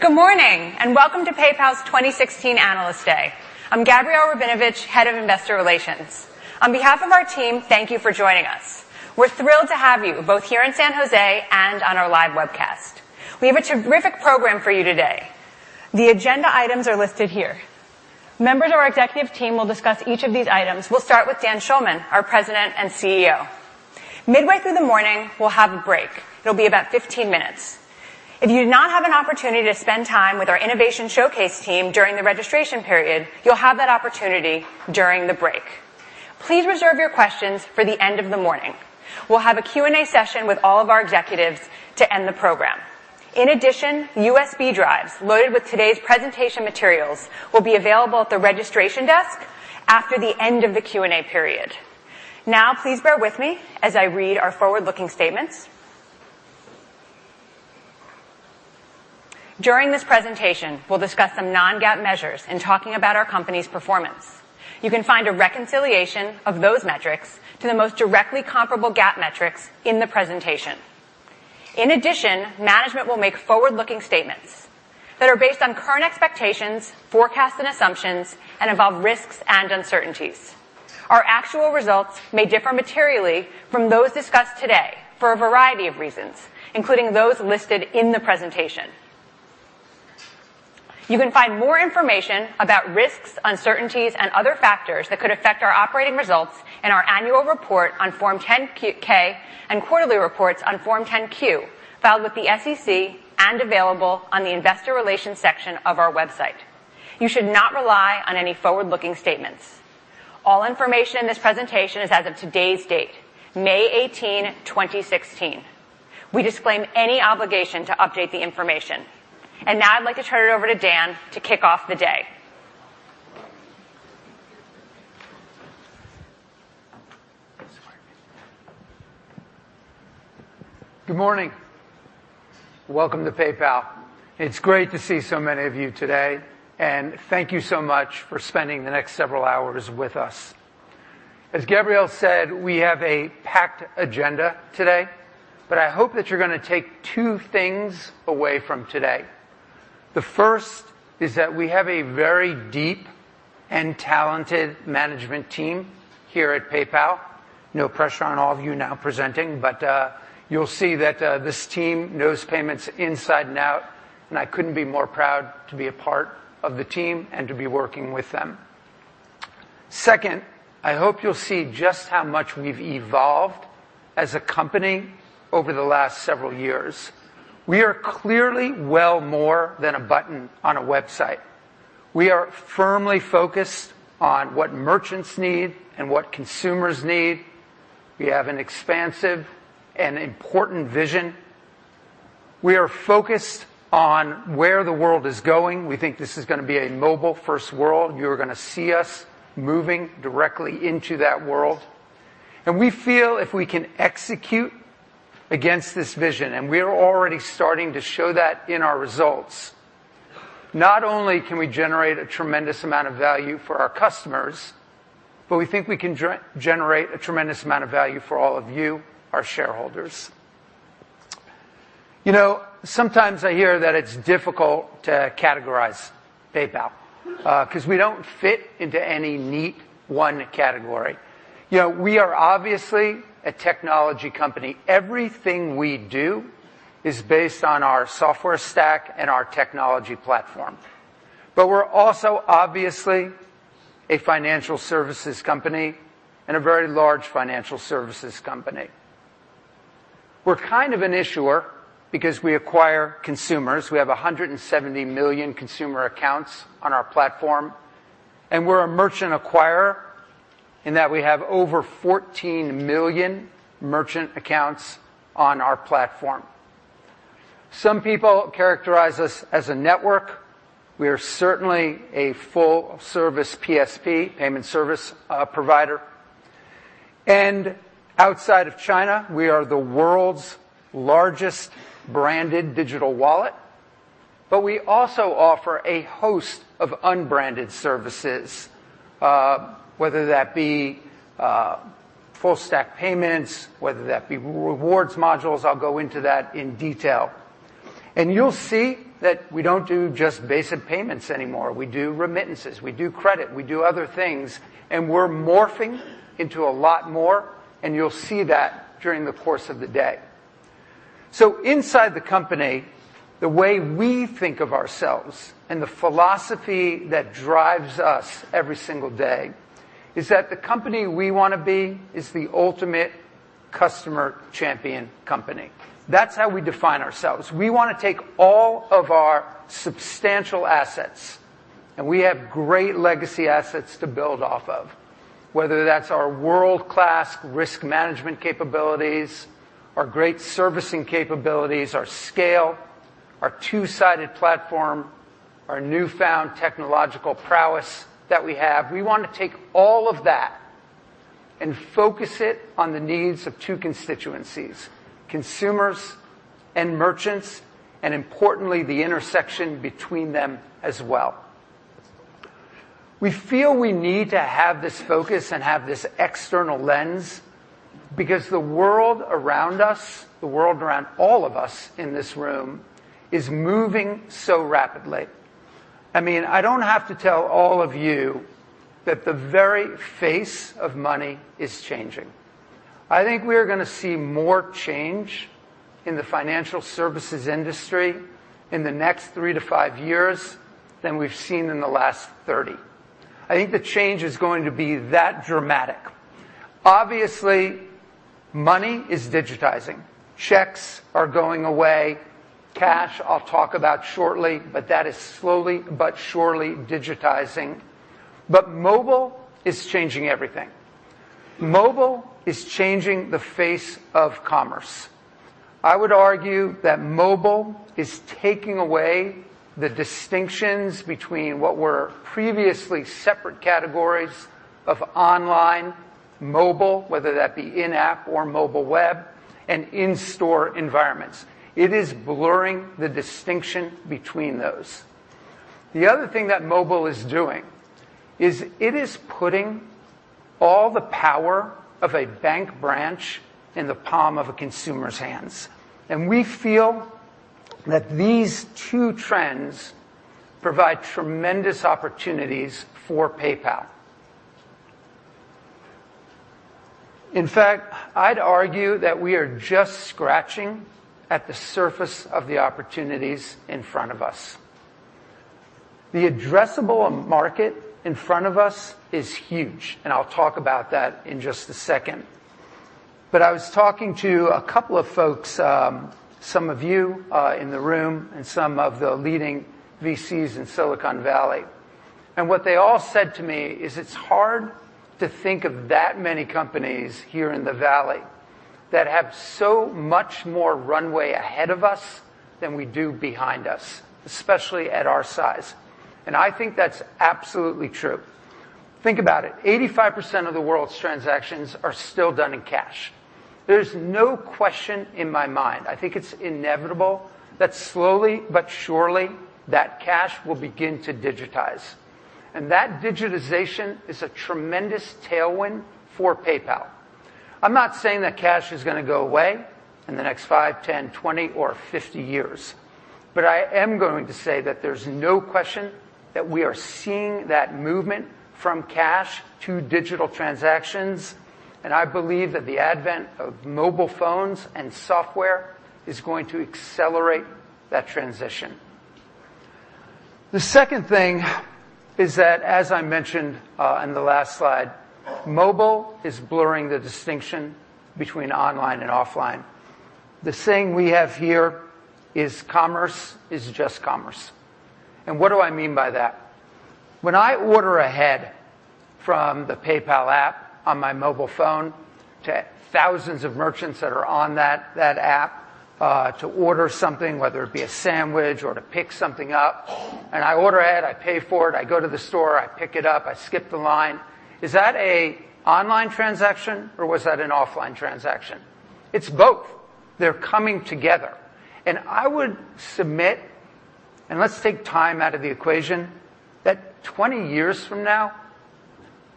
Good morning, and welcome to PayPal's 2016 Analyst Day. I'm Gabrielle Rabinovitch, Head of Investor Relations. On behalf of our team, thank you for joining us. We're thrilled to have you both here in San Jose and on our live webcast. We have a terrific program for you today. The agenda items are listed here. Members of our executive team will discuss each of these items. We'll start with Dan Schulman, our President and CEO. Midway through the morning, we'll have a break. It'll be about 15 minutes. If you did not have an opportunity to spend time with our innovation showcase team during the registration period, you'll have that opportunity during the break. Please reserve your questions for the end of the morning. We'll have a Q&A session with all of our executives to end the program. USB drives loaded with today's presentation materials will be available at the registration desk after the end of the Q&A period. Now, please bear with me as I read our forward-looking statements. During this presentation, we'll discuss some non-GAAP measures in talking about our company's performance. You can find a reconciliation of those metrics to the most directly comparable GAAP metrics in the presentation. Management will make forward-looking statements that are based on current expectations, forecasts, and assumptions, and involve risks and uncertainties. Our actual results may differ materially from those discussed today for a variety of reasons, including those listed in the presentation. You can find more information about risks, uncertainties, and other factors that could affect our operating results in our annual report on Form 10-K and quarterly reports on Form 10-Q, filed with the SEC and available on the investor relations section of our website. You should not rely on any forward-looking statements. All information in this presentation is as of today's date, May 18, 2016. We disclaim any obligation to update the information. Now I'd like to turn it over to Dan to kick off the day. Good morning. Welcome to PayPal. It's great to see so many of you today, and thank you so much for spending the next several hours with us. As Gabrielle said, we have a packed agenda today, but I hope that you're going to take two things away from today. The first is that we have a very deep and talented management team here at PayPal. No pressure on all of you now presenting, but you'll see that this team knows payments inside and out, and I couldn't be more proud to be a part of the team and to be working with them. Second, I hope you'll see just how much we've evolved as a company over the last several years. We are clearly well more than a button on a website. We are firmly focused on what merchants need and what consumers need. We have an expansive and important vision. We are focused on where the world is going. We think this is going to be a mobile-first world, you're going to see us moving directly into that world. We feel if we can execute against this vision, and we are already starting to show that in our results, not only can we generate a tremendous amount of value for our customers, but we think we can generate a tremendous amount of value for all of you, our shareholders. Sometimes I hear that it's difficult to categorize PayPal because we don't fit into any neat one category. We are obviously a technology company. Everything we do is based on our software stack and our technology platform. We're also obviously a financial services company and a very large financial services company. We're kind of an issuer because we acquire consumers. We have 170 million consumer accounts on our platform, and we're a merchant acquirer in that we have over 14 million merchant accounts on our platform. Some people characterize us as a network. We are certainly a full-service PSP, payment service provider. Outside of China, we are the world's largest branded digital wallet, but we also offer a host of unbranded services, whether that be full stack payments, whether that be rewards modules. I'll go into that in detail. You'll see that we don't do just basic payments anymore. We do remittances, we do credit, we do other things, and we're morphing into a lot more, and you'll see that during the course of the day. Inside the company, the way we think of ourselves and the philosophy that drives us every single day is that the company we want to be is the ultimate customer champion company. That's how we define ourselves. We want to take all of our substantial assets, and we have great legacy assets to build off of, whether that's our world-class risk management capabilities, our great servicing capabilities, our scale, our two-sided platform, our newfound technological prowess that we have. We want to take all of that and focus it on the needs of two constituencies, consumers and merchants, importantly, the intersection between them as well. We feel we need to have this focus and have this external lens because the world around us, the world around all of us in this room, is moving so rapidly. I don't have to tell all of you that the very face of money is changing. I think we are going to see more change in the financial services industry in the next three to five years than we've seen in the last 30. I think the change is going to be that dramatic. Obviously, money is digitizing. Checks are going away. Cash, I'll talk about shortly, but that is slowly but surely digitizing. Mobile is changing everything. Mobile is changing the face of commerce. I would argue that mobile is taking away the distinctions between what were previously separate categories of online, mobile, whether that be in-app or mobile web, and in-store environments. It is blurring the distinction between those. The other thing that mobile is doing is it is putting all the power of a bank branch in the palm of a consumer's hands. We feel that these two trends provide tremendous opportunities for PayPal. In fact, I'd argue that we are just scratching at the surface of the opportunities in front of us. The addressable market in front of us is huge, I'll talk about that in just a second. I was talking to a couple of folks, some of you in the room, and some of the leading VCs in Silicon Valley, and what they all said to me is it's hard to think of that many companies here in the Valley that have so much more runway ahead of us than we do behind us, especially at our size. I think that's absolutely true. Think about it. 85% of the world's transactions are still done in cash. There's no question in my mind, I think it's inevitable, that slowly but surely, that cash will begin to digitize. That digitization is a tremendous tailwind for PayPal. I'm not saying that cash is going to go away in the next five, 10, 20, or 50 years, I am going to say that there's no question that we are seeing that movement from cash to digital transactions, I believe that the advent of mobile phones and software is going to accelerate that transition. The second thing is that, as I mentioned on the last slide, mobile is blurring the distinction between online and offline. The saying we have here is commerce is just commerce. What do I mean by that? When I order ahead from the PayPal app on my mobile phone to thousands of merchants that are on that app to order something, whether it be a sandwich or to pick something up, I order ahead, I pay for it, I go to the store, I pick it up, I skip the line. Is that an online transaction or was that an offline transaction? It's both. They're coming together. I would submit, let's take time out of the equation, that 20 years from now,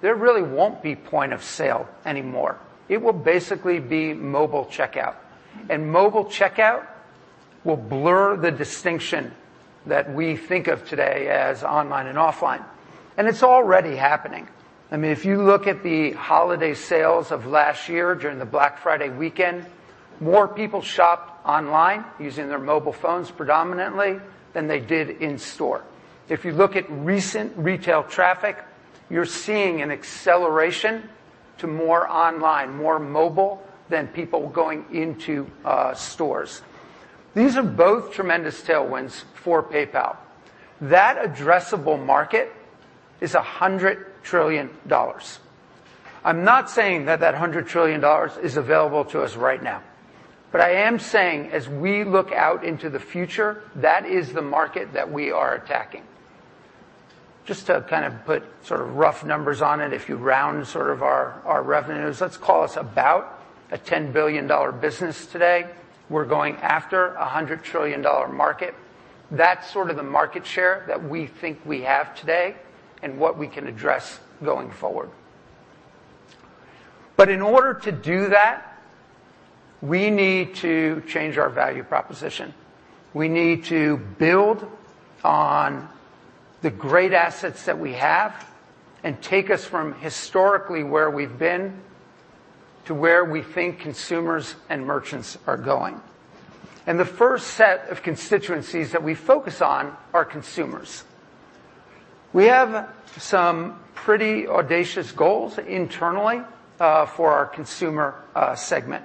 there really won't be point of sale anymore. It will basically be mobile checkout. Mobile checkout will blur the distinction that we think of today as online and offline. It's already happening. If you look at the holiday sales of last year during the Black Friday weekend, more people shopped online using their mobile phones predominantly than they did in store. If you look at recent retail traffic, you're seeing an acceleration to more online, more mobile than people going into stores. These are both tremendous tailwinds for PayPal. That addressable market is $100 trillion. I'm not saying that that $100 trillion is available to us right now, I am saying as we look out into the future, that is the market that we are attacking. Just to put rough numbers on it, if you round our revenues, let's call us about a $10 billion business today. We're going after a $100 trillion market. That's the market share that we think we have today and what we can address going forward. In order to do that, we need to change our value proposition. We need to build on the great assets that we have and take us from historically where we've been to where we think consumers and merchants are going. The first set of constituencies that we focus on are consumers. We have some pretty audacious goals internally for our consumer segment.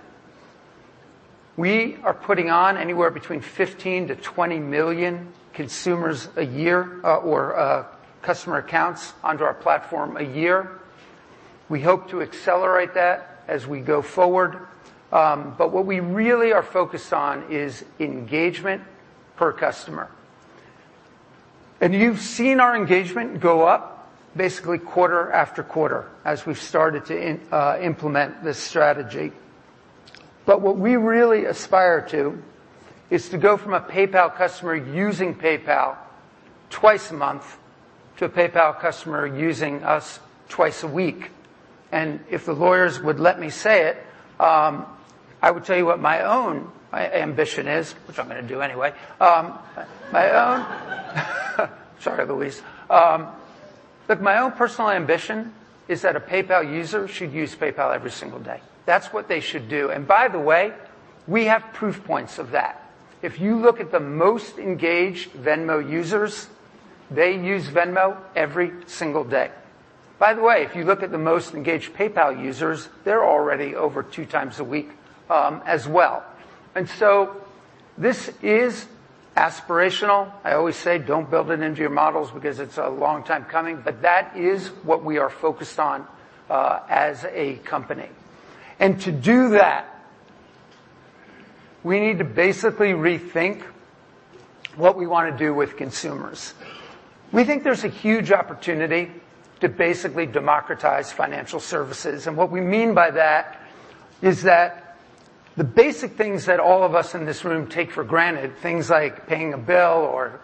We are putting on anywhere between 15 to 20 million consumers a year, or customer accounts onto our platform a year. We hope to accelerate that as we go forward. What we really are focused on is engagement per customer. You've seen our engagement go up basically quarter after quarter as we've started to implement this strategy. What we really aspire to is to go from a PayPal customer using PayPal twice a month to a PayPal customer using us twice a week. If the lawyers would let me say it, I would tell you what my own ambition is, which I'm going to do anyway. Sorry, Louise. Look, my own personal ambition is that a PayPal user should use PayPal every single day. That's what they should do. By the way, we have proof points of that. If you look at the most engaged Venmo users, they use Venmo every single day. By the way, if you look at the most engaged PayPal users, they're already over two times a week, as well. This is aspirational. I always say, don't build it into your models because it's a long time coming. That is what we are focused on as a company. To do that, we need to basically rethink what we want to do with consumers. We think there's a huge opportunity to basically democratize financial services, what we mean by that is that the basic things that all of us in this room take for granted, things like paying a bill or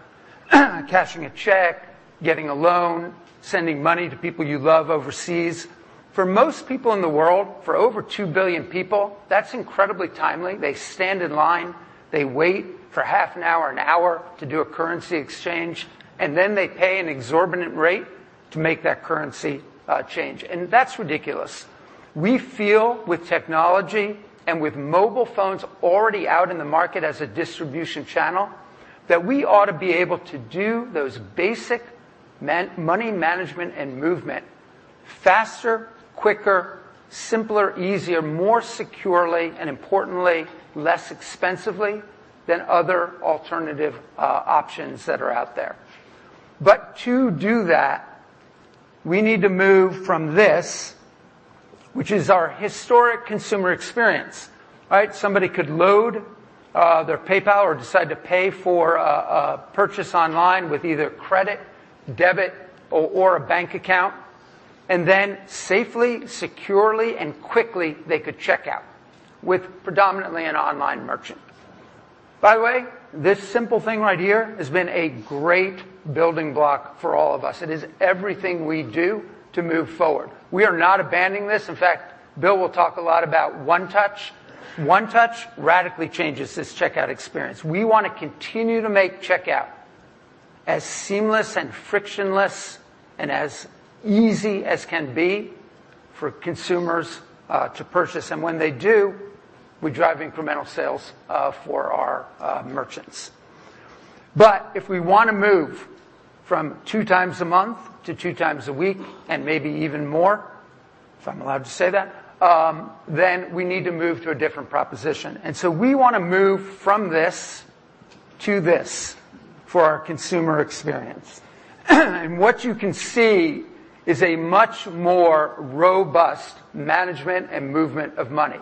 cashing a check, getting a loan, sending money to people you love overseas. For most people in the world, for over two billion people, that's incredibly timely. They stand in line, they wait for half an hour, an hour, to do a currency exchange, then they pay an exorbitant rate to make that currency change. That's ridiculous. We feel with technology and with mobile phones already out in the market as a distribution channel, that we ought to be able to do those basic money management and movement faster, quicker, simpler, easier, more securely, importantly, less expensively than other alternative options that are out there. To do that, we need to move from this, which is our historic consumer experience. Somebody could load their PayPal or decide to pay for a purchase online with either credit, debit, or a bank account, then safely, securely, and quickly, they could check out with predominantly an online merchant. By the way, this simple thing right here has been a great building block for all of us. It is everything we do to move forward. We are not abandoning this. In fact, Bill will talk a lot about One Touch. One Touch radically changes this checkout experience. We want to continue to make checkout as seamless and frictionless and as easy as can be for consumers to purchase. When they do, we drive incremental sales for our merchants. If we want to move from two times a month to two times a week, and maybe even more, if I'm allowed to say that, we need to move to a different proposition. We want to move from this to this for our consumer experience. What you can see is a much more robust management and movement of money.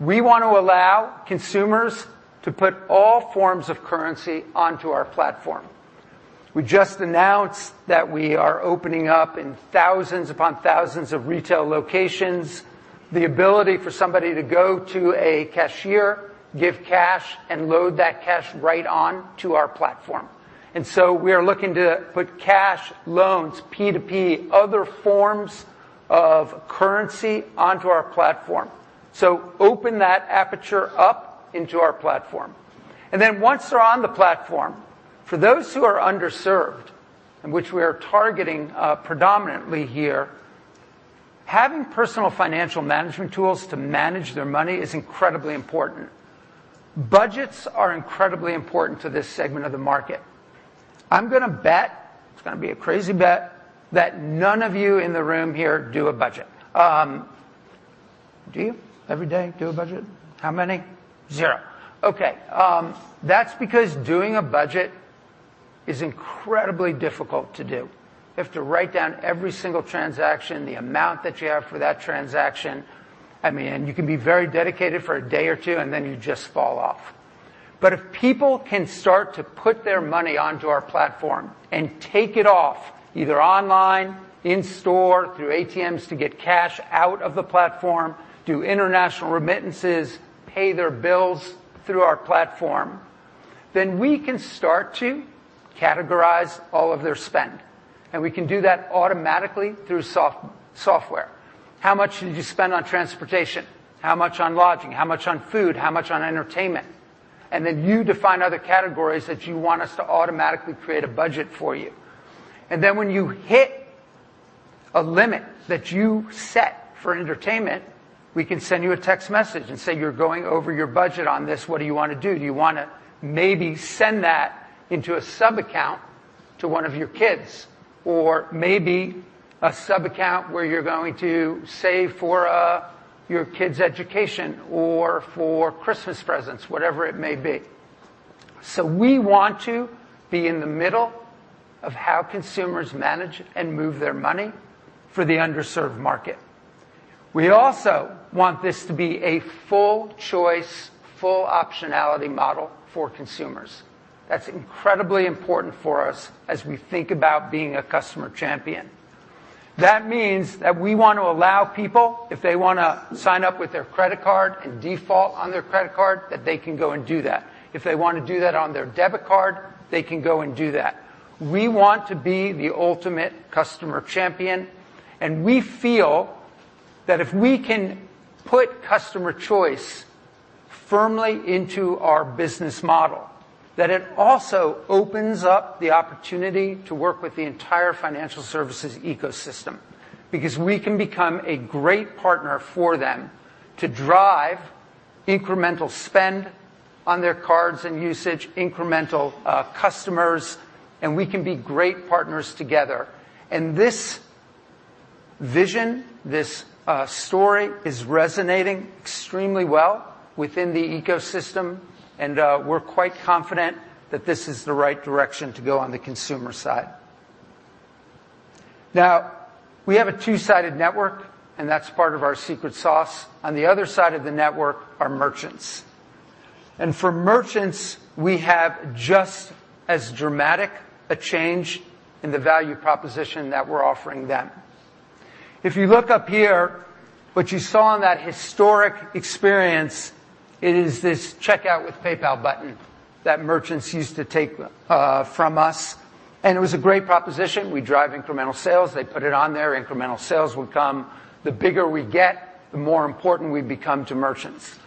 We want to allow consumers to put all forms of currency onto our platform. We just announced that we are opening up in thousands upon thousands of retail locations, the ability for somebody to go to a cashier, give cash, and load that cash right on to our platform. We are looking to put cash loans, P2P, other forms of currency onto our platform. Open that aperture up into our platform. Once they're on the platform, for those who are underserved, and which we are targeting predominantly here, having personal financial management tools to manage their money is incredibly important. Budgets are incredibly important to this segment of the market. I'm going to bet, it's going to be a crazy bet, that none of you in the room here do a budget. Do you every day do a budget? How many? Zero. Okay. That's because doing a budget is incredibly difficult to do, you have to write down every single transaction, the amount that you have for that transaction. You can be very dedicated for a day or two, and then you just fall off. If people can start to put their money onto our platform and take it off, either online, in-store, through ATMs to get cash out of the platform, do international remittances, pay their bills through our platform, we can start to categorize all of their spend, and we can do that automatically through software. How much did you spend on transportation? How much on lodging? How much on food? How much on entertainment? You define other categories that you want us to automatically create a budget for you. When you hit a limit that you set for entertainment, we can send you a text message and say, "You're going over your budget on this. What do you want to do? Do you want to maybe send that into a sub-account to one of your kids? Maybe a sub-account where you're going to save for your kids' education or for Christmas presents?" Whatever it may be. We want to be in the middle of how consumers manage and move their money for the underserved market. We also want this to be a full choice, full optionality model for consumers. That's incredibly important for us as we think about being a customer champion. That means that we want to allow people, if they want to sign up with their credit card and default on their credit card, that they can go and do that. If they want to do that on their debit card, they can go and do that. We want to be the ultimate customer champion, and we feel that if we can put customer choice firmly into our business model, that it also opens up the opportunity to work with the entire financial services ecosystem. Because we can become a great partner for them to drive incremental spend on their cards and usage, incremental customers, and we can be great partners together. This vision, this story, is resonating extremely well within the ecosystem, and we're quite confident that this is the right direction to go on the consumer side. Now, we have a two-sided network, and that's part of our secret sauce. On the other side of the network are merchants. For merchants, we have just as dramatic a change in the value proposition that we're offering them. If you look up here, what you saw in that historic experience, it is this Checkout with PayPal button that merchants used to take from us, and it was a great proposition. We'd drive incremental sales. They'd put it on there. Incremental sales would come. The bigger we'd get, the more important we'd become to merchants.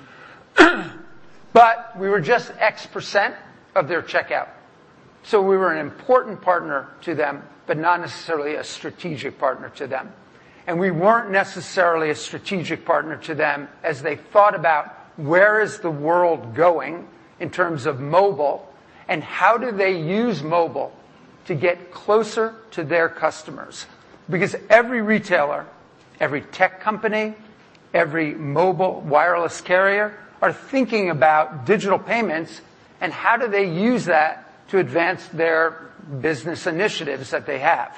We were just X% of their checkout. We were an important partner to them, but not necessarily a strategic partner to them. We weren't necessarily a strategic partner to them as they thought about where is the world going in terms of mobile, and how do they use mobile to get closer to their customers? Because every retailer, every tech company, every mobile wireless carrier, are thinking about digital payments and how do they use that to advance their business initiatives that they have.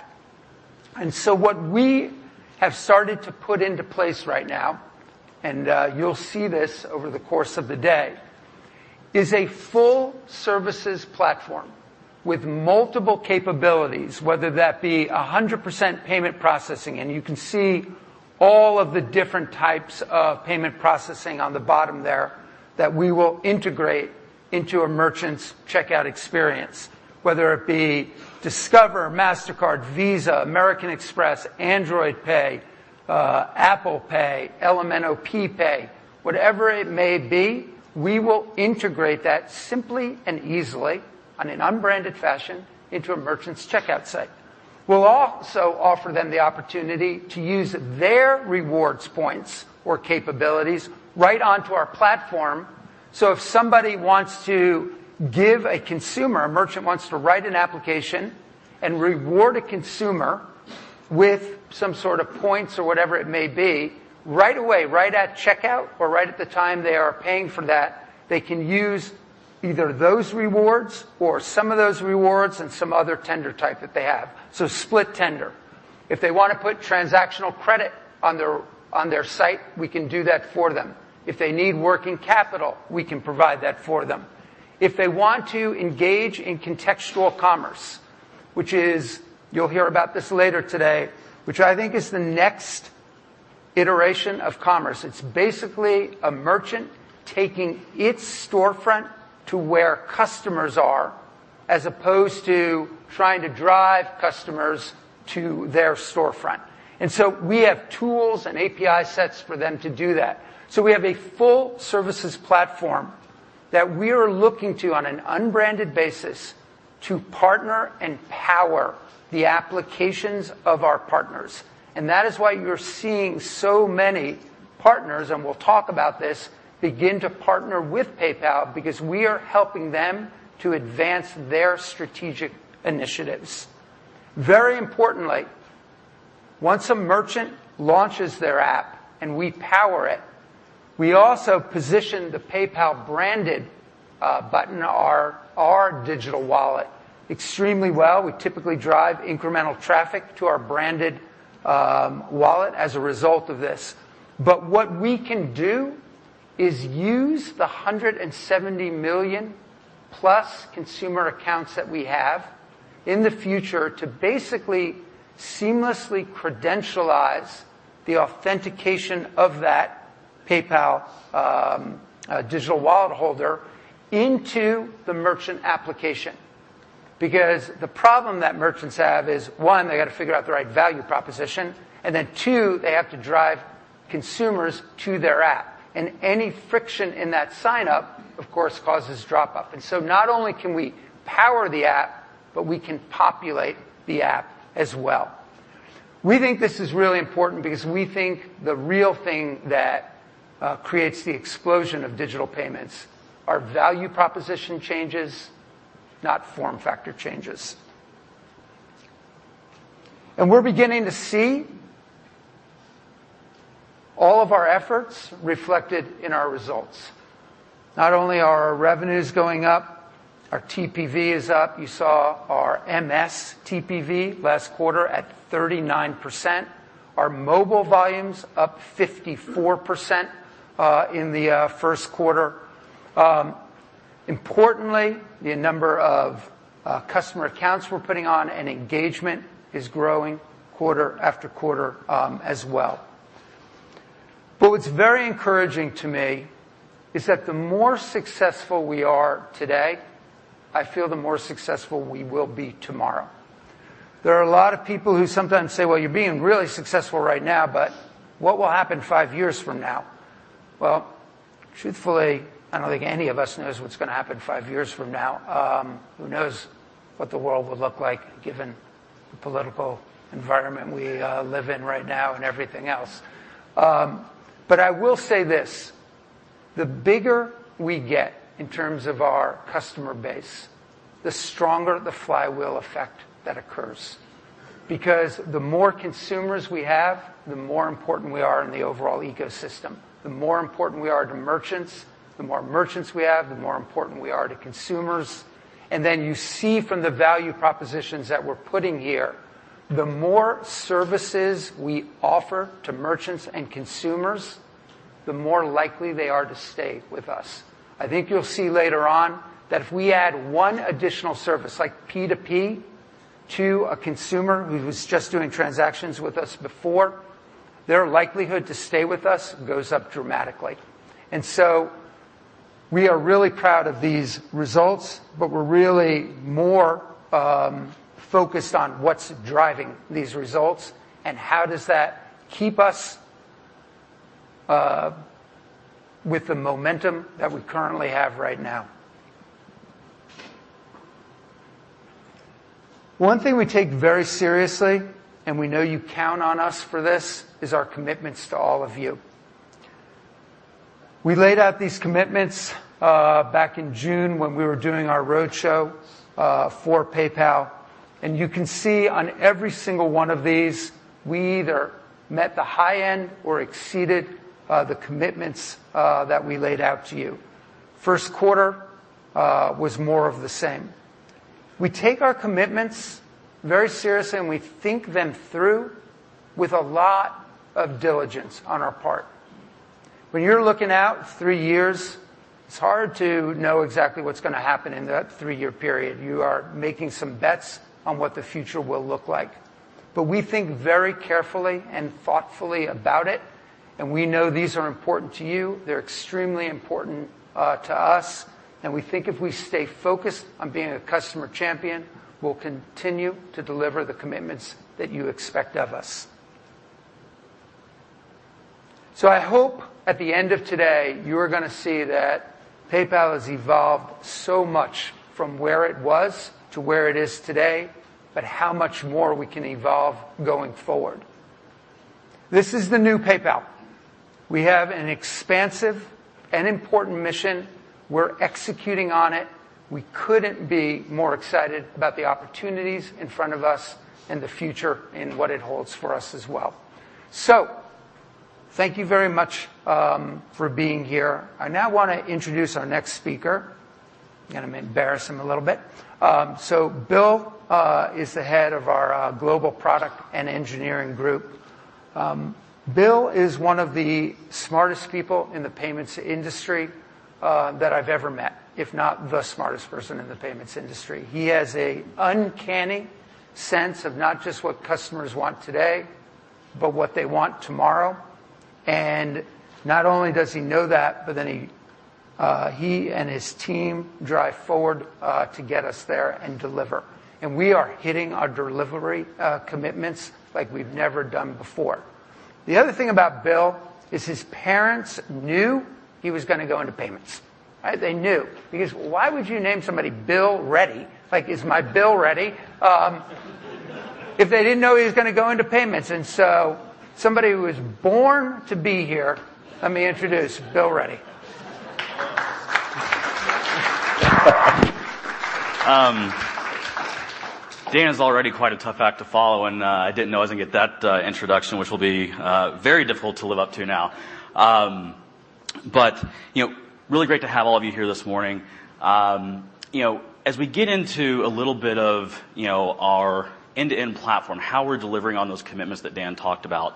What we have started to put into place right now, and you'll see this over the course of the day, is a full services platform with multiple capabilities, whether that be 100% payment processing, and you can see all of the different types of payment processing on the bottom there that we will integrate into a merchant's checkout experience, whether it be Discover, Mastercard, Visa, American Express, Android Pay, Apple Pay, LMNOP Pay. Whatever it may be, we will integrate that simply and easily on an unbranded fashion into a merchant's checkout site. We'll also offer them the opportunity to use their rewards points or capabilities right onto our platform, so if somebody wants to give a consumer, a merchant wants to write an application and reward a consumer with some sort of points or whatever it may be, right away, right at checkout or right at the time they are paying for that, they can use either those rewards or some of those rewards and some other tender type that they have. Split tender. If they want to put transactional credit on their site, we can do that for them. If they need working capital, we can provide that for them. If they want to engage in contextual commerce, which is, you'll hear about this later today, which I think is the next iteration of commerce. It's basically a merchant taking its storefront to where customers are, as opposed to trying to drive customers to their storefront. We have tools and API sets for them to do that. We have a full services platform that we are looking to, on an unbranded basis, to partner and power the applications of our partners. That is why you're seeing so many partners, and we'll talk about this, begin to partner with PayPal, because we are helping them to advance their strategic initiatives. Very importantly, once a merchant launches their app and we power it, we also position the PayPal-branded button, our digital wallet extremely well. We typically drive incremental traffic to our branded wallet as a result of this. What we can do is use the 170 million-plus consumer accounts that we have in the future to basically seamlessly credentialize the authentication of that PayPal digital wallet holder into the merchant application. The problem that merchants have is, one, they got to figure out the right value proposition, and then two, they have to drive consumers to their app. Any friction in that sign-up, of course, causes drop-off. Not only can we power the app, but we can populate the app as well. We think this is really important because we think the real thing that creates the explosion of digital payments are value proposition changes, not form factor changes. We're beginning to see all of our efforts reflected in our results. Not only are our revenues going up, our TPV is up. You saw our MS TPV last quarter at 39%. Our mobile volume's up 54% in the first quarter. Importantly, the number of customer accounts we're putting on and engagement is growing quarter after quarter as well. What's very encouraging to me is that the more successful we are today, I feel the more successful we will be tomorrow. There are a lot of people who sometimes say, "Well, you're being really successful right now, but what will happen five years from now?" Well, truthfully, I don't think any of us knows what's going to happen five years from now. Who knows what the world will look like given the political environment we live in right now and everything else? I will say this, the bigger we get in terms of our customer base, the stronger the flywheel effect that occurs. The more consumers we have, the more important we are in the overall ecosystem, the more important we are to merchants, the more merchants we have, the more important we are to consumers. Then you see from the value propositions that we're putting here, the more services we offer to merchants and consumers, the more likely they are to stay with us. I think you'll see later on that if we add one additional service, like P2P, to a consumer who was just doing transactions with us before, their likelihood to stay with us goes up dramatically. We are really proud of these results, but we're really more focused on what's driving these results and how does that keep us with the momentum that we currently have right now. We know you count on us for this, is our commitments to all of you. We laid out these commitments back in June when we were doing our roadshow for PayPal, you can see on every single one of these, we either met the high end or exceeded the commitments that we laid out to you. First quarter was more of the same. We take our commitments very seriously, and we think them through with a lot of diligence on our part. When you're looking out three years, it's hard to know exactly what's going to happen in that three-year period. You are making some bets on what the future will look like. We think very carefully and thoughtfully about it, and we know these are important to you. They're extremely important to us, we think if we stay focused on being a customer champion, we'll continue to deliver the commitments that you expect of us. I hope at the end of today, you are going to see that PayPal has evolved so much from where it was to where it is today, but how much more we can evolve going forward. This is the new PayPal. We have an expansive and important mission. We're executing on it. We couldn't be more excited about the opportunities in front of us and the future and what it holds for us as well. Thank you very much for being here. I now want to introduce our next speaker. I'm going to embarrass him a little bit. Bill is the head of our Global Product and Engineering group. Bill is one of the smartest people in the payments industry that I've ever met, if not the smartest person in the payments industry. He has an uncanny sense of not just what customers want today, but what they want tomorrow. Not only does he know that, he and his team drive forward to get us there and deliver. We are hitting our delivery commitments like we've never done before. The other thing about Bill is his parents knew he was going to go into payments. They knew. Because why would you name somebody Bill Ready, like, "Is my Bill ready?" if they didn't know he was going to go into payments? Somebody who was born to be here, let me introduce Bill Ready. Dan's already quite a tough act to follow, I didn't know I was going to get that introduction, which will be very difficult to live up to now. Really great to have all of you here this morning. As we get into a little bit of our end-to-end platform, how we're delivering on those commitments that Dan talked about,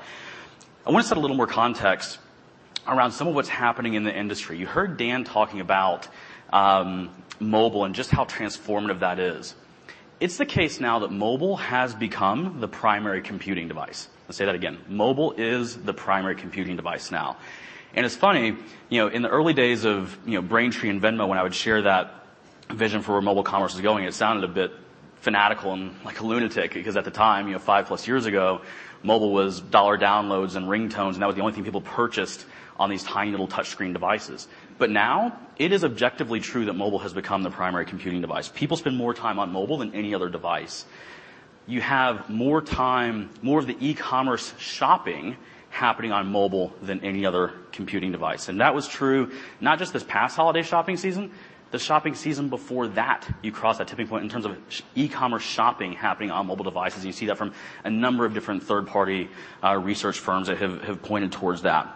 I want to set a little more context around some of what's happening in the industry. You heard Dan talking about mobile and just how transformative that is. It's the case now that mobile has become the primary computing device. I'll say that again. Mobile is the primary computing device now. It's funny, in the early days of Braintree and Venmo, when I would share that vision for where mobile commerce was going, it sounded a bit fanatical and like a lunatic, because at the time, five-plus years ago, mobile was dollar downloads and ringtones, and that was the only thing people purchased on these tiny little touch screen devices. Now, it is objectively true that mobile has become the primary computing device. People spend more time on mobile than any other device. You have more time, more of the e-commerce shopping happening on mobile than any other computing device. That was true not just this past holiday shopping season, the shopping season before that, you crossed that tipping point in terms of e-commerce shopping happening on mobile devices. You see that from a number of different third-party research firms that have pointed towards that.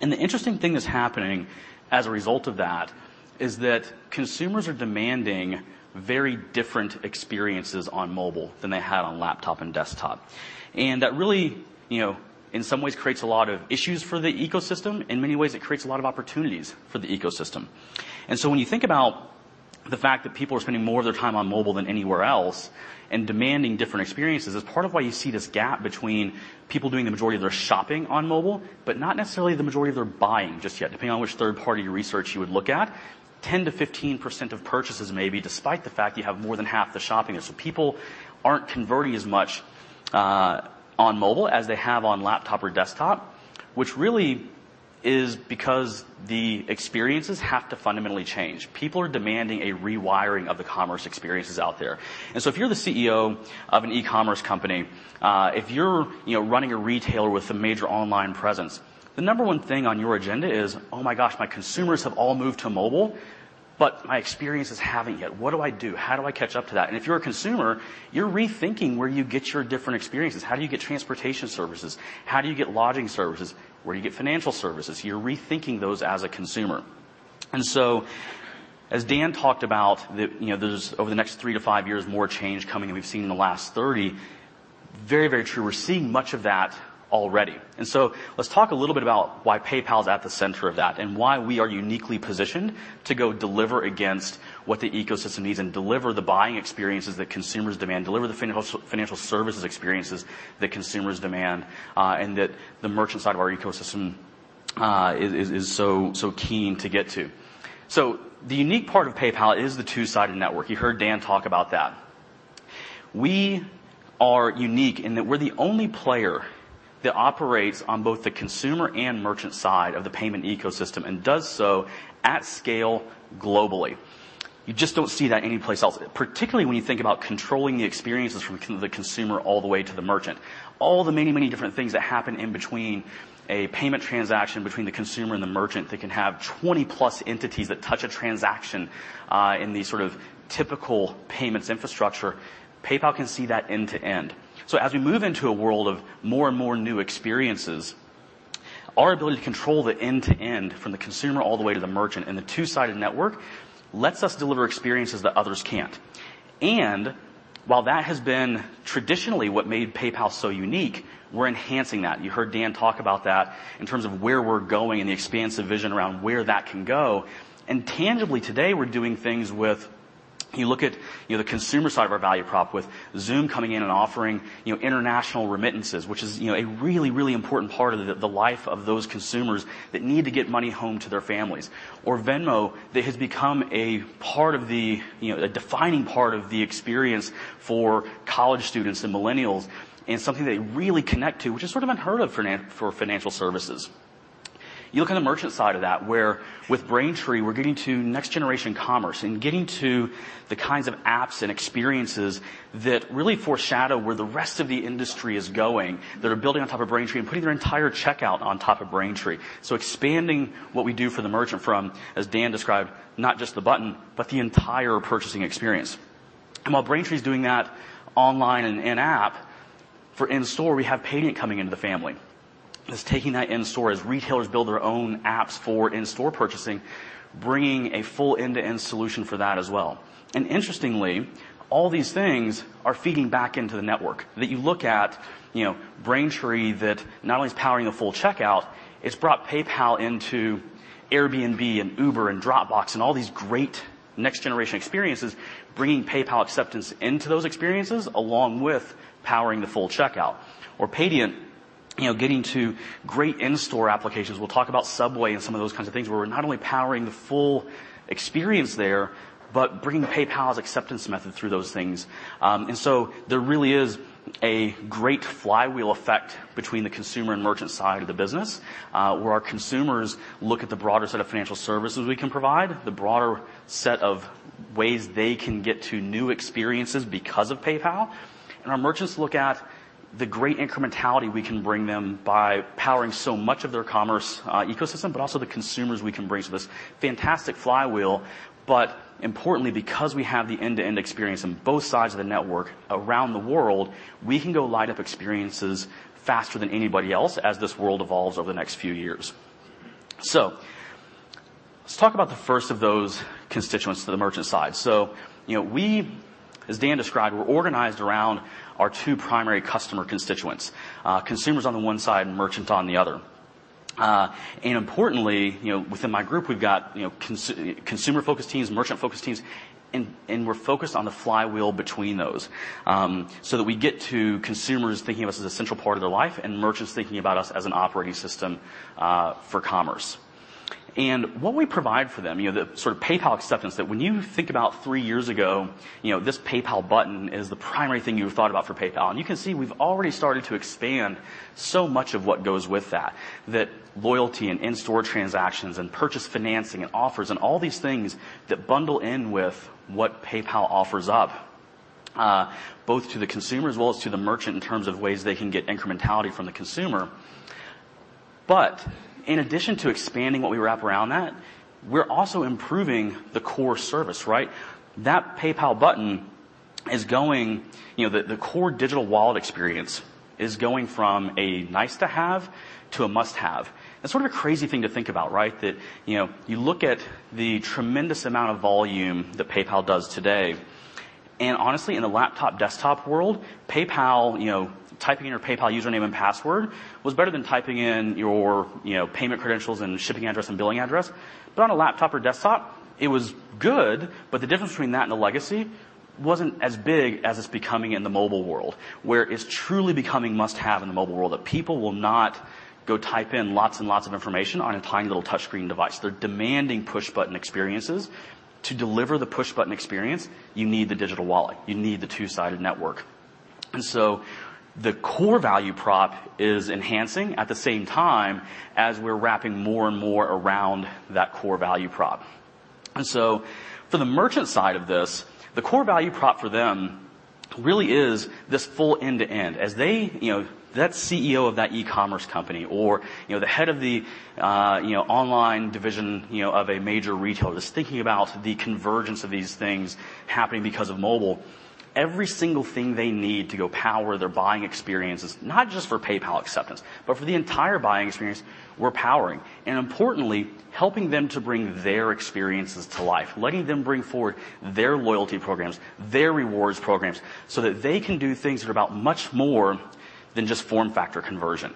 The interesting thing that's happening as a result of that is that consumers are demanding very different experiences on mobile than they had on laptop and desktop. That really, in some ways, creates a lot of issues for the ecosystem. In many ways, it creates a lot of opportunities for the ecosystem. When you think about the fact that people are spending more of their time on mobile than anywhere else and demanding different experiences is part of why you see this gap between people doing the majority of their shopping on mobile, but not necessarily the majority of their buying just yet. Depending on which third-party research you would look at, 10%-15% of purchases may be despite the fact you have more than half the shopping. People aren't converting as much on mobile as they have on laptop or desktop, which really is because the experiences have to fundamentally change. People are demanding a rewiring of the commerce experiences out there. If you're the CEO of an e-commerce company, if you're running a retailer with a major online presence, the number 1 thing on your agenda is, "Oh my gosh. My consumers have all moved to mobile, but my experiences haven't yet. What do I do? How do I catch up to that?" If you're a consumer, you're rethinking where you get your different experiences. How do you get transportation services? How do you get lodging services? Where do you get financial services? You're rethinking those as a consumer. As Dan talked about, there's over the next three to five years more change coming than we've seen in the last 30. Very true. We're seeing much of that already. Let's talk a little bit about why PayPal is at the center of that and why we are uniquely positioned to go deliver against what the ecosystem needs and deliver the buying experiences that consumers demand, deliver the financial services experiences that consumers demand, and that the merchant side of our ecosystem is so keen to get to. The unique part of PayPal is the two-sided network. You heard Dan talk about that. We are unique in that we're the only player that operates on both the consumer and merchant side of the payment ecosystem and does so at scale globally. You just don't see that anyplace else, particularly when you think about controlling the experiences from the consumer all the way to the merchant. All the many, many different things that happen in between a payment transaction between the consumer and the merchant that can have 20-plus entities that touch a transaction in the sort of typical payments infrastructure, PayPal can see that end-to-end. As we move into a world of more and more new experiences, our ability to control the end-to-end from the consumer all the way to the merchant in the two-sided network lets us deliver experiences that others can't. While that has been traditionally what made PayPal so unique, we're enhancing that. You heard Dan talk about that in terms of where we're going and the expansive vision around where that can go. Tangibly today, we're doing things with, you look at the consumer side of our value prop with Xoom coming in and offering international remittances, which is a really, really important part of the life of those consumers that need to get money home to their families. Venmo, that has become a defining part of the experience for college students and millennials and something they really connect to, which is sort of unheard of for financial services. You look on the merchant side of that, where with Braintree, we're getting to next-generation commerce and getting to the kinds of apps and experiences that really foreshadow where the rest of the industry is going, that are building on top of Braintree and putting their entire checkout on top of Braintree. Expanding what we do for the merchant from, as Dan described, not just the button, but the entire purchasing experience. While Braintree's doing that online and in-app, for in-store, we have Paydiant coming into the family. It's taking that in-store as retailers build their own apps for in-store purchasing, bringing a full end-to-end solution for that as well. Interestingly, all these things are feeding back into the network. You look at Braintree that not only is powering a full checkout, it's brought PayPal into Airbnb and Uber and Dropbox and all these great next-generation experiences, bringing PayPal acceptance into those experiences, along with powering the full checkout. Paydiant, getting to great in-store applications. We'll talk about Subway and some of those kinds of things where we're not only powering the full experience there, but bringing PayPal as acceptance method through those things. There really is a great flywheel effect between the consumer and merchant side of the business, where our consumers look at the broader set of financial services we can provide, the broader set of ways they can get to new experiences because of PayPal. Our merchants look at the great incrementality we can bring them by powering so much of their commerce ecosystem, but also the consumers we can bring to this fantastic flywheel. Importantly, because we have the end-to-end experience on both sides of the network around the world, we can go light up experiences faster than anybody else as this world evolves over the next few years. Let's talk about the first of those constituents to the merchant side. We, as Dan described, we're organized around our two primary customer constituents, consumers on the one side and merchant on the other. Importantly, within my group, we've got consumer-focused teams, merchant-focused teams, we're focused on the flywheel between those, that we get to consumers thinking of us as a central part of their life and merchants thinking about us as an operating system for commerce. What we provide for them, the sort of PayPal acceptance that when you think about 3 years ago, this PayPal button is the primary thing you thought about for PayPal. You can see we've already started to expand so much of what goes with that loyalty and in-store transactions and purchase financing and offers and all these things that bundle in with what PayPal offers up, both to the consumer as well as to the merchant in terms of ways they can get incrementality from the consumer. In addition to expanding what we wrap around that, we're also improving the core service. The core digital wallet experience is going from a nice-to-have to a must-have. That's sort of a crazy thing to think about. That you look at the tremendous amount of volume that PayPal does today. Honestly, in the laptop/desktop world, typing in your PayPal username and password was better than typing in your payment credentials and shipping address and billing address. On a laptop or desktop, it was good, but the difference between that and the legacy wasn't as big as it's becoming in the mobile world, where it's truly becoming must-have in the mobile world, that people will not go type in lots and lots of information on a tiny little touchscreen device. They're demanding push-button experiences. To deliver the push-button experience, you need the digital wallet. You need the two-sided network. The core value prop is enhancing at the same time as we're wrapping more and more around that core value prop. For the merchant side of this, the core value prop for them really is this full end-to-end. As that CEO of that e-commerce company or the head of the online division of a major retailer that's thinking about the convergence of these things happening because of mobile, every single thing they need to go power their buying experiences, not just for PayPal acceptance, but for the entire buying experience, we're powering and importantly, helping them to bring their experiences to life, letting them bring forward their loyalty programs, their rewards programs, that they can do things that are about much more than just form factor conversion.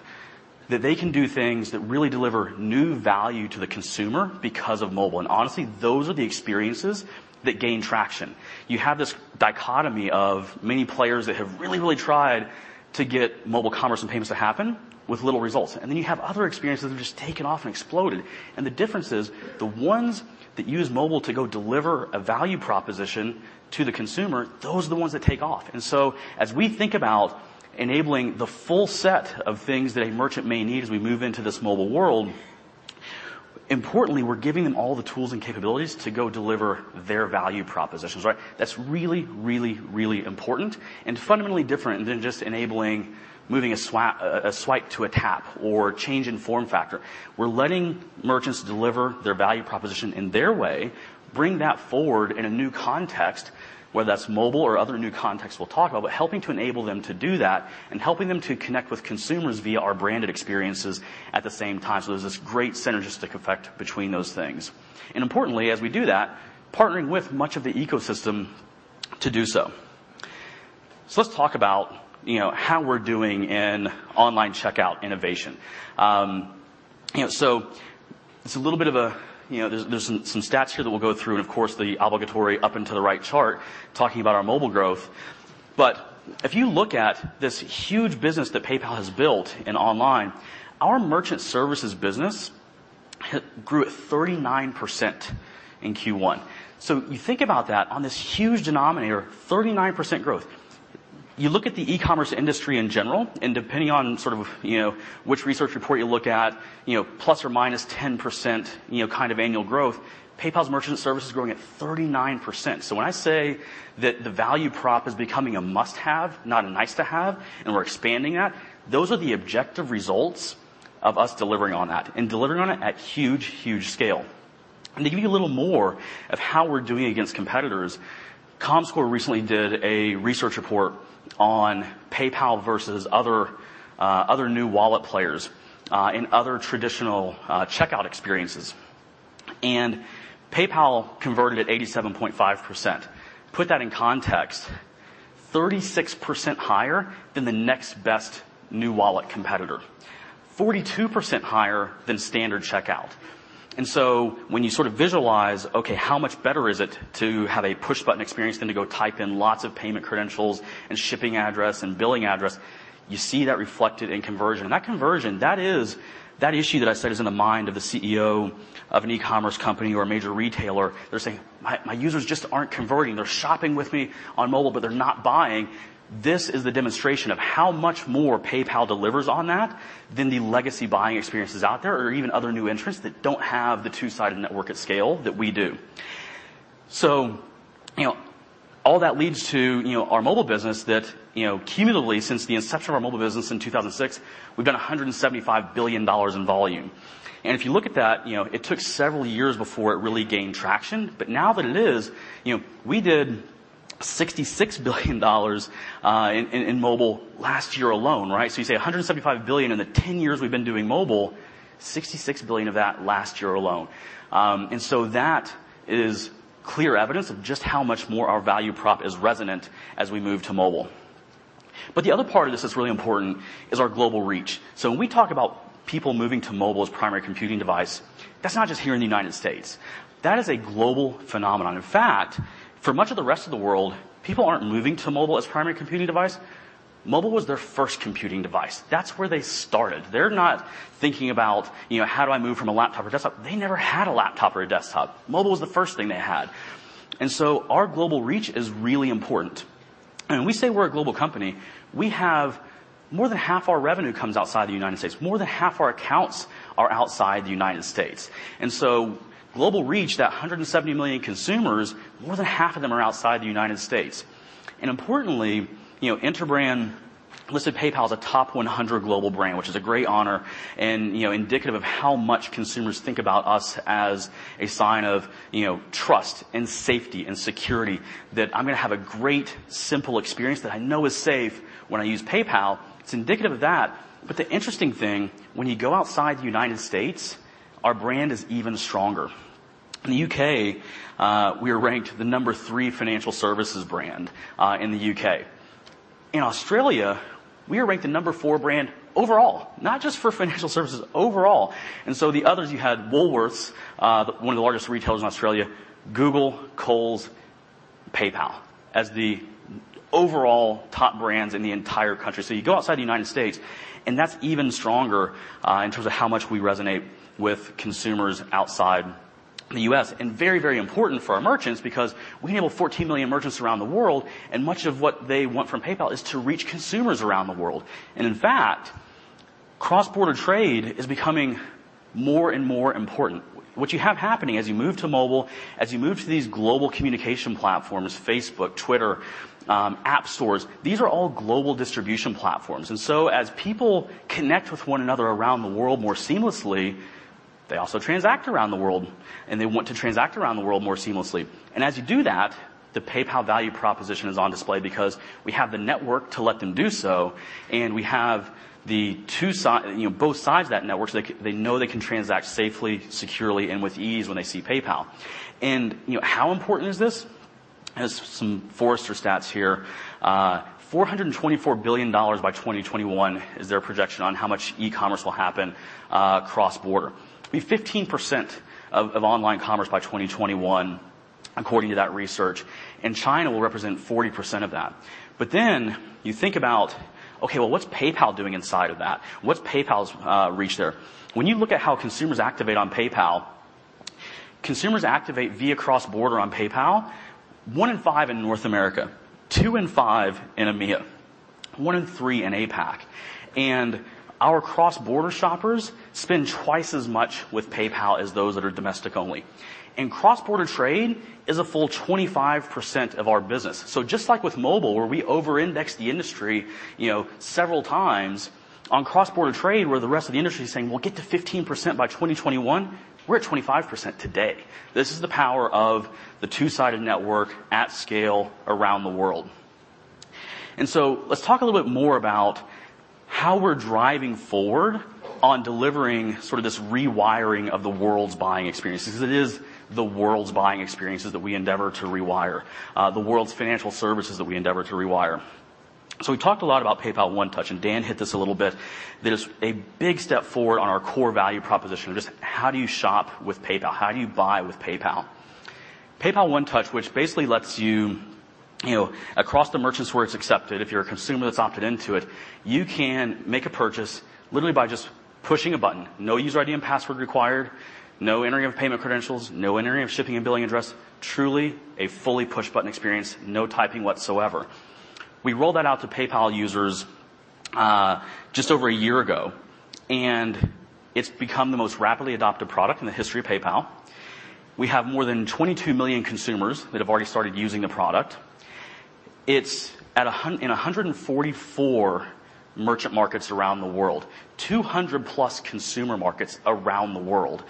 That they can do things that really deliver new value to the consumer because of mobile. Honestly, those are the experiences that gain traction. You have this dichotomy of many players that have really, really tried to get mobile commerce and payments to happen with little results. Then you have other experiences that have just taken off and exploded. The difference is the ones that use mobile to go deliver a value proposition to the consumer, those are the ones that take off. As we think about enabling the full set of things that a merchant may need as we move into this mobile world, importantly, we're giving them all the tools and capabilities to go deliver their value propositions, right? That's really, really, really important and fundamentally different than just enabling moving a swipe to a tap or change in form factor. We're letting merchants deliver their value proposition in their way, bring that forward in a new context, whether that's mobile or other new contexts we'll talk about, but helping to enable them to do that and helping them to connect with consumers via our branded experiences at the same time. There's this great synergistic effect between those things. Importantly, as we do that, partnering with much of the ecosystem to do so. Let's talk about how we're doing in online checkout innovation. There's some stats here that we'll go through, and of course, the obligatory up and to the right chart talking about our mobile growth. If you look at this huge business that PayPal has built in online, our merchant services business grew at 39% in Q1. You think about that on this huge denominator, 39% growth. You look at the e-commerce industry in general, and depending on sort of which research report you look at, plus or minus 10% kind of annual growth, PayPal's merchant service is growing at 39%. When I say that the value prop is becoming a must-have, not a nice-to-have, and we're expanding that, those are the objective results of us delivering on that and delivering on it at huge, huge scale. To give you a little more of how we're doing against competitors, Comscore recently did a research report on PayPal versus other new wallet players, in other traditional checkout experiences, PayPal converted at 87.5%. Put that in context, 36% higher than the next best new wallet competitor, 42% higher than standard checkout. When you sort of visualize, okay, how much better is it to have a push button experience than to go type in lots of payment credentials and shipping address and billing address, you see that reflected in conversion. That conversion, that issue that I said is in the mind of a CEO of an e-commerce company or a major retailer, they're saying, "My users just aren't converting. They're shopping with me on mobile, but they're not buying." This is the demonstration of how much more PayPal delivers on that than the legacy buying experiences out there, or even other new entrants that don't have the two-sided network at scale that we do. All that leads to our mobile business that cumulatively, since the inception of our mobile business in 2006, we've done $175 billion in volume. If you look at that, it took several years before it really gained traction, but now that it is, we did $66 billion in mobile last year alone, right? You say $175 billion in the 10 years we've been doing mobile, $66 billion of that last year alone. That is clear evidence of just how much more our value prop is resonant as we move to mobile. The other part of this that's really important is our global reach. When we talk about people moving to mobile as a primary computing device, that's not just here in the U.S. That is a global phenomenon. In fact, for much of the rest of the world, people aren't moving to mobile as a primary computing device, mobile was their first computing device. That's where they started. They're not thinking about, how do I move from a laptop or a desktop? They never had a laptop or a desktop. Mobile was the first thing they had. Our global reach is really important. When we say we're a global company, we have more than half our revenue comes outside the U.S. More than half our accounts are outside the U.S. Global reach, that 170 million consumers, more than half of them are outside the U.S. Importantly, Interbrand listed PayPal as a top 100 global brand, which is a great honor and indicative of how much consumers think about us as a sign of trust and safety and security, that I'm going to have a great, simple experience that I know is safe when I use PayPal. It's indicative of that. The interesting thing, when you go outside the U.S. Our brand is even stronger. In the U.K., we are ranked the number 3 financial services brand in the U.K. In Australia, we are ranked the number 4 brand overall, not just for financial services, overall. The others, you had Woolworths, one of the largest retailers in Australia, Google, Coles, PayPal, as the overall top brands in the entire country. You go outside the U.S., and that's even stronger in terms of how much we resonate with consumers outside the U.S. Very important for our merchants because we enable 14 million merchants around the world, and much of what they want from PayPal is to reach consumers around the world. In fact, cross-border trade is becoming more and more important. What you have happening as you move to mobile, as you move to these global communication platforms, Facebook, Twitter, app stores, these are all global distribution platforms. As people connect with one another around the world more seamlessly, they also transact around the world, and they want to transact around the world more seamlessly. As you do that, the PayPal value proposition is on display because we have the network to let them do so, and we have both sides of that network so they know they can transact safely, securely, and with ease when they see PayPal. How important is this? I have some Forrester stats here. $424 billion by 2021 is their projection on how much e-commerce will happen cross-border. It'll be 15% of online commerce by 2021 according to that research, and China will represent 40% of that. You think about, okay, well what's PayPal doing inside of that? What's PayPal's reach there? When you look at how consumers activate on PayPal, consumers activate via cross-border on PayPal, one in five in North America, two in five in EMEA, one in three in APAC. Our cross-border shoppers spend twice as much with PayPal as those that are domestic only. Cross-border trade is a full 25% of our business. Just like with mobile where we over-index the industry several times, on cross-border trade where the rest of the industry is saying, "We'll get to 15% by 2021," we're at 25% today. This is the power of the two-sided network at scale around the world. Let's talk a little bit more about how we're driving forward on delivering this rewiring of the world's buying experiences, as it is the world's buying experiences that we endeavor to rewire, the world's financial services that we endeavor to rewire. We talked a lot about PayPal One Touch, and Dan hit this a little bit. It is a big step forward on our core value proposition of just how do you shop with PayPal? How do you buy with PayPal? PayPal One Touch, which basically lets you, across the merchants where it's accepted, if you're a consumer that's opted into it, you can make a purchase literally by just pushing a button. No user ID and password required, no entering of payment credentials, no entering of shipping and billing address. Truly a fully push-button experience, no typing whatsoever. We rolled that out to PayPal users just over a year ago, and it's become the most rapidly adopted product in the history of PayPal. We have more than 22 million consumers that have already started using the product. It's in 144 merchant markets around the world, 200-plus consumer markets around the world.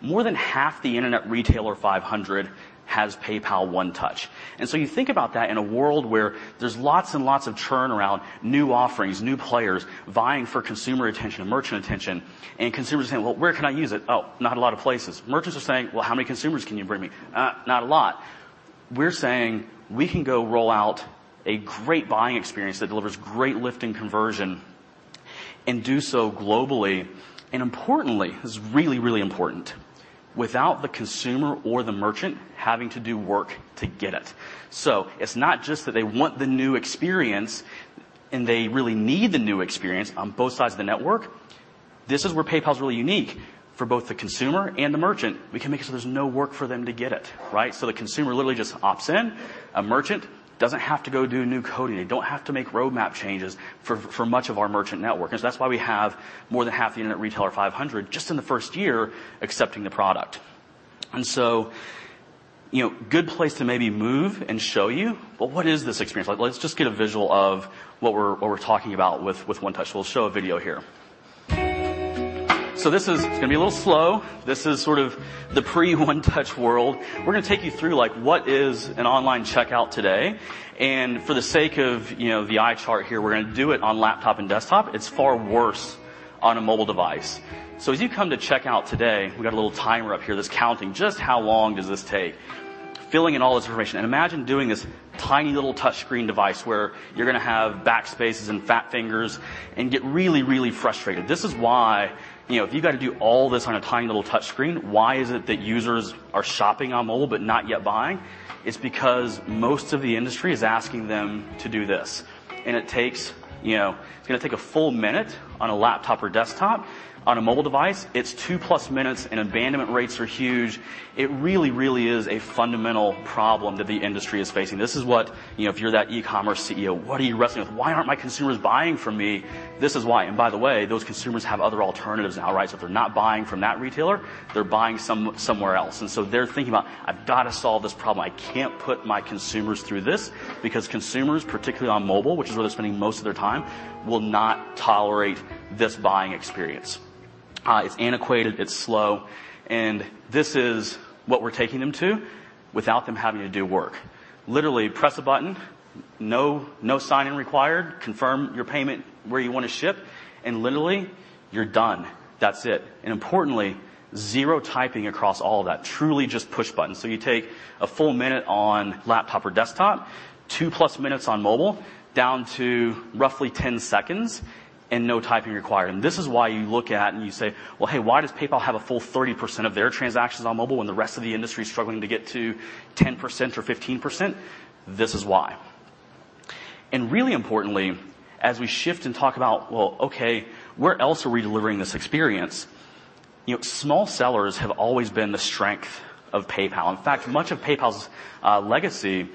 More than half the Internet Retailer 500 has PayPal One Touch. You think about that in a world where there's lots and lots of turnaround, new offerings, new players vying for consumer attention and merchant attention, and consumers saying, "Well, where can I use it? Oh, not a lot of places." Merchants are saying, "Well, how many consumers can you bring me? Not a lot." We're saying we can go roll out a great buying experience that delivers great lift and conversion and do so globally, and importantly, this is really important, without the consumer or the merchant having to do work to get it. It's not just that they want the new experience and they really need the new experience on both sides of the network. This is where PayPal's really unique for both the consumer and the merchant. We can make it so there's no work for them to get it, right? The consumer literally just opts in. A merchant doesn't have to go do new coding. They don't have to make roadmap changes for much of our merchant network. That's why we have more than half the Internet Retailer 500 just in the first year accepting the product. Good place to maybe move and show you, but what is this experience like? Let's just get a visual of what we're talking about with One Touch. We'll show a video here. This is going to be a little slow. This is the pre-One Touch world. We're going to take you through what is an online checkout today. For the sake of the eye chart here, we're going to do it on laptop and desktop. It's far worse on a mobile device. As you come to checkout today, we've got a little timer up here that's counting just how long does this take, filling in all this information. Imagine doing this tiny little touch-screen device where you're going to have backspaces and fat fingers and get really frustrated. This is why, if you've got to do all this on a tiny little touch screen, why is it that users are shopping on mobile but not yet buying? It's because most of the industry is asking them to do this. It's going to take a full minute on a laptop or desktop. On a mobile device, it's two-plus minutes, and abandonment rates are huge. It really is a fundamental problem that the industry is facing. This is what, if you're that e-commerce CEO, what are you wrestling with? Why aren't my consumers buying from me? This is why. By the way, those consumers have other alternatives now, right? If they're not buying from that retailer, they're buying somewhere else. They're thinking about, I've got to solve this problem. I can't put my consumers through this because consumers, particularly on mobile, which is where they're spending most of their time, will not tolerate this buying experience. It's antiquated. It's slow. This is what we're taking them to without them having to do work. Literally press a button, no sign-in required, confirm your payment, where you want to ship, literally you're done. That's it. Importantly, zero typing across all of that, truly just push buttons. You take a full minute on laptop or desktop, two-plus minutes on mobile, down to roughly 10 seconds, no typing required. This is why you look at and you say, "Well, hey, why does PayPal have a full 30% of their transactions on mobile when the rest of the industry is struggling to get to 10% or 15%?" This is why. Really importantly, as we shift and talk about, well, okay, where else are we delivering this experience? Small sellers have always been the strength of PayPal. In fact, much of PayPal's legacy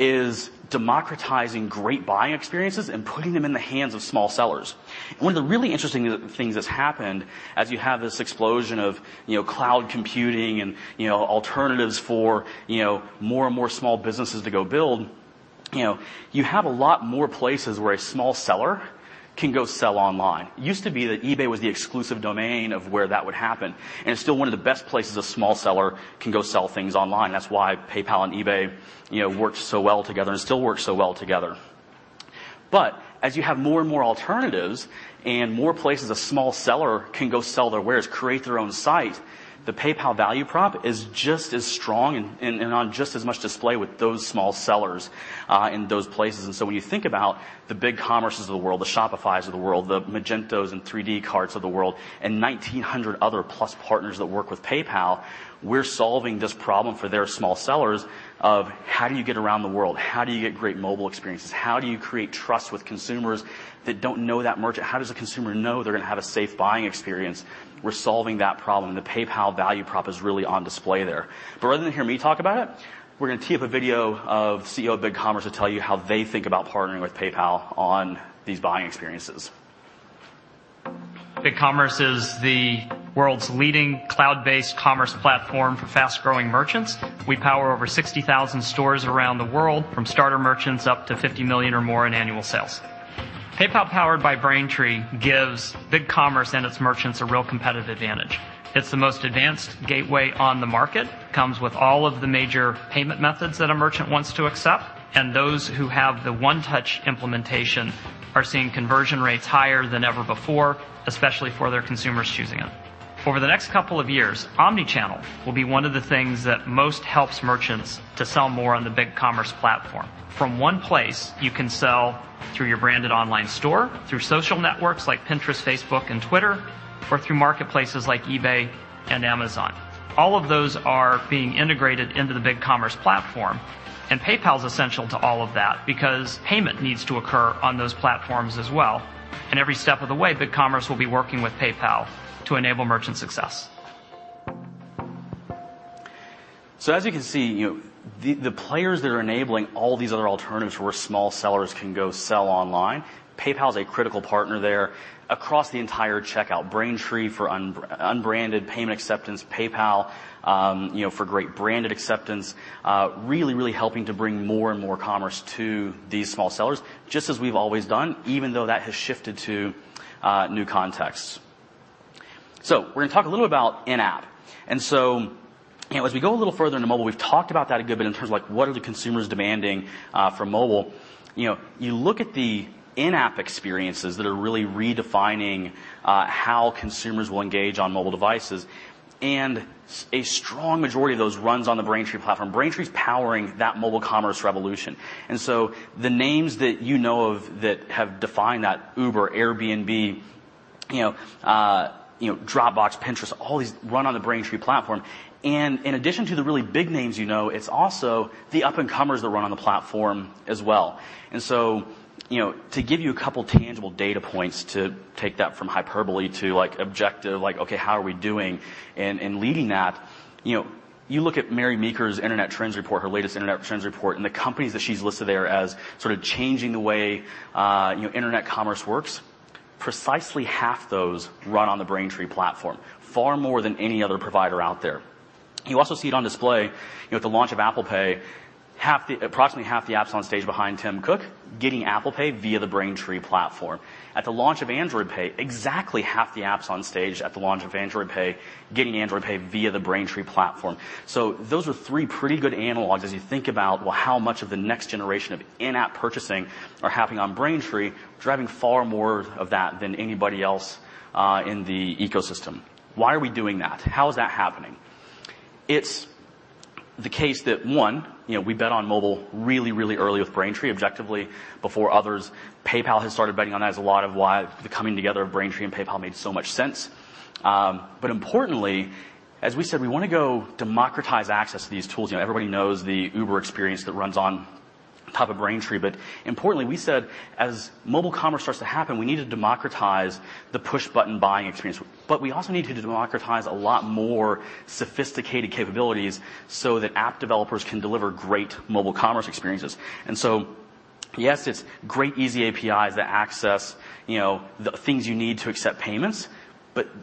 is democratizing great buying experiences and putting them in the hands of small sellers. One of the really interesting things that's happened as you have this explosion of cloud computing and alternatives for more and more small businesses to go build, you have a lot more places where a small seller can go sell online. It used to be that eBay was the exclusive domain of where that would happen, and it's still one of the best places a small seller can go sell things online. That's why PayPal and eBay worked so well together and still work so well together. As you have more and more alternatives and more places a small seller can go sell their wares, create their own site, the PayPal value prop is just as strong and on just as much display with those small sellers, in those places. When you think about the BigCommerces of the world, the Shopifys of the world, the Magentos and 3dcarts of the world, 1,900 other plus partners that work with PayPal, we're solving this problem for their small sellers of how do you get around the world? How do you get great mobile experiences? How do you create trust with consumers that don't know that merchant? How does a consumer know they're going to have a safe buying experience? We're solving that problem, the PayPal value prop is really on display there. Rather than hear me talk about it, we're going to tee up a video of CEO of BigCommerce to tell you how they think about partnering with PayPal on these buying experiences. BigCommerce is the world's leading cloud-based commerce platform for fast-growing merchants. We power over 60,000 stores around the world, from starter merchants up to $50 million or more in annual sales. PayPal powered by Braintree gives BigCommerce and its merchants a real competitive advantage. It's the most advanced gateway on the market, comes with all of the major payment methods that a merchant wants to accept, and those who have the One Touch implementation are seeing conversion rates higher than ever before, especially for their consumers choosing it. Over the next couple of years, omnichannel will be one of the things that most helps merchants to sell more on the BigCommerce platform. From one place, you can sell through your branded online store, through social networks like Pinterest, Facebook, and Twitter, or through marketplaces like eBay and Amazon. All of those are being integrated into the BigCommerce platform, PayPal's essential to all of that because payment needs to occur on those platforms as well. Every step of the way, BigCommerce will be working with PayPal to enable merchant success. As you can see, the players that are enabling all these other alternatives where small sellers can go sell online, PayPal's a critical partner there across the entire checkout. Braintree for unbranded payment acceptance, PayPal for great branded acceptance, really helping to bring more and more commerce to these small sellers, just as we've always done, even though that has shifted to new contexts. We're going to talk a little about in-app. As we go a little further into mobile, we've talked about that a good bit in terms of what are the consumers demanding from mobile. You look at the in-app experiences that are really redefining how consumers will engage on mobile devices, and a strong majority of those runs on the Braintree platform. Braintree's powering that mobile commerce revolution. The names that you know of that have defined that, Uber, Airbnb, Dropbox, Pinterest, all these run on the Braintree platform. In addition to the really big names you know, it's also the up-and-comers that run on the platform as well. To give you a couple tangible data points to take that from hyperbole to objective, like, okay, how are we doing in leading that? You look at Mary Meeker's internet trends report, her latest internet trends report, and the companies that she's listed there as sort of changing the way internet commerce works. Precisely half those run on the Braintree platform, far more than any other provider out there. You also see it on display with the launch of Apple Pay, approximately half the apps on stage behind Tim Cook getting Apple Pay via the Braintree platform. At the launch of Android Pay, exactly half the apps on stage at the launch of Android Pay, getting Android Pay via the Braintree platform. Those are three pretty good analogs as you think about, well, how much of the next generation of in-app purchasing are happening on Braintree, driving far more of that than anybody else in the ecosystem. Why are we doing that? How is that happening? It's the case that, one, we bet on mobile really, really early with Braintree, objectively before others. PayPal has started betting on that as a lot of why the coming together of Braintree and PayPal made so much sense. Importantly, as we said, we want to go democratize access to these tools. Everybody knows the Uber experience that runs on top of Braintree. Importantly, we said as mobile commerce starts to happen, we need to democratize the push-button buying experience, but we also need to democratize a lot more sophisticated capabilities so that app developers can deliver great mobile commerce experiences. Yes, it's great easy APIs that access the things you need to accept payments.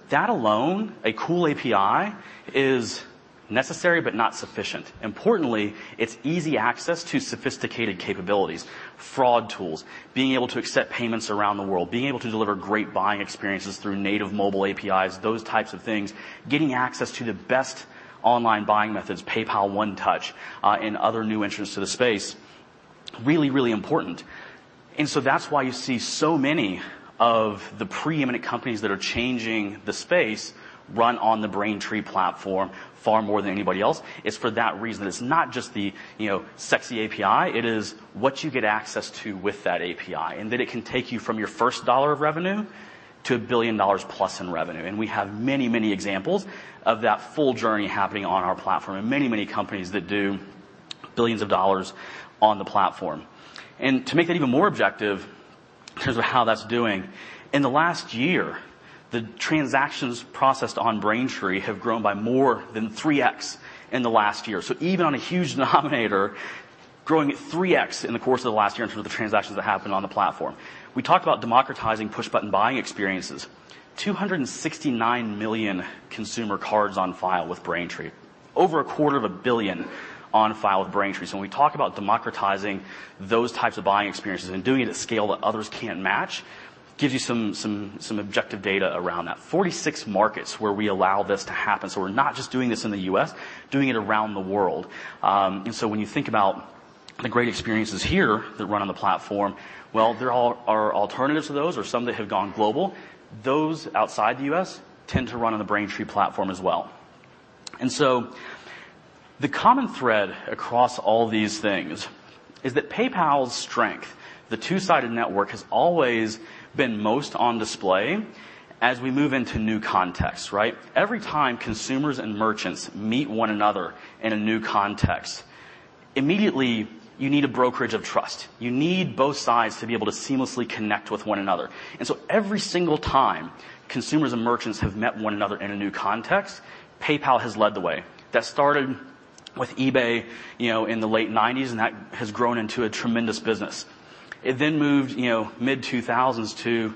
That alone, a cool API is necessary but not sufficient. Importantly, it's easy access to sophisticated capabilities, fraud tools, being able to accept payments around the world, being able to deliver great buying experiences through native mobile APIs, those types of things. Getting access to the best online buying methods, PayPal One Touch, and other new entrants to the space, really, really important. That's why you see so many of the preeminent companies that are changing the space run on the Braintree platform far more than anybody else. It's for that reason. It's not just the sexy API. It is what you get access to with that API, and that it can take you from your first dollar of revenue to $1 billion plus in revenue. We have many, many examples of that full journey happening on our platform and many, many companies that do $ billions on the platform. To make that even more objective in terms of how that's doing, in the last year, the transactions processed on Braintree have grown by more than 3x in the last year. Even on a huge nominator, growing at 3x in the course of the last year in terms of the transactions that happened on the platform. We talked about democratizing push-button buying experiences. 269 million consumer cards on file with Braintree. Over a quarter of a billion on file with Braintree. When we talk about democratizing those types of buying experiences and doing it at scale that others can't match, gives you some objective data around that. 46 markets where we allow this to happen. We're not just doing this in the U.S., doing it around the world. When you think about the great experiences here that run on the platform, well, there are alternatives to those or some that have gone global. Those outside the U.S. tend to run on the Braintree platform as well. The common thread across all these things is that PayPal's strength, the two-sided network, has always been most on display as we move into new contexts, right? Every time consumers and merchants meet one another in a new context, immediately you need a brokerage of trust. You need both sides to be able to seamlessly connect with one another. Every single time consumers and merchants have met one another in a new context, PayPal has led the way. That started with eBay in the late '90s, that has grown into a tremendous business. It then moved mid-2000s to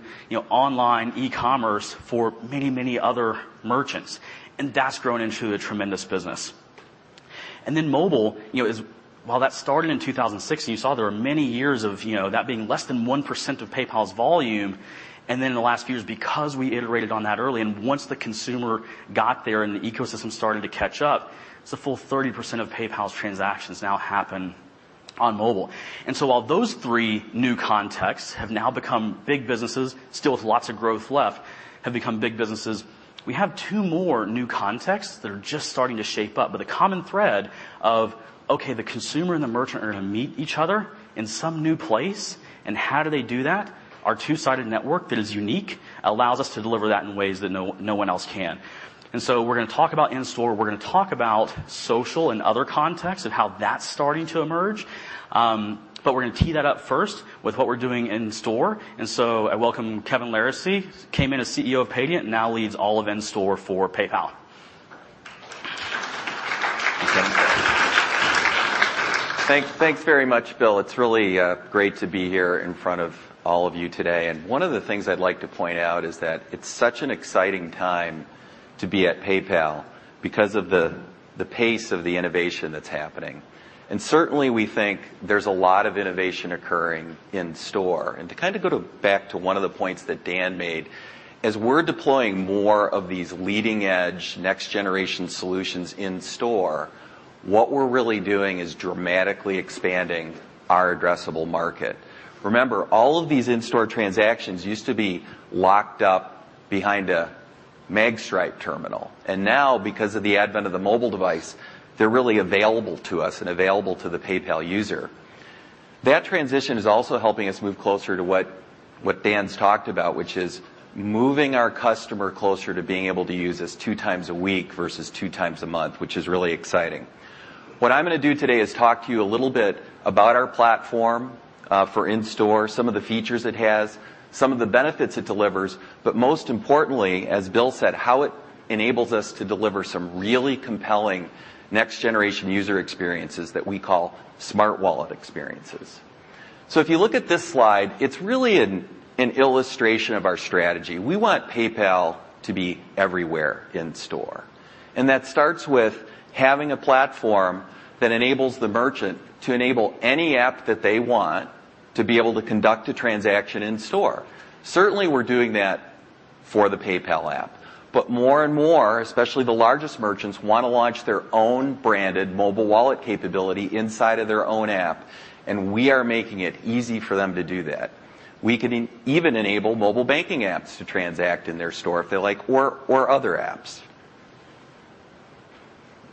online e-commerce for many, many other merchants, that's grown into a tremendous business. Mobile, while that started in 2016, you saw there were many years of that being less than 1% of PayPal's volume, then in the last few years, because we iterated on that early, once the consumer got there and the ecosystem started to catch up, it's a full 30% of PayPal's transactions now happen on mobile. While those three new contexts have now become big businesses, still with lots of growth left, have become big businesses, we have two more new contexts that are just starting to shape up. The common thread of, okay, the consumer and the merchant are going to meet each other in some new place, and how do they do that? Our two-sided network that is unique allows us to deliver that in ways that no one else can. We're going to talk about in-store, we're going to talk about social and other contexts of how that's starting to emerge. We're going to tee that up first with what we're doing in-store. I welcome Kevin Laracey, came in as CEO of Paydiant, now leads all of in-store for PayPal. Thanks very much, Bill. It's really great to be here in front of all of you today. One of the things I'd like to point out is that it's such an exciting time to be at PayPal because of the pace of the innovation that's happening. Certainly, we think there's a lot of innovation occurring in-store. To kind of go to back to one of the points that Dan made, as we're deploying more of these leading-edge, next-generation solutions in-store, what we're really doing is dramatically expanding our addressable market. Remember, all of these in-store transactions used to be locked up behind a magstripe terminal. Now, because of the advent of the mobile device, they're really available to us and available to the PayPal user. That transition is also helping us move closer to what Dan's talked about, which is moving our customer closer to being able to use us two times a week versus two times a month, which is really exciting. What I'm going to do today is talk to you a little bit about our platform for in-store, some of the features it has, some of the benefits it delivers, but most importantly, as Bill said, how it enables us to deliver some really compelling next-generation user experiences that we call smart wallet experiences. If you look at this slide, it's really an illustration of our strategy. We want PayPal to be everywhere in-store, and that starts with having a platform that enables the merchant to enable any app that they want to be able to conduct a transaction in-store. Certainly, we're doing that for the PayPal app. More and more, especially the largest merchants, want to launch their own branded mobile wallet capability inside of their own app, and we are making it easy for them to do that. We can even enable mobile banking apps to transact in their store if they like, or other apps.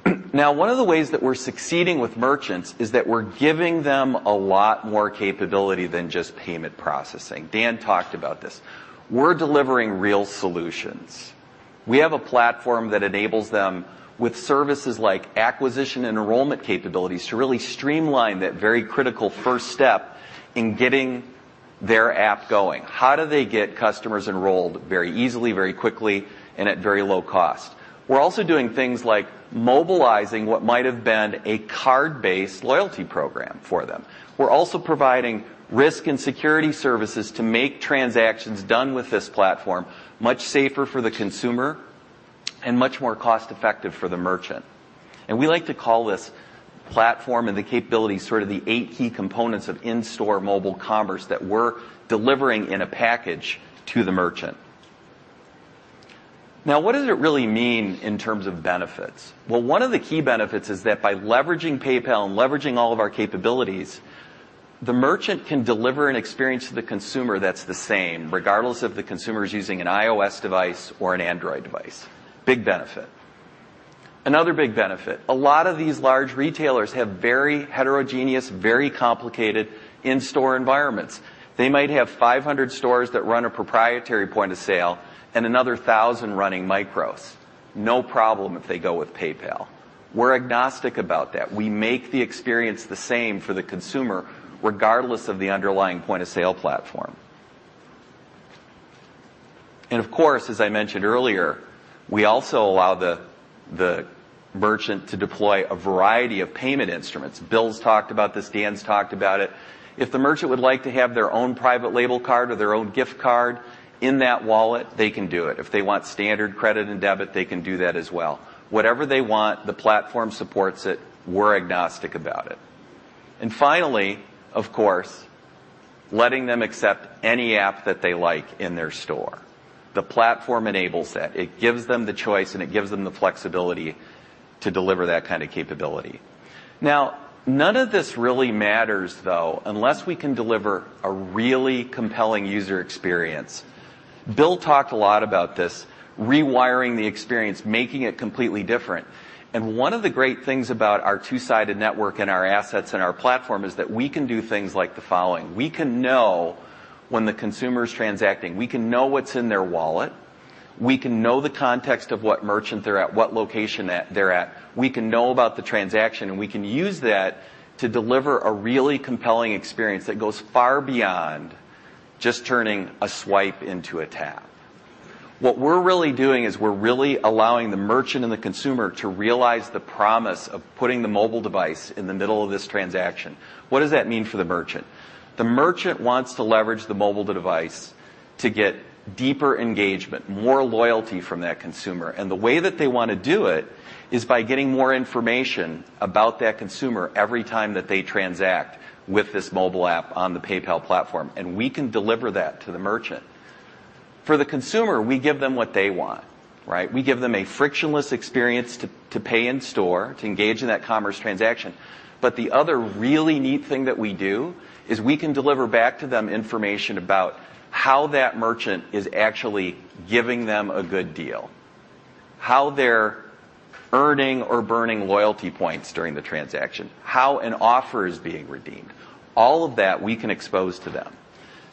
One of the ways that we're succeeding with merchants is that we're giving them a lot more capability than just payment processing. Dan talked about this. We're delivering real solutions. We have a platform that enables them with services like acquisition and enrollment capabilities to really streamline that very critical first step in getting their app going. How do they get customers enrolled very easily, very quickly, and at very low cost? We're also doing things like mobilizing what might have been a card-based loyalty program for them. We're also providing risk and security services to make transactions done with this platform much safer for the consumer and much more cost-effective for the merchant. We like to call this platform and the capabilities sort of the eight key components of in-store mobile commerce that we're delivering in a package to the merchant. What does it really mean in terms of benefits? One of the key benefits is that by leveraging PayPal and leveraging all of our capabilities, the merchant can deliver an experience to the consumer that's the same regardless if the consumer is using an iOS device or an Android device. Big benefit. Another big benefit, a lot of these large retailers have very heterogeneous, very complicated in-store environments. They might have 500 stores that run a proprietary point-of-sale and another thousand running MICROS. No problem if they go with PayPal. We're agnostic about that. We make the experience the same for the consumer, regardless of the underlying point-of-sale platform. Of course, as I mentioned earlier, we also allow the merchant to deploy a variety of payment instruments. Bill's talked about this. Dan's talked about it. If the merchant would like to have their own private label card or their own gift card in that wallet, they can do it. If they want standard credit and debit, they can do that as well. Whatever they want, the platform supports it. We're agnostic about it. Finally, of course, letting them accept any app that they like in their store. The platform enables that. It gives them the choice, and it gives them the flexibility to deliver that kind of capability. None of this really matters, though, unless we can deliver a really compelling user experience. Bill talked a lot about this, rewiring the experience, making it completely different. One of the great things about our two-sided network and our assets and our platform is that we can do things like the following. We can know when the consumer's transacting. We can know what's in their wallet. We can know the context of what merchant they're at, what location they're at. We can know about the transaction, and we can use that to deliver a really compelling experience that goes far beyond just turning a swipe into a tap. What we're really doing is we're really allowing the merchant and the consumer to realize the promise of putting the mobile device in the middle of this transaction. What does that mean for the merchant? The merchant wants to leverage the mobile device to get deeper engagement, more loyalty from that consumer. The way that they want to do it is by getting more information about that consumer every time that they transact with this mobile app on the PayPal platform, and we can deliver that to the merchant. For the consumer, we give them what they want. We give them a frictionless experience to pay in-store, to engage in that commerce transaction. The other really neat thing that we do is we can deliver back to them information about how that merchant is actually giving them a good deal, how they're earning or burning loyalty points during the transaction, how an offer is being redeemed. All of that we can expose to them.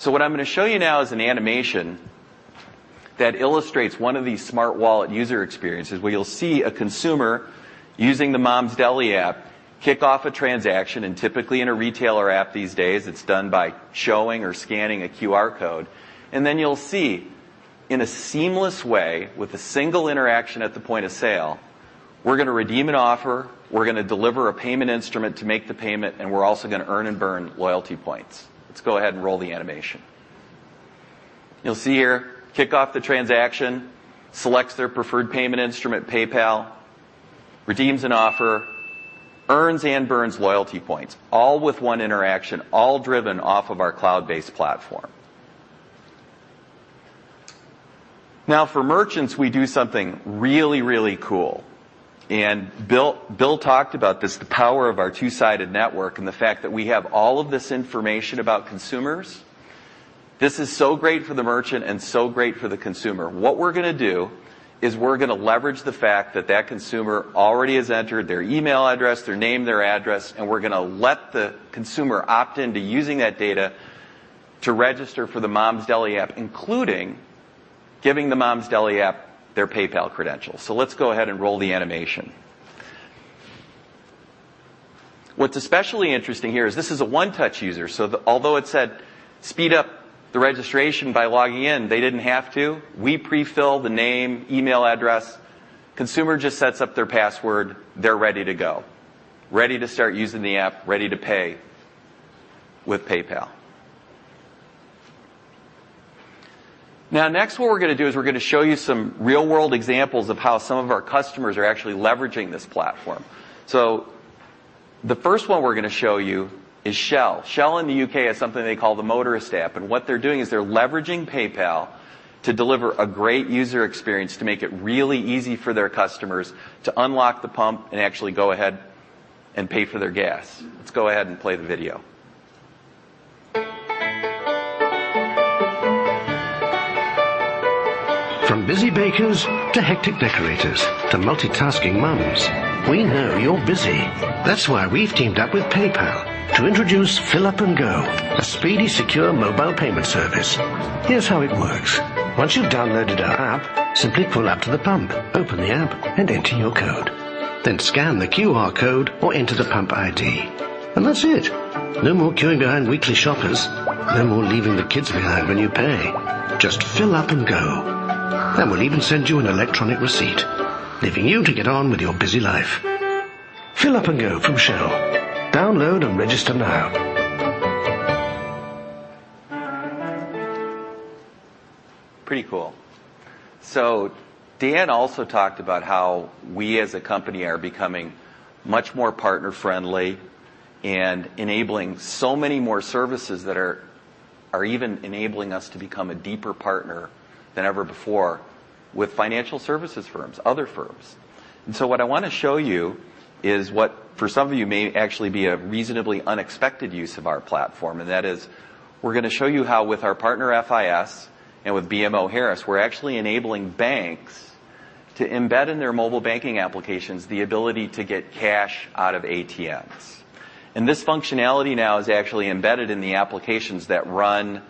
What I'm going to show you now is an animation that illustrates one of these smart wallet user experiences, where you'll see a consumer using the Mom's Deli app kick off a transaction, and typically in a retailer app these days, it's done by showing or scanning a QR code. Then you'll see in a seamless way, with a single interaction at the point of sale, we're going to redeem an offer, we're going to deliver a payment instrument to make the payment, and we're also going to earn and burn loyalty points. Let's go ahead and roll the animation. You'll see here, kick off the transaction, selects their preferred payment instrument, PayPal, redeems an offer, earns and burns loyalty points, all with one interaction, all driven off of our cloud-based platform. Now, for merchants, we do something really, really cool. Bill talked about this, the power of our two-sided network, and the fact that we have all of this information about consumers. This is so great for the merchant and so great for the consumer. What we're going to do is we're going to leverage the fact that that consumer already has entered their email address, their name, their address, and we're going to let the consumer opt in to using that data to register for the Mom's Deli app, including giving the Mom's Deli app their PayPal credentials. Let's go ahead and roll the animation. What's especially interesting here is this is a One Touch user, so although it said speed up the registration by logging in, they didn't have to. We pre-fill the name, email address. Consumer just sets up their password. They're ready to go. Ready to start using the app, ready to pay with PayPal. Next, what we're going to do is we're going to show you some real-world examples of how some of our customers are actually leveraging this platform. The first one we're going to show you is Shell. Shell in the U.K. has something they call the Shell Motorist app, and what they're doing is they're leveraging PayPal to deliver a great user experience to make it really easy for their customers to unlock the pump and actually go ahead and pay for their gas. Let's go ahead and play the video. From busy bakers to hectic decorators to multitasking moms, we know you're busy. That's why we've teamed up with PayPal to introduce Fill Up & Go, a speedy, secure mobile payment service. Here's how it works. Once you've downloaded our app, simply pull up to the pump, open the app, and enter your code. Scan the QR code or enter the pump ID. That's it. No more queuing behind weekly shoppers. No more leaving the kids behind when you pay. Just fill up and go. We'll even send you an electronic receipt, leaving you to get on with your busy life. Fill Up & Go from Shell. Download and register now. Pretty cool. Dan also talked about how we as a company are becoming much more partner-friendly and enabling so many more services that are even enabling us to become a deeper partner than ever before with financial services firms, other firms. What I want to show you is what, for some of you, may actually be a reasonably unexpected use of our platform, and that is we're going to show you how, with our partner FIS and with BMO Harris, we're actually enabling banks to embed in their mobile banking applications the ability to get cash out of ATMs. This functionality now is actually embedded in the applications that run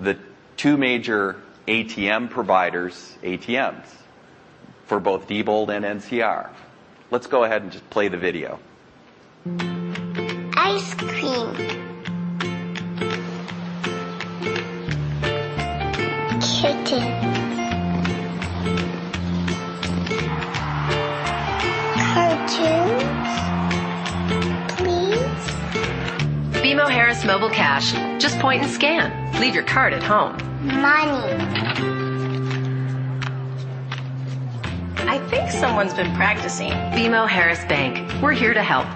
the two major ATM providers' ATMs for both Diebold and NCR. Let's go ahead and just play the video. Ice cream. Kitten. Cartoons, please. BMO Harris Mobile Cash. Just point and scan. Leave your card at home. Money. I think someone's been practicing. BMO Harris Bank. We're here to help.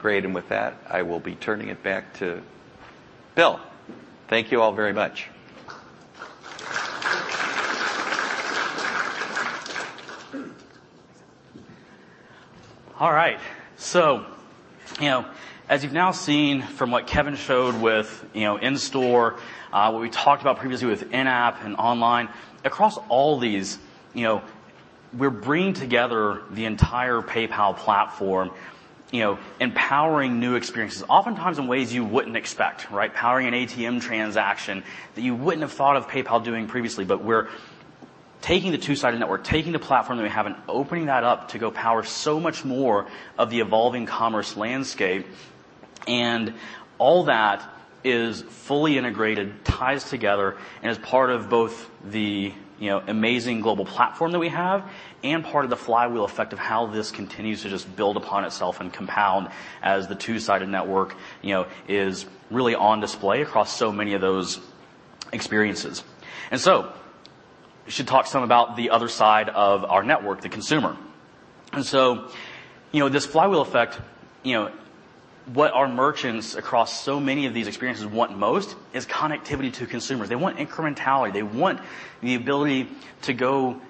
Great, with that, I will be turning it back to Bill. Thank you all very much. As you've now seen from what Kevin showed with in-store, what we talked about previously with in-app and online, across all these, we're bringing together the entire PayPal platform, empowering new experiences, oftentimes in ways you wouldn't expect, right? Powering an ATM transaction that you wouldn't have thought of PayPal doing previously, but we're taking the two-sided network, taking the platform that we have, and opening that up to go power so much more of the evolving commerce landscape. All that is fully integrated, ties together, and is part of both the amazing global platform that we have and part of the flywheel effect of how this continues to just build upon itself and compound as the two-sided network is really on display across so many of those experiences. We should talk some about the other side of our network, the consumer. This flywheel effect, what our merchants across so many of these experiences want most is connectivity to consumers. They want incrementality. They want the ability to go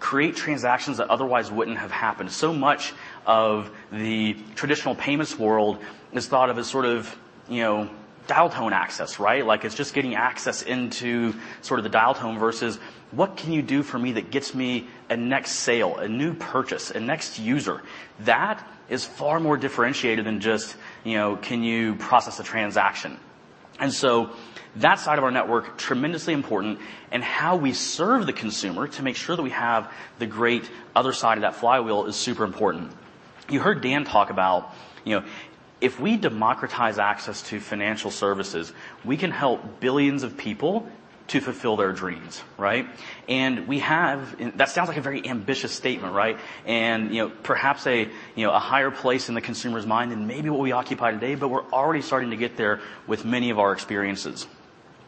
create transactions that otherwise wouldn't have happened. So much of the traditional payments world is thought of as sort of dial tone access, right? Like it's just getting access into sort of the dial tone versus what can you do for me that gets me a next sale, a new purchase, a next user? That is far more differentiated than just can you process a transaction? That side of our network, tremendously important, and how we serve the consumer to make sure that we have the great other side of that flywheel is super important. You heard Dan talk about if we democratize access to financial services, we can help billions of people to fulfill their dreams, right? That sounds like a very ambitious statement, right? Perhaps a higher place in the consumer's mind than maybe what we occupy today, but we're already starting to get there with many of our experiences.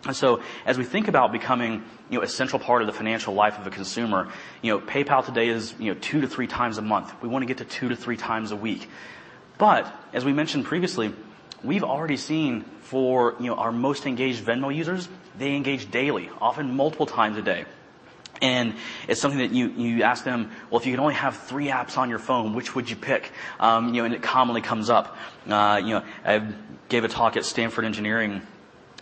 As we think about becoming a central part of the financial life of a consumer, PayPal today is two to three times a month. We want to get to two to three times a week. As we mentioned previously, we've already seen for our most engaged Venmo users, they engage daily, often multiple times a day. It's something that you ask them, "Well, if you could only have three apps on your phone, which would you pick?" It commonly comes up. I gave a talk at Stanford Engineering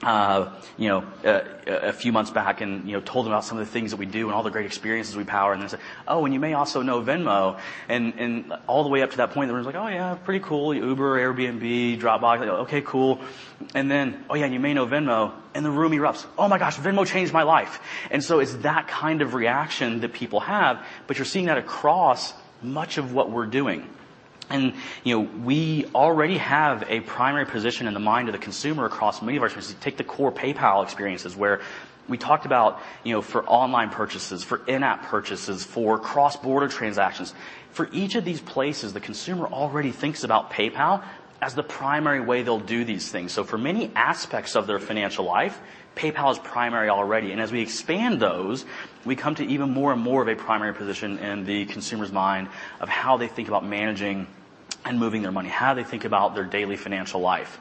a few months back and told them about some of the things that we do and all the great experiences we power, and then I said, "Oh, and you may also know Venmo." All the way up to that point, the room's like, "Oh, yeah. Pretty cool." Uber, Airbnb, Dropbox. They go, "Okay, cool." "Oh, yeah, and you may know Venmo," and the room erupts. "Oh, my gosh. Venmo changed my life." It's that kind of reaction that people have, but you're seeing that across much of what we're doing. We already have a primary position in the mind of the consumer across many of our services. Take the core PayPal experiences where we talked about for online purchases, for in-app purchases, for cross-border transactions. For each of these places, the consumer already thinks about PayPal as the primary way they'll do these things. For many aspects of their financial life, PayPal is primary already, and as we expand those, we come to even more and more of a primary position in the consumer's mind of how they think about managing and moving their money, how they think about their daily financial life.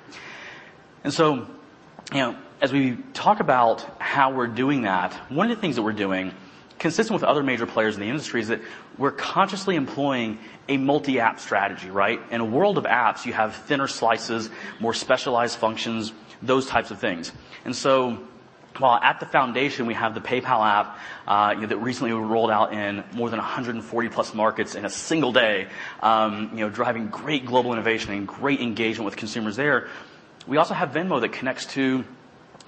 As we talk about how we're doing that, one of the things that we're doing, consistent with other major players in the industry, is that we're consciously employing a multi-app strategy, right? In a world of apps, you have thinner slices, more specialized functions, those types of things. While at the foundation, we have the PayPal app, that recently rolled out in more than 140+ markets in a single day, driving great global innovation and great engagement with consumers there. We also have Venmo that connects to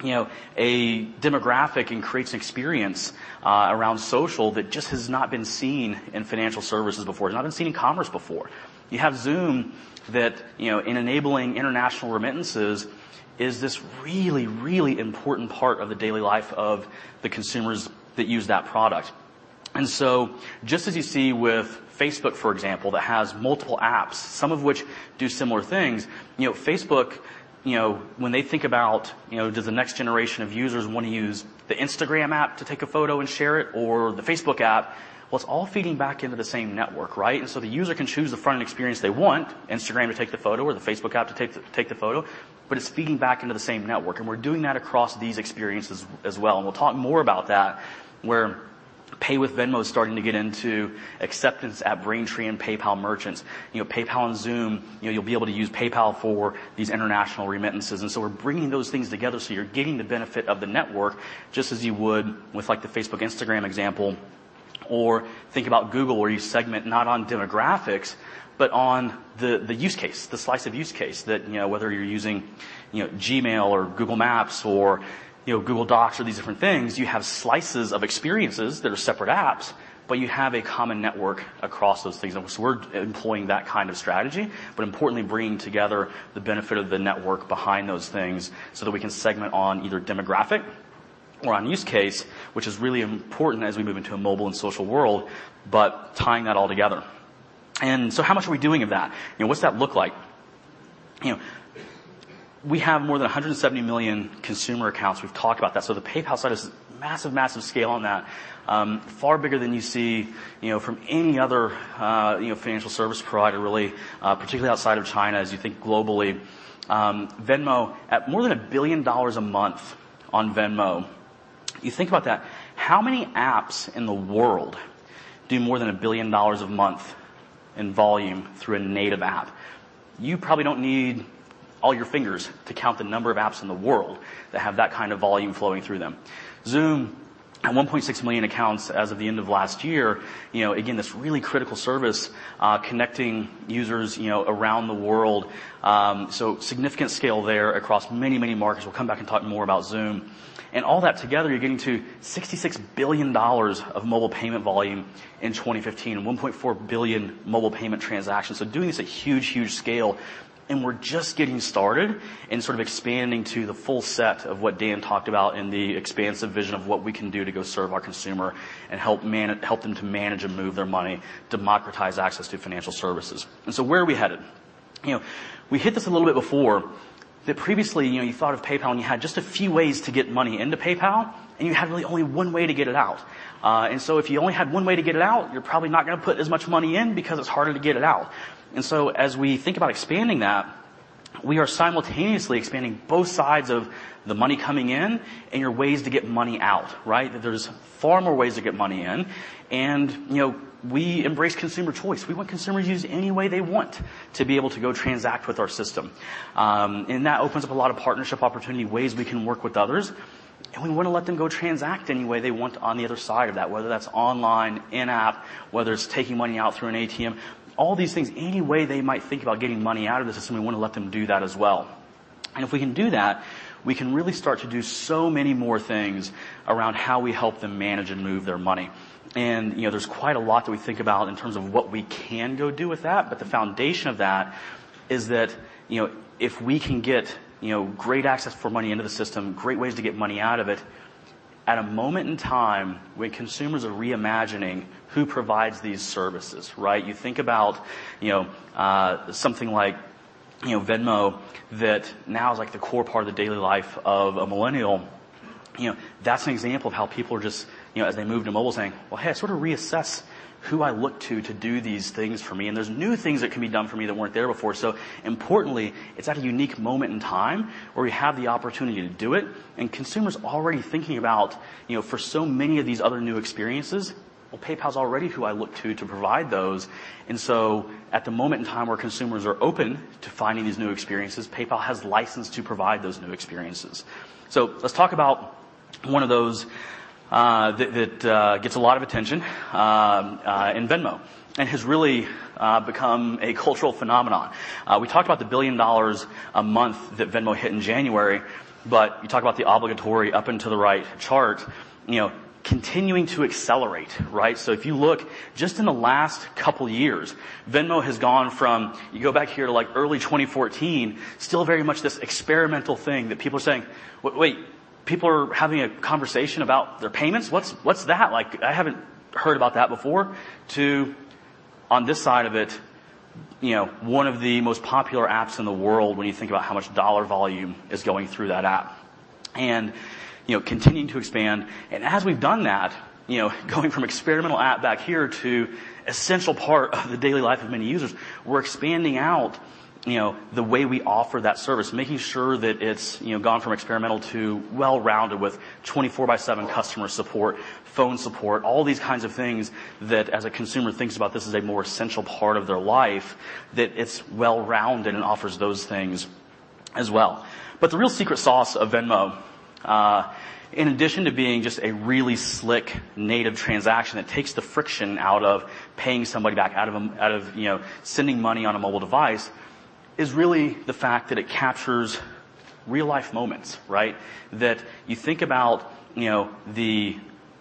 a demographic and creates an experience around social that just has not been seen in financial services before. It's not been seen in commerce before. You have Xoom that, in enabling international remittances, is this really, really important part of the daily life of the consumers that use that product. Just as you see with Facebook, for example, that has multiple apps, some of which do similar things. Facebook, when they think about, does the next generation of users want to use the Instagram app to take a photo and share it, or the Facebook app? It's all feeding back into the same network, right? The user can choose the front-end experience they want, Instagram to take the photo or the Facebook app to take the photo, but it's feeding back into the same network. We're doing that across these experiences as well. We'll talk more about that, where Pay with Venmo is starting to get into acceptance at Braintree and PayPal merchants. PayPal and Xoom, you'll be able to use PayPal for these international remittances. We're bringing those things together so you're getting the benefit of the network, just as you would with the Facebook, Instagram example, or think about Google, where you segment not on demographics, but on the use case, the slice of use case. That whether you're using Gmail or Google Maps or Google Docs or these different things, you have slices of experiences that are separate apps, but you have a common network across those things. We're employing that kind of strategy, but importantly, bringing together the benefit of the network behind those things so that we can segment on either demographic or on use case, which is really important as we move into a mobile and social world, but tying that all together. How much are we doing of that? What's that look like? We have more than 170 million consumer accounts. We've talked about that. The PayPal side is massive scale on that. Far bigger than you see from any other financial service provider, really, particularly outside of China, as you think globally. Venmo, at more than $1 billion a month on Venmo, you think about that. How many apps in the world do more than $1 billion a month in volume through a native app? You probably don't need all your fingers to count the number of apps in the world that have that kind of volume flowing through them. Xoom, at 1.6 million accounts as of the end of last year, again, this really critical service connecting users around the world. Significant scale there across many, many markets. We'll come back and talk more about Xoom. All that together, you're getting to $66 billion of mobile payment volume in 2015 and 1.4 billion mobile payment transactions. Doing this at huge, huge scale, and we're just getting started and sort of expanding to the full set of what Dan talked about and the expansive vision of what we can do to go serve our consumer and help them to manage and move their money, democratize access to financial services. Where are we headed? We hit this a little bit before, that previously, you thought of PayPal, and you had just a few ways to get money into PayPal, and you had really only one way to get it out. If you only had one way to get it out, you're probably not going to put as much money in because it's harder to get it out. As we think about expanding that, we are simultaneously expanding both sides of the money coming in and your ways to get money out, right? That there's far more ways to get money in, and we embrace consumer choice. We want consumers to use any way they want to be able to go transact with our system. That opens up a lot of partnership opportunity, ways we can work with others, and we want to let them go transact any way they want on the other side of that, whether that's online, in-app, whether it's taking money out through an ATM, all these things. Any way they might think about getting money out of the system, we want to let them do that as well. If we can do that, we can really start to do so many more things around how we help them manage and move their money. There's quite a lot that we think about in terms of what we can go do with that, but the foundation of that is that if we can get great access for money into the system, great ways to get money out of it, at a moment in time where consumers are reimagining who provides these services, right? You think about something like Venmo that now is the core part of the daily life of a millennial. That's an example of how people are just, as they move to mobile, saying, "Well, hey, I sort of reassess who I look to do these things for me, and there's new things that can be done for me that weren't there before." Importantly, it's at a unique moment in time where we have the opportunity to do it, and consumers are already thinking about, for so many of these other new experiences, well, PayPal's already who I look to provide those. At the moment in time where consumers are open to finding these new experiences, PayPal has license to provide those new experiences. Let's talk about one of those that gets a lot of attention in Venmo and has really become a cultural phenomenon. We talked about the $1 billion a month that Venmo hit in January. You talk about the obligatory up and to the right chart, continuing to accelerate, right? If you look just in the last couple of years, Venmo has gone from, you go back here to early 2014, still very much this experimental thing that people are saying, "Wait, people are having a conversation about their payments? What's that? I haven't heard about that before." To on this side of it, one of the most popular apps in the world when you think about how much dollar volume is going through that app. Continuing to expand, and as we've done that, going from experimental app back here to essential part of the daily life of many users, we're expanding out the way we offer that service, making sure that it's gone from experimental to well-rounded with 24 by seven customer support, phone support, all these kinds of things that as a consumer thinks about this as a more essential part of their life, that it's well-rounded and offers those things as well. The real secret sauce of Venmo, in addition to being just a really slick native transaction that takes the friction out of paying somebody back out of sending money on a mobile device, is really the fact that it captures real-life moments, right? That you think about the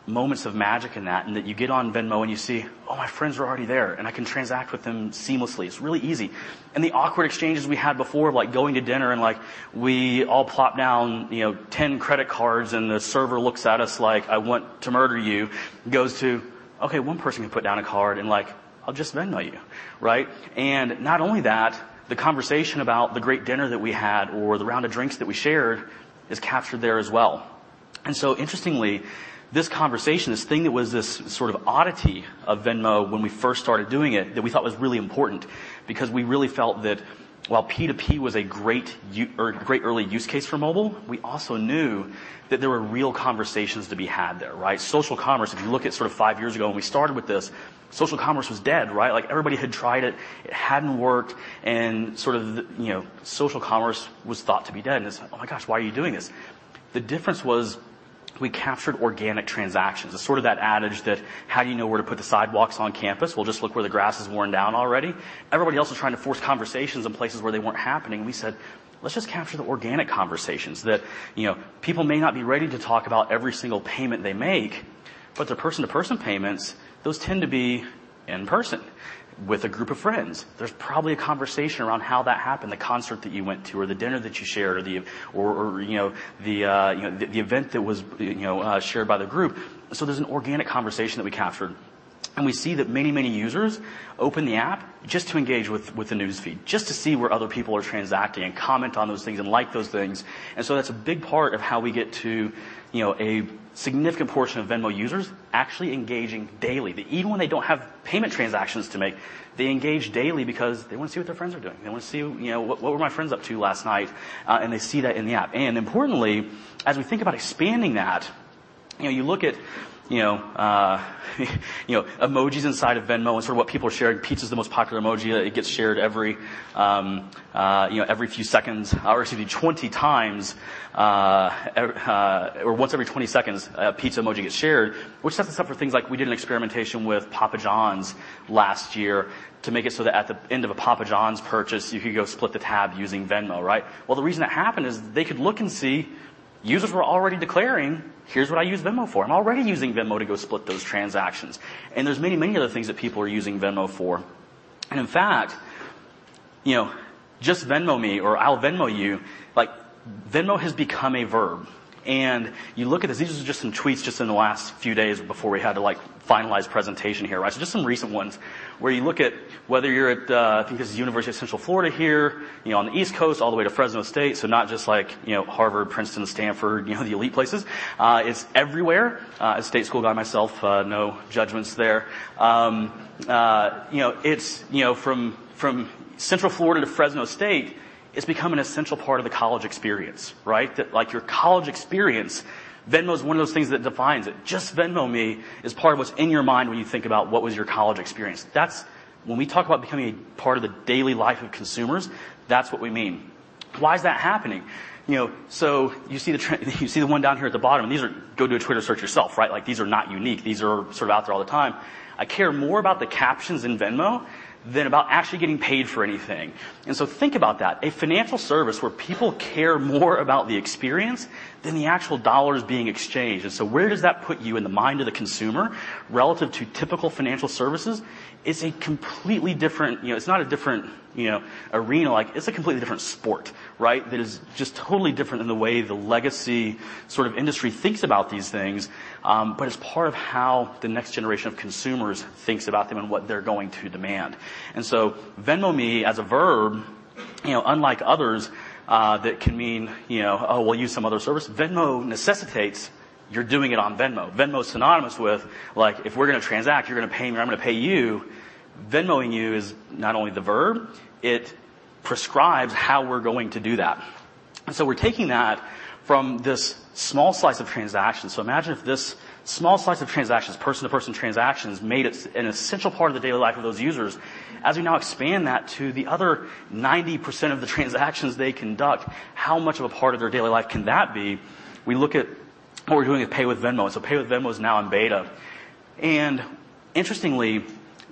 moments of magic in that, and that you get on Venmo and you see, oh, my friends are already there, and I can transact with them seamlessly. It's really easy. The awkward exchanges we had before, like going to dinner and we all plop down 10 credit cards and the server looks at us like, "I want to murder you," goes to, "Okay, one person can put down a card, and I'll just Venmo you." Right? Not only that, the conversation about the great dinner that we had or the round of drinks that we shared is captured there as well. Interestingly, this conversation, this thing that was this sort of oddity of Venmo when we first started doing it that we thought was really important because we really felt that while P2P was a great early use case for mobile, we also knew that there were real conversations to be had there, right? Social commerce, if you look at sort of five years ago when we started with this, social commerce was dead, right? Everybody had tried it hadn't worked, and sort of social commerce was thought to be dead, and it's like, oh my gosh, why are you doing this? The difference was we captured organic transactions. It's sort of that adage that how do you know where to put the sidewalks on campus? Well, just look where the grass is worn down already. Everybody else was trying to force conversations in places where they weren't happening. We said, "Let's just capture the organic conversations that people may not be ready to talk about every single payment they make, but they're person-to-person payments, those tend to be in person with a group of friends." There's probably a conversation around how that happened, the concert that you went to or the dinner that you shared or the event that was shared by the group. There's an organic conversation that we captured, and we see that many, many users open the app just to engage with the news feed, just to see where other people are transacting and comment on those things and like those things. That's a big part of how we get to a significant portion of Venmo users actually engaging daily. Even when they don't have payment transactions to make, they engage daily because they want to see what their friends are doing. They want to see, what were my friends up to last night? They see that in the app. Importantly, as we think about expanding that, you look at emojis inside of Venmo and sort of what people are sharing. Pizza's the most popular emoji. It gets shared every few seconds, or excuse me, 20 times, or once every 20 seconds, a pizza emoji gets shared, which sets us up for things like we did an experimentation with Papa John's last year to make it so that at the end of a Papa John's purchase, you could go split the tab using Venmo, right? Well, the reason that happened is they could look and see users were already declaring, "Here's what I use Venmo for. I'm already using Venmo to go split those transactions." There's many, many other things that people are using Venmo for. In fact, just Venmo me or I'll Venmo you, Venmo has become a verb, and you look at this. These are just some tweets just in the last few days before we had to finalize presentation here, right? Just some recent ones where you look at whether you're at, I think this is University of Central Florida here on the East Coast all the way to Fresno State, so not just Harvard, Princeton, Stanford, the elite places. It's everywhere. A state school guy myself, no judgments there. From Central Florida to Fresno State, it's become an essential part of the college experience, right? That your college experience, Venmo is one of those things that defines it. Just Venmo me is part of what's in your mind when you think about what was your college experience. When we talk about becoming a part of the daily life of consumers, that's what we mean. Why is that happening? You see the one down here at the bottom. Go do a Twitter search yourself, right? These are not unique. These are sort of out there all the time. "I care more about the captions in Venmo than about actually getting paid for anything." Think about that. A financial service where people care more about the experience than the actual dollars being exchanged. Where does that put you in the mind of the consumer relative to typical financial services? It's a completely different, it's not a different arena. It's a completely different sport, right? That is just totally different in the way the legacy sort of industry thinks about these things. It's part of how the next generation of consumers thinks about them and what they're going to demand. Venmo me as a verb, unlike others, that can mean, oh, we'll use some other service. Venmo necessitates you're doing it on Venmo. Venmo is synonymous with if we're going to transact, you're going to pay me, or I'm going to pay you. Venmoing you is not only the verb, it prescribes how we're going to do that. We're taking that from this small slice of transactions. Imagine if this small slice of transactions, person-to-person transactions, made it an essential part of the daily life of those users. As we now expand that to the other 90% of the transactions they conduct, how much of a part of their daily life can that be? We look at what we're doing at Pay with Venmo. Pay with Venmo is now in beta. Interestingly,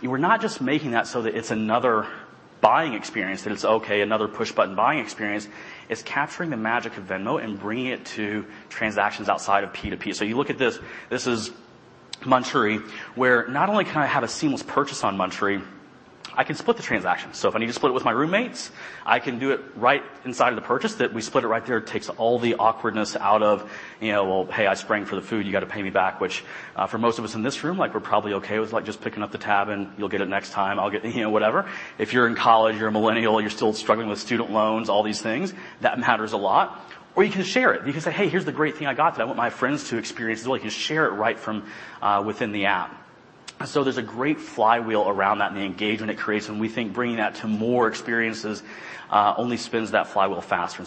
we're not just making that so that it's another buying experience, that it's okay, another push-button buying experience. It's capturing the magic of Venmo and bringing it to transactions outside of P2P. You look at this. This is Munchery, where not only can I have a seamless purchase on Munchery, I can split the transaction. If I need to split it with my roommates, I can do it right inside of the purchase that we split it right there. It takes all the awkwardness out of, "Well, hey, I sprang for the food. You got to pay me back," which for most of us in this room, we're probably okay with just picking up the tab, and you'll get it next time. I'll get, whatever. If you're in college, you're a millennial, you're still struggling with student loans, all these things, that matters a lot. You can share it. You can say, "Hey, here's the great thing I got that I want my friends to experience." You can share it right from within the app. There's a great flywheel around that and the engagement it creates, and we think bringing that to more experiences only spins that flywheel faster.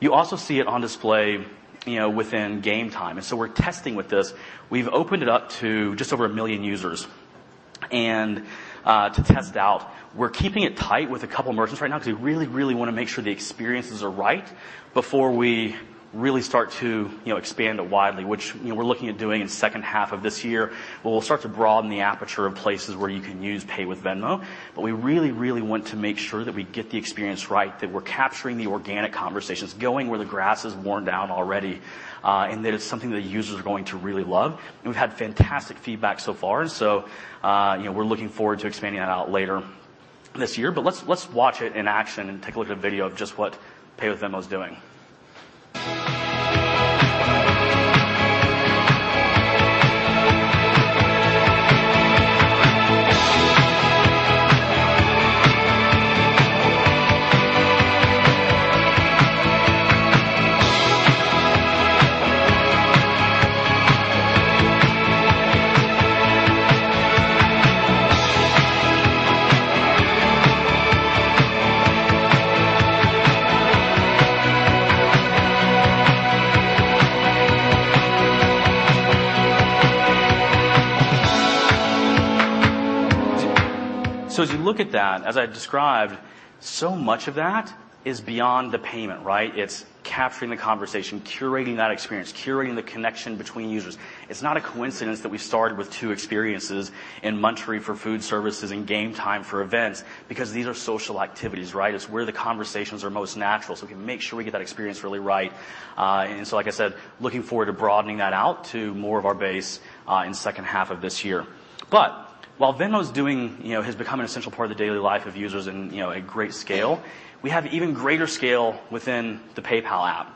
You also see it on display within Gametime. We're testing with this. We've opened it up to just over 1 million users to test out. We're keeping it tight with a couple of merchants right now because we really, really want to make sure the experiences are right before we really start to expand it widely, which we're looking at doing in the second half of this year. We'll start to broaden the aperture of places where you can use Pay with Venmo, but we really, really want to make sure that we get the experience right, that we're capturing the organic conversations, going where the grass is worn down already, and that it's something that users are going to really love. We've had fantastic feedback so far. We're looking forward to expanding that out later this year. Let's watch it in action and take a look at a video of just what Pay with Venmo is doing. As you look at that, as I described, so much of that is beyond the payment, right? It's capturing the conversation, curating that experience, curating the connection between users. It's not a coincidence that we started with two experiences in Munchery for food services and Gametime for events because these are social activities, right? It's where the conversations are most natural, so we can make sure we get that experience really right. Like I said, looking forward to broadening that out to more of our base in the second half of this year. While Venmo has become an essential part of the daily life of users in a great scale, we have even greater scale within the PayPal app.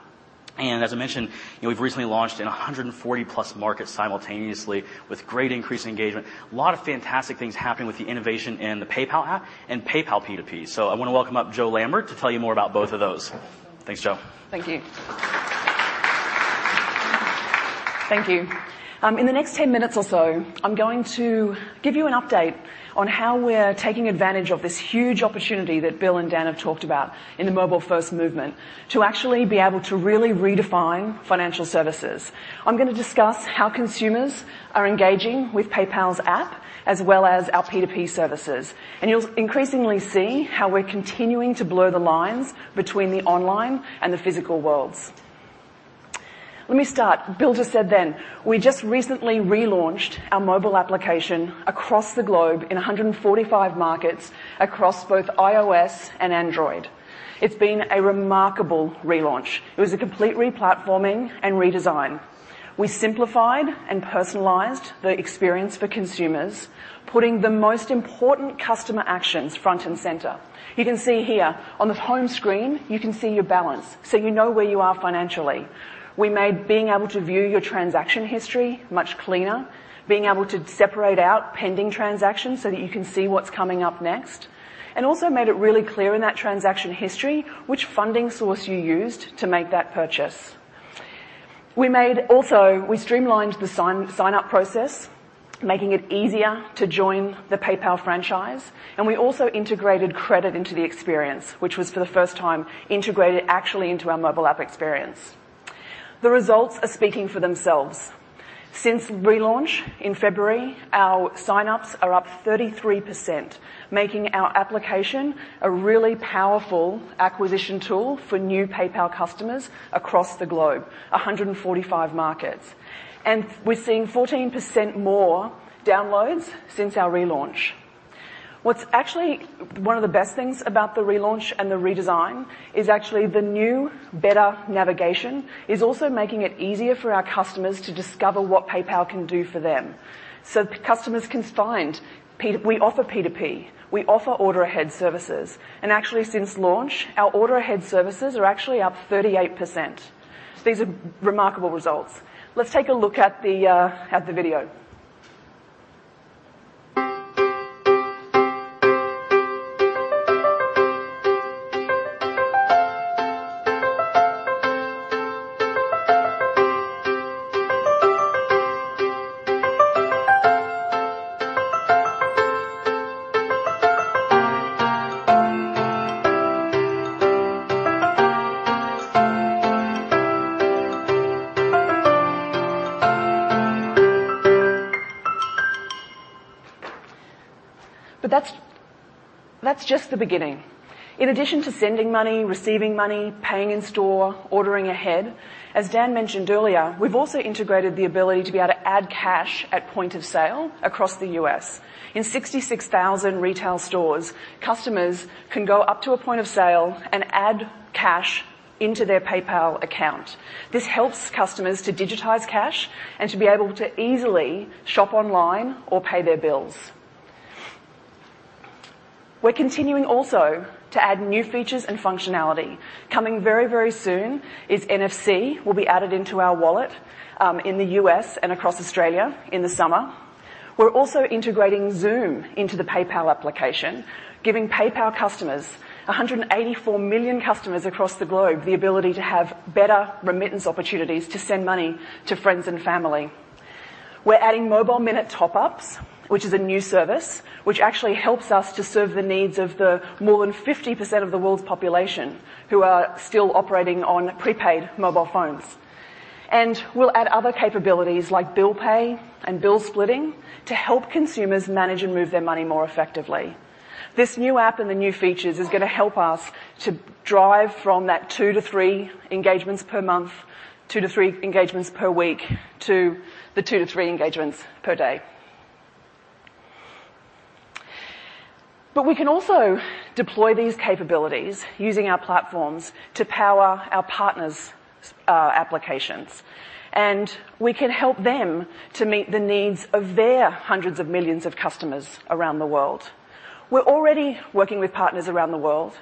As I mentioned, we've recently launched in 140-plus markets simultaneously with great increased engagement. A lot of fantastic things happening with the innovation in the PayPal app and PayPal P2P. I want to welcome up Jo Lambert to tell you more about both of those. Thanks, Jo. Thank you. Thank you. In the next 10 minutes or so, I'm going to give you an update on how we're taking advantage of this huge opportunity that Bill and Dan have talked about in the mobile-first movement to actually be able to really redefine financial services. I'm going to discuss how consumers are engaging with PayPal's app as well as our P2P services. You'll increasingly see how we're continuing to blur the lines between the online and the physical worlds. Let me start. Bill just said then, we just recently relaunched our mobile application across the globe in 145 markets across both iOS and Android. It's been a remarkable relaunch. It was a complete re-platforming and redesign. We simplified and personalized the experience for consumers, putting the most important customer actions front and center. You can see here on the home screen, you can see your balance, so you know where you are financially. We made being able to view your transaction history much cleaner, being able to separate out pending transactions so that you can see what's coming up next, and also made it really clear in that transaction history which funding source you used to make that purchase. We also streamlined the sign-up process, making it easier to join the PayPal franchise, and we also integrated credit into the experience, which was for the first time integrated actually into our mobile app experience. The results are speaking for themselves. Since relaunch in February, our sign-ups are up 33%, making our application a really powerful acquisition tool for new PayPal customers across the globe, 145 markets. We're seeing 14% more downloads since our relaunch. What's actually one of the best things about the relaunch and the redesign is actually the new, better navigation is also making it easier for our customers to discover what PayPal can do for them. Customers can find We offer P2P. We offer order ahead services. Actually, since launch, our order ahead services are actually up 38%. These are remarkable results. Let's take a look at the video. That's just the beginning. In addition to sending money, receiving money, paying in store, ordering ahead, as Dan mentioned earlier, we've also integrated the ability to be able to add cash at point of sale across the U.S. In 66,000 retail stores, customers can go up to a point of sale and add cash into their PayPal account. This helps customers to digitize cash and to be able to easily shop online or pay their bills. We're continuing also to add new features and functionality. Coming very, very soon is NFC will be added into our wallet in the U.S. and across Australia in the summer. We're also integrating Xoom into the PayPal application, giving PayPal customers, 184 million customers across the globe, the ability to have better remittance opportunities to send money to friends and family. We're adding mobile minute top-ups, which is a new service, which actually helps us to serve the needs of the more than 50% of the world's population who are still operating on prepaid mobile phones. We'll add other capabilities like bill pay and bill splitting to help consumers manage and move their money more effectively. This new app and the new features is going to help us to drive from that two to three engagements per month, two to three engagements per week, to the two to three engagements per day. We can also deploy these capabilities using our platforms to power our partners' applications, and we can help them to meet the needs of their hundreds of millions of customers around the world. We're already working with partners around the world,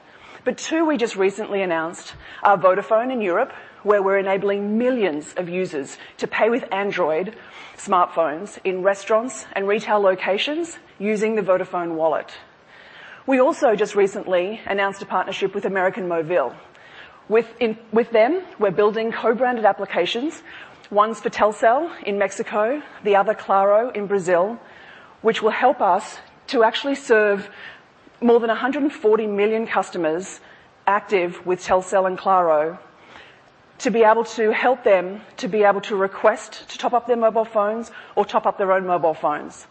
but two we just recently announced are Vodafone in Europe, where we're enabling millions of users to pay with Android smartphones in restaurants and retail locations using the Vodafone Wallet. We also just recently announced a partnership with América Móvil. With them, we're building co-branded applications, one's for Telcel in Mexico, the other Claro in Brazil, which will help us to actually serve more than 140 million customers active with Telcel and Claro, to be able to help them to be able to request to top up their mobile phones or top up their own mobile phones.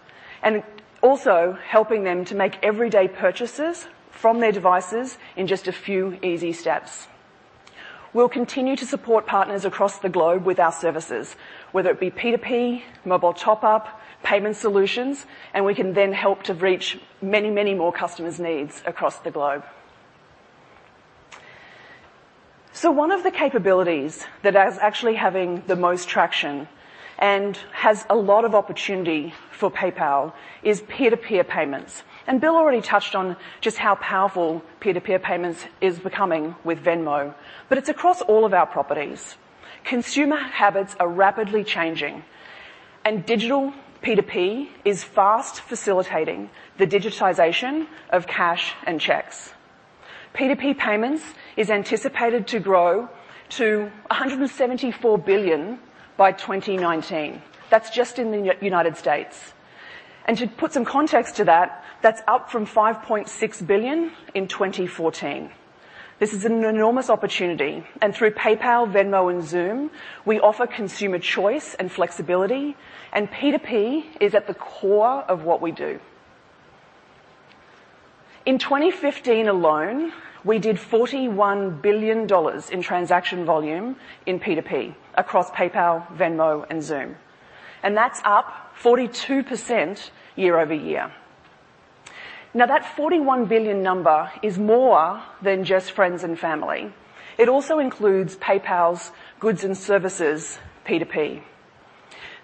Also helping them to make everyday purchases from their devices in just a few easy steps. We'll continue to support partners across the globe with our services, whether it be P2P, mobile top-up, payment solutions, we can then help to reach many more customers' needs across the globe. One of the capabilities that is actually having the most traction and has a lot of opportunity for PayPal is peer-to-peer payments. Bill Ready touched on just how powerful peer-to-peer payments is becoming with Venmo. It's across all of our properties. Consumer habits are rapidly changing, digital P2P is fast facilitating the digitization of cash and checks. P2P payments is anticipated to grow to $174 billion by 2019. That's just in the U.S. To put some context to that's up from $5.6 billion in 2014. This is an enormous opportunity, through PayPal, Venmo, and Xoom, we offer consumer choice and flexibility, P2P is at the core of what we do. In 2015 alone, we did $41 billion in transaction volume in P2P across PayPal, Venmo, and Xoom, that's up 42% year-over-year. That $41 billion number is more than just friends and family. It also includes PayPal's goods and services P2P.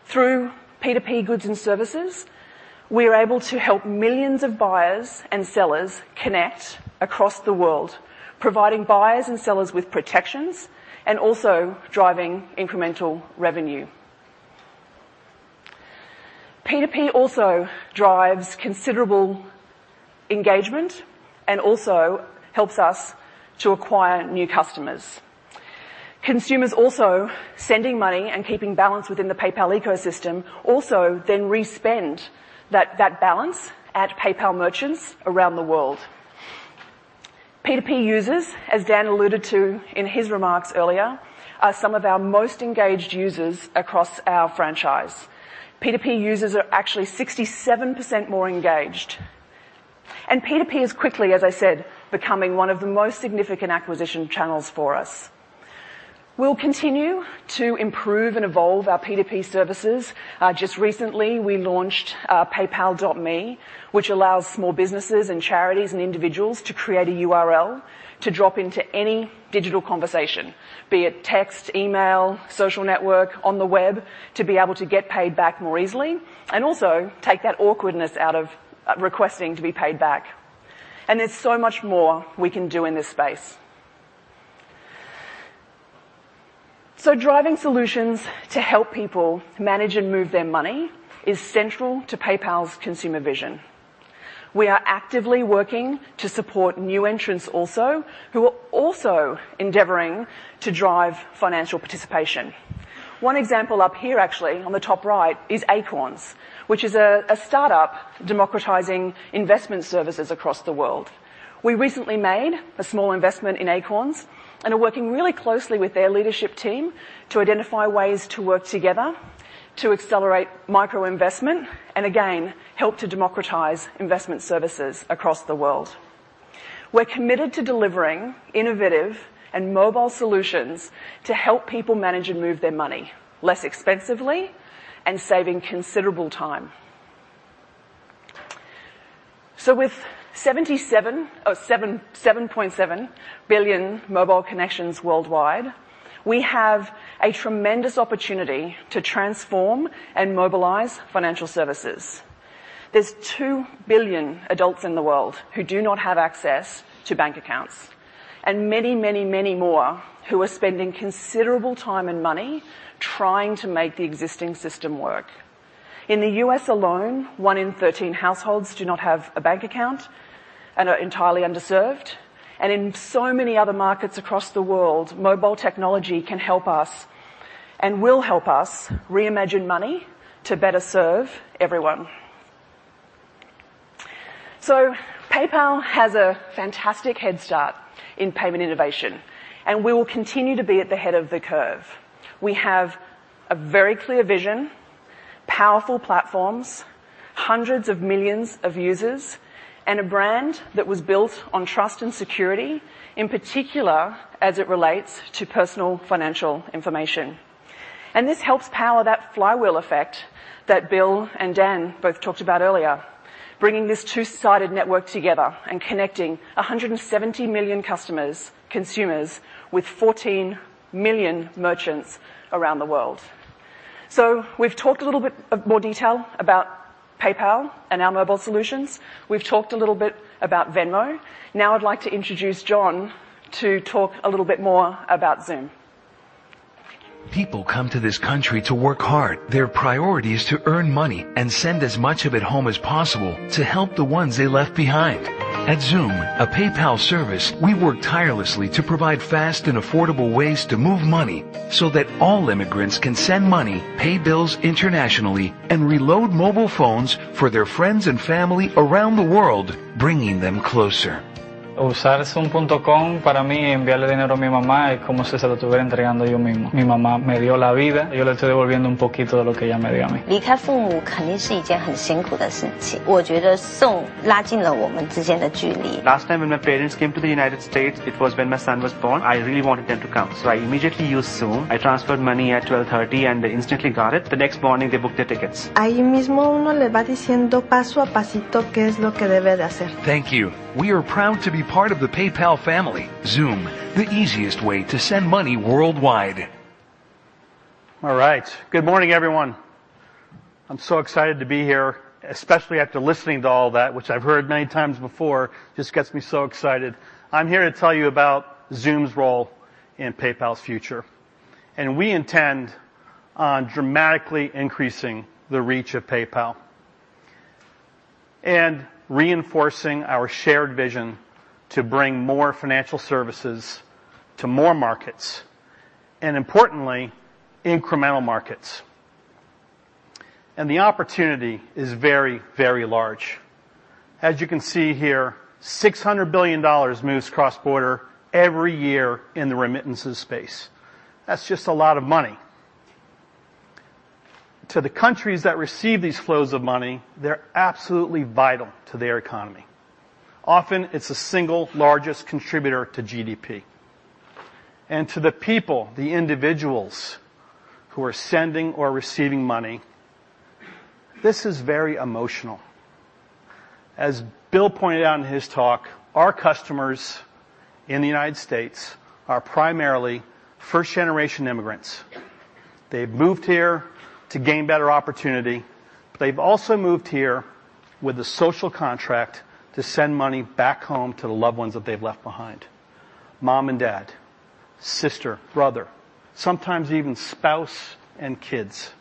Through P2P goods and services, we are able to help millions of buyers and sellers connect across the world, providing buyers and sellers with protections, also driving incremental revenue. P2P also drives considerable engagement also helps us to acquire new customers. Consumers also sending money and keeping balance within the PayPal ecosystem, also then re-spend that balance at PayPal merchants around the world. P2P users, as Dan alluded to in his remarks earlier, are some of our most engaged users across our franchise. P2P users are actually 67% more engaged. P2P is quickly, as I said, becoming one of the most significant acquisition channels for us. We'll continue to improve and evolve our P2P services. Just recently, we launched PayPal.Me, which allows small businesses and charities and individuals to create a URL to drop into any digital conversation, be it text, email, social network, on the web, to be able to get paid back more easily, also take that awkwardness out of requesting to be paid back. There's so much more we can do in this space. Driving solutions to help people manage and move their money is central to PayPal's consumer vision. We are actively working to support new entrants also, who are also endeavoring to drive financial participation. One example up here, actually, on the top right, is Acorns, which is a startup democratizing investment services across the world. We recently made a small investment in Acorns and are working really closely with their leadership team to identify ways to work together to accelerate micro-investment and again, help to democratize investment services across the world. We're committed to delivering innovative and mobile solutions to help people manage and move their money less expensively and saving considerable time. With 7.7 billion mobile connections worldwide, we have a tremendous opportunity to transform and mobilize financial services. There's 2 billion adults in the world who do not have access to bank accounts, and many more who are spending considerable time and money trying to make the existing system work. In the U.S. alone, one in 13 households do not have a bank account and are entirely underserved, and in so many other markets across the world, mobile technology can help us, and will help us reimagine money to better serve everyone. PayPal has a fantastic head start in payment innovation, and we will continue to be at the head of the curve. We have a very clear vision, powerful platforms, hundreds of millions of users, and a brand that was built on trust and security, in particular as it relates to personal financial information. This helps power that flywheel effect that Bill and Dan both talked about earlier, bringing this two-sided network together and connecting 170 million customers, consumers with 14 million merchants around the world. We've talked a little bit of more detail about PayPal and our mobile solutions. We've talked a little bit about Venmo. Now I'd like to introduce John to talk a little bit more about Xoom. People come to this country to work hard. Their priority is to earn money and send as much of it home as possible to help the ones they left behind. At Xoom, a PayPal service, we work tirelessly to provide fast and affordable ways to move money so that all immigrants can send money, pay bills internationally, and reload mobile phones for their friends and family around the world, bringing them closer. Use Xoom for me to send money to my mom is like I were giving it to her myself. My mom gave me life, and I am returning a little bit of what she gave me. Leaving parents behind is definitely a very hard thing. I feel like Xoom has narrowed the gap between us. Last time when my parents came to the United States, it was when my son was born. I really wanted them to come. I immediately used Xoom. I transferred money at 12:30, they instantly got it. The next morning, they booked their tickets. Right then, it tells you step by step what you need to do. Thank you. We are proud to be part of the PayPal family. Xoom, the easiest way to send money worldwide. All right. Good morning, everyone. I'm so excited to be here, especially after listening to all that, which I've heard many times before. Just gets me so excited. I'm here to tell you about Xoom's role in PayPal's future. We intend on dramatically increasing the reach of PayPal and reinforcing our shared vision to bring more financial services to more markets, and importantly, incremental markets. The opportunity is very, very large. As you can see here, $600 billion moves cross-border every year in the remittances space. That's just a lot of money. To the countries that receive these flows of money, they're absolutely vital to their economy. Often, it's the single largest contributor to GDP. To the people, the individuals who are sending or receiving money, this is very emotional. As Bill pointed out in his talk, our customers in the U.S. are primarily first-generation immigrants. They've moved here to gain better opportunity, but they've also moved here with the social contract to send money back home to the loved ones that they've left behind, mom and dad, sister, brother, sometimes even spouse and kids.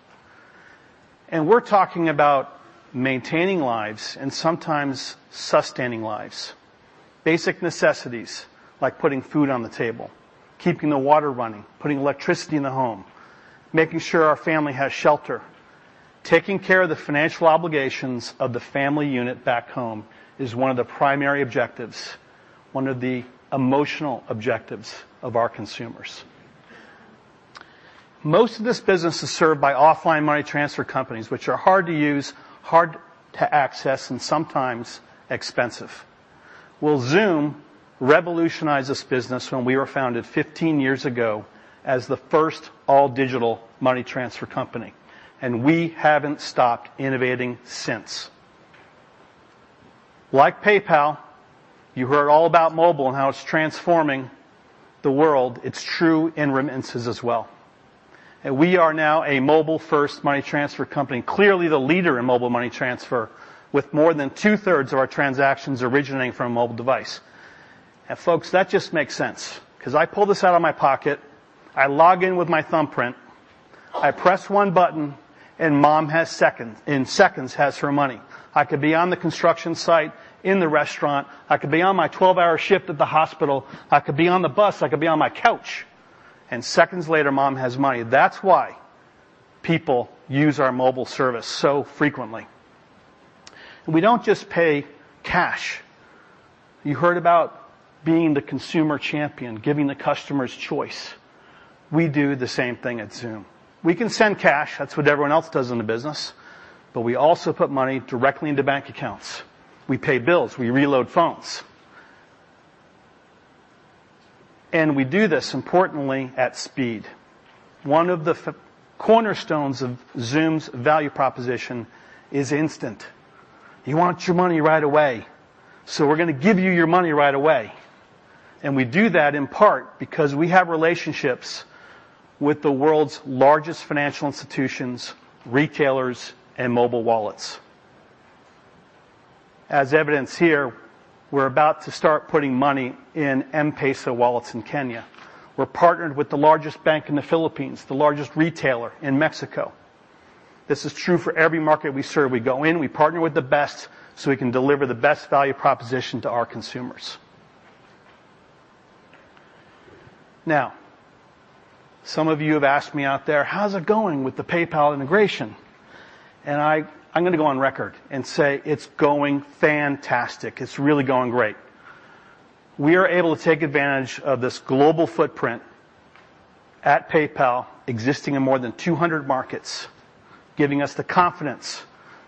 We're talking about maintaining lives and sometimes sustaining lives. Basic necessities, like putting food on the table, keeping the water running, putting electricity in the home, making sure our family has shelter. Taking care of the financial obligations of the family unit back home is one of the primary objectives, one of the emotional objectives of our consumers. Most of this business is served by offline money transfer companies, which are hard to use, hard to access, and sometimes expensive. Well, Xoom revolutionized this business when we were founded 15 years ago as the first all-digital money transfer company. We haven't stopped innovating since. Like PayPal, you heard all about mobile and how it's transforming the world. It's true in remittances as well. We are now a mobile-first money transfer company, clearly the leader in mobile money transfer, with more than two-thirds of our transactions originating from a mobile device. Folks, that just makes sense because I pull this out of my pocket, I log in with my thumbprint, I press one button, mom, in seconds, has her money. I could be on the construction site, in the restaurant. I could be on my 12-hour shift at the hospital. I could be on the bus. I could be on my couch. Seconds later, mom has money. That's why people use our mobile service so frequently. We don't just pay cash. You heard about being the consumer champion, giving the customers choice. We do the same thing at Xoom. We can send cash. That's what everyone else does in the business. We also put money directly into bank accounts. We pay bills. We reload phones. We do this, importantly, at speed. One of the cornerstones of Xoom's value proposition is instant. You want your money right away. We're going to give you your money right away. We do that in part because we have relationships with the world's largest financial institutions, retailers, and mobile wallets. As evidenced here, we're about to start putting money in M-PESA wallets in Kenya. We're partnered with the largest bank in the Philippines, the largest retailer in Mexico. This is true for every market we serve. We go in, we partner with the best. We can deliver the best value proposition to our consumers. Some of you have asked me out there, "How's it going with the PayPal integration?" I'm going to go on record and say it's going fantastic. It's really going great. We are able to take advantage of this global footprint at PayPal existing in more than 200 markets, giving us the confidence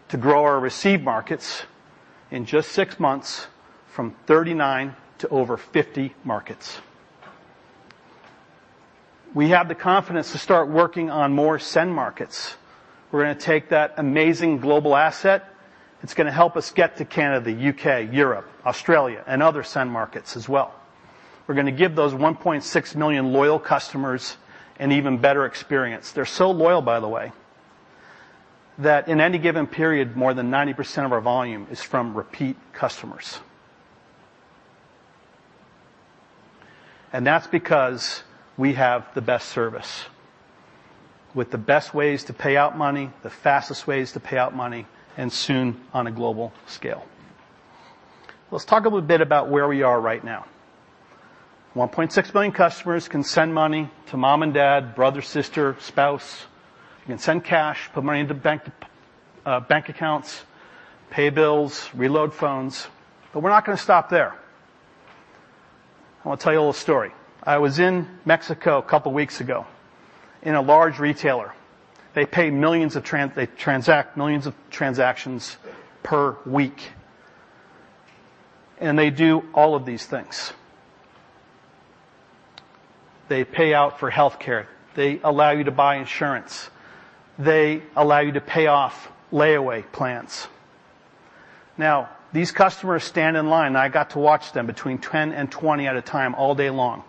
to grow our receive markets in just six months from 39 to over 50 markets. We have the confidence to start working on more send markets. We're going to take that amazing global asset. It's going to help us get to Canada, U.K., Europe, Australia, and other send markets as well. We're going to give those 1.6 million loyal customers an even better experience. They're so loyal, by the way, that in any given period, more than 90% of our volume is from repeat customers. That's because we have the best service with the best ways to pay out money, the fastest ways to pay out money, and soon on a global scale. Let's talk a little bit about where we are right now. 1.6 million customers can send money to mom and dad, brother, sister, spouse. You can send cash, put money into bank accounts, pay bills, reload phones. We're not going to stop there. I want to tell you a little story. I was in Mexico a couple of weeks ago in a large retailer. They transact millions of transactions per week. They do all of these things. They pay out for healthcare. They allow you to buy insurance. They allow you to pay off layaway plans. Now, these customers stand in line, and I got to watch them, between 10 and 20 at a time all day long.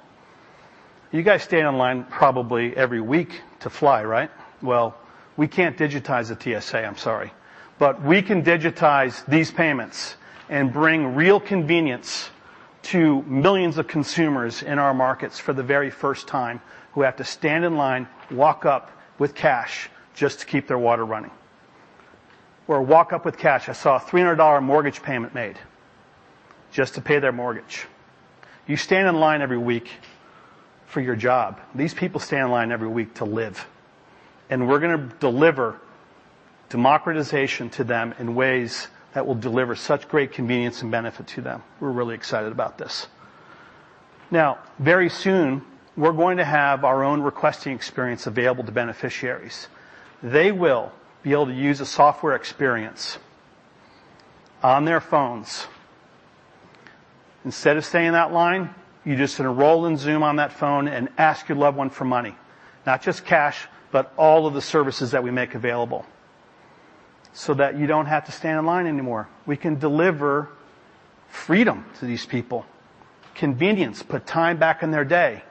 You guys stand in line probably every week to fly, right? Well, we can't digitize the TSA, I'm sorry, but we can digitize these payments and bring real convenience to millions of consumers in our markets for the very first time who have to stand in line, walk up with cash just to keep their water running. Walk up with cash, I saw a $300 mortgage payment made just to pay their mortgage. You stand in line every week for your job. These people stand in line every week to live. We're going to deliver democratization to them in ways that will deliver such great convenience and benefit to them. We're really excited about this. Now, very soon, we're going to have our own requesting experience available to beneficiaries. They will be able to use a software experience on their phones. Instead of staying in that line, you're just going to roll in Xoom on that phone and ask your loved one for money. Not just cash, but all of the services that we make available so that you don't have to stand in line anymore. We can deliver freedom to these people, convenience, put time back in their day.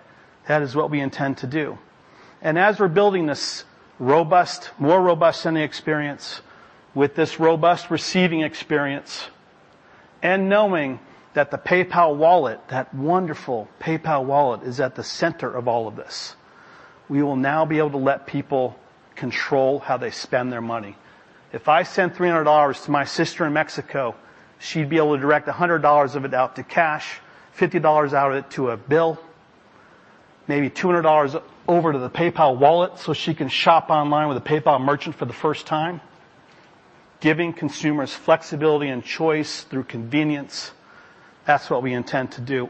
That is what we intend to do. As we're building this more robust sending experience with this robust receiving experience and knowing that the PayPal wallet, that wonderful PayPal wallet, is at the center of all of this, we will now be able to let people control how they spend their money. If I send $300 to my sister in Mexico, she'd be able to direct $100 of it out to cash, $50 out of it to a bill, maybe $200 over to the PayPal wallet so she can shop online with a PayPal merchant for the first time. Giving consumers flexibility and choice through convenience, that's what we intend to do.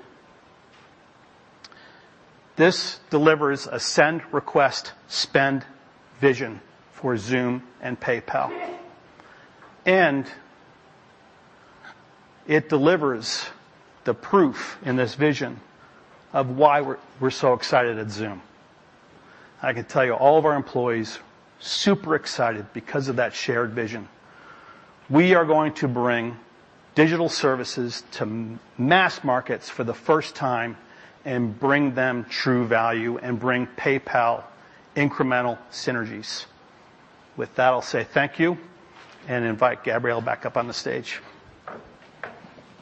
This delivers a send, request, spend vision for Xoom and PayPal. It delivers the proof in this vision of why we're so excited at Xoom. I can tell you, all of our employees, super excited because of that shared vision. We are going to bring digital services to mass markets for the first time and bring them true value and bring PayPal incremental synergies. With that, I'll say thank you and invite Gabrielle back up on the stage.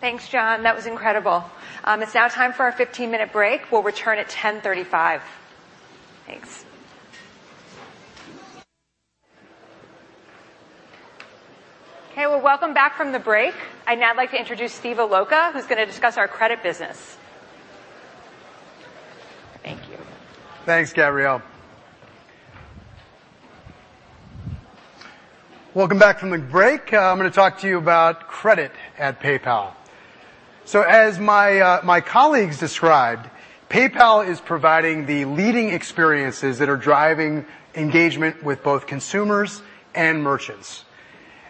Thanks, John. That was incredible. It's now time for our 15-minute break. We'll return at 10:35 A.M. Thanks. Okay, well, welcome back from the break. I'd now like to introduce Steve Allocca, who's going to discuss our credit business. Thank you. Thanks, Gabrielle. Welcome back from the break. I'm going to talk to you about credit at PayPal. As my colleagues described, PayPal is providing the leading experiences that are driving engagement with both consumers and merchants.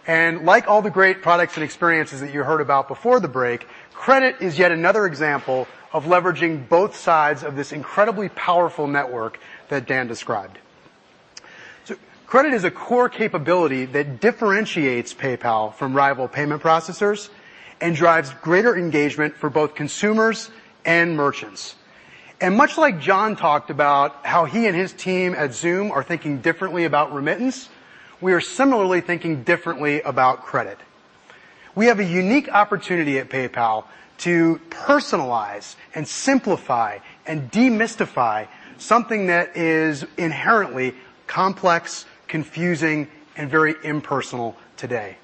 Like all the great products and experiences that you heard about before the break, credit is yet another example of leveraging both sides of this incredibly powerful network that Dan described. Credit is a core capability that differentiates PayPal from rival payment processors and drives greater engagement for both consumers and merchants. Much like John talked about how he and his team at Xoom are thinking differently about remittance, we are similarly thinking differently about credit. We have a unique opportunity at PayPal to personalize and simplify and demystify something that is inherently complex, confusing, and very impersonal today.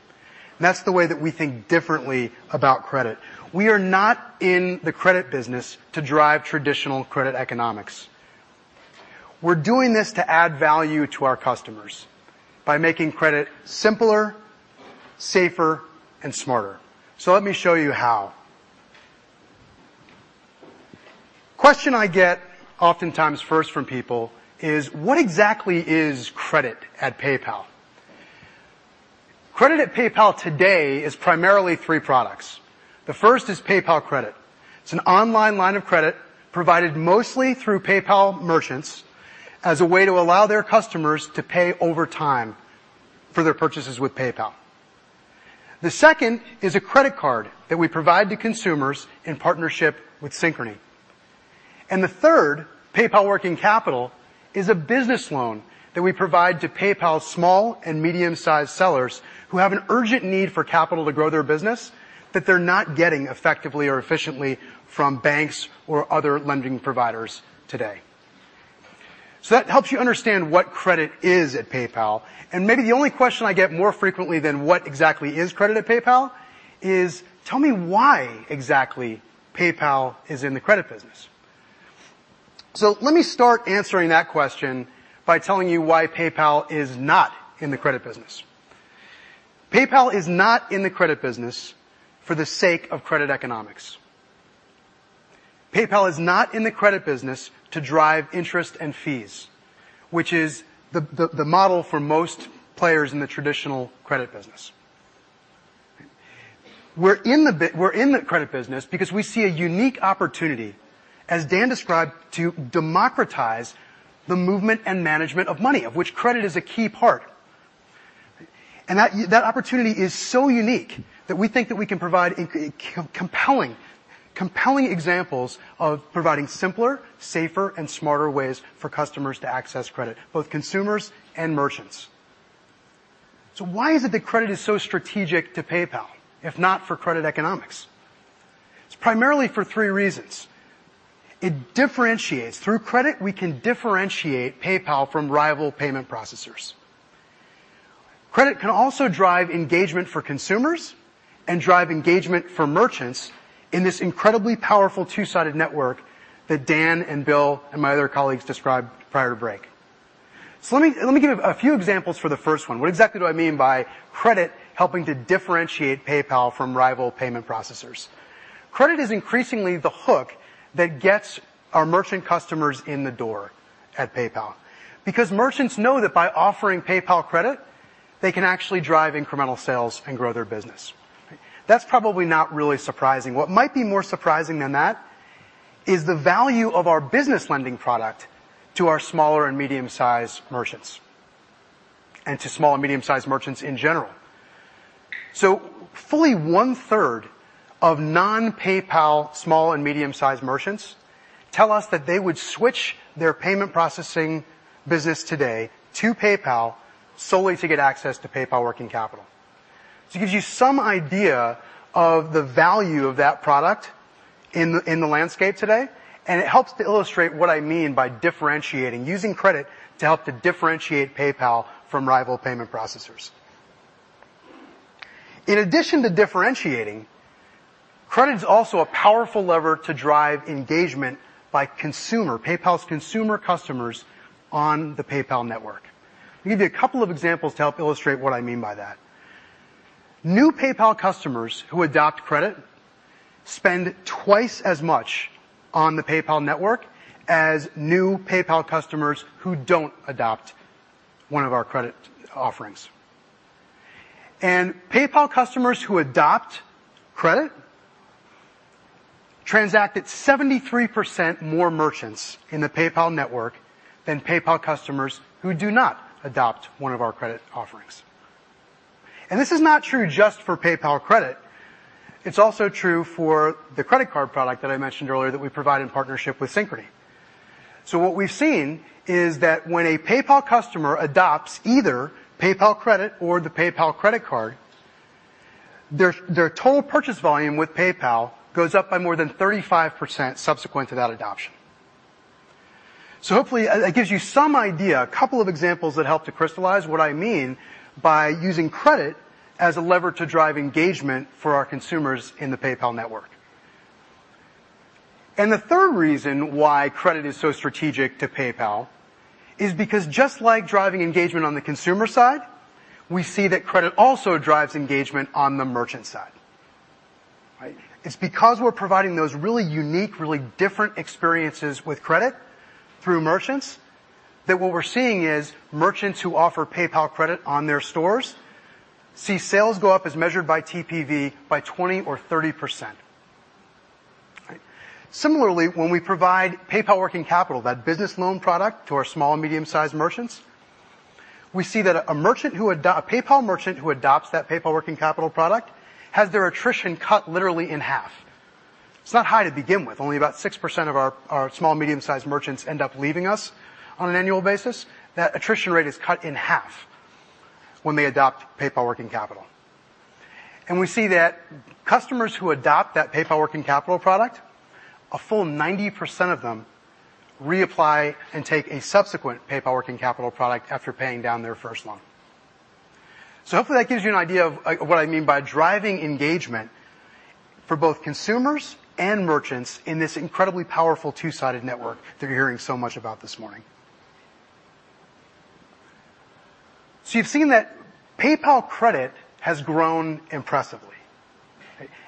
That's the way that we think differently about credit. We are not in the credit business to drive traditional credit economics. We're doing this to add value to our customers by making credit simpler, safer, and smarter. Let me show you how. Question I get oftentimes first from people is, what exactly is credit at PayPal? Credit at PayPal today is primarily three products. The first is PayPal Credit. It's an online line of credit provided mostly through PayPal merchants as a way to allow their customers to pay over time for their purchases with PayPal. The second is a credit card that we provide to consumers in partnership with Synchrony. The third, PayPal Working Capital, is a business loan that we provide to PayPal small and medium-sized sellers who have an urgent need for capital to grow their business that they're not getting effectively or efficiently from banks or other lending providers today. That helps you understand what credit is at PayPal, maybe the only question I get more frequently than what exactly is credit at PayPal is, tell me why exactly PayPal is in the credit business. Let me start answering that question by telling you why PayPal is not in the credit business. PayPal is not in the credit business for the sake of credit economics. PayPal is not in the credit business to drive interest and fees, which is the model for most players in the traditional credit business. We're in the credit business because we see a unique opportunity, as Dan described, to democratize the movement and management of money, of which credit is a key part. That opportunity is so unique that we think that we can provide compelling examples of providing simpler, safer, and smarter ways for customers to access credit, both consumers and merchants. Why is it that credit is so strategic to PayPal, if not for credit economics? It's primarily for three reasons. It differentiates. Through credit, we can differentiate PayPal from rival payment processors. Credit can also drive engagement for consumers and drive engagement for merchants in this incredibly powerful two-sided network that Dan and Bill and my other colleagues described prior to break. Let me give a few examples for the first one. What exactly do I mean by credit helping to differentiate PayPal from rival payment processors? Credit is increasingly the hook that gets our merchant customers in the door at PayPal, because merchants know that by offering PayPal Credit, they can actually drive incremental sales and grow their business. That's probably not really surprising. What might be more surprising than that is the value of our business lending product to our smaller and medium-sized merchants, and to small and medium-sized merchants in general. Fully one-third of non-PayPal small and medium-sized merchants tell us that they would switch their payment processing business today to PayPal solely to get access to PayPal Working Capital. It gives you some idea of the value of that product in the landscape today, and it helps to illustrate what I mean by differentiating, using credit to help to differentiate PayPal from rival payment processors. In addition to differentiating, credit's also a powerful lever to drive engagement by consumer, PayPal's consumer customers on the PayPal network. Let me give you a couple of examples to help illustrate what I mean by that. New PayPal customers who adopt credit spend twice as much on the PayPal network as new PayPal customers who don't adopt one of our credit offerings. PayPal customers who adopt credit transact at 73% more merchants in the PayPal network than PayPal customers who do not adopt one of our credit offerings. This is not true just for PayPal Credit. It's also true for the credit card product that I mentioned earlier that we provide in partnership with Synchrony. When a PayPal customer adopts either PayPal Credit or the PayPal credit card, their total purchase volume with PayPal goes up by more than 35% subsequent to that adoption. Hopefully that gives you some idea, a couple of examples that help to crystallize what I mean by using credit as a lever to drive engagement for our consumers in the PayPal network. The third reason why credit is so strategic to PayPal is because just like driving engagement on the consumer side, we see that credit also drives engagement on the merchant side. It's because we're providing those really unique, really different experiences with credit through merchants, that what we're seeing is merchants who offer PayPal Credit on their stores see sales go up as measured by TPV by 20% or 30%. Similarly, when we provide PayPal Working Capital, that business loan product to our small and medium-sized merchants, we see that a PayPal merchant who adopts that PayPal Working Capital product has their attrition cut literally in half. It's not high to begin with. Only about 6% of our small and medium-sized merchants end up leaving us on an annual basis. That attrition rate is cut in half when they adopt PayPal Working Capital. We see that customers who adopt that PayPal Working Capital product, a full 90% of them reapply and take a subsequent PayPal Working Capital product after paying down their first loan. Hopefully that gives you an idea of what I mean by driving engagement for both consumers and merchants in this incredibly powerful two-sided network that you're hearing so much about this morning. You've seen that PayPal Credit has grown impressively.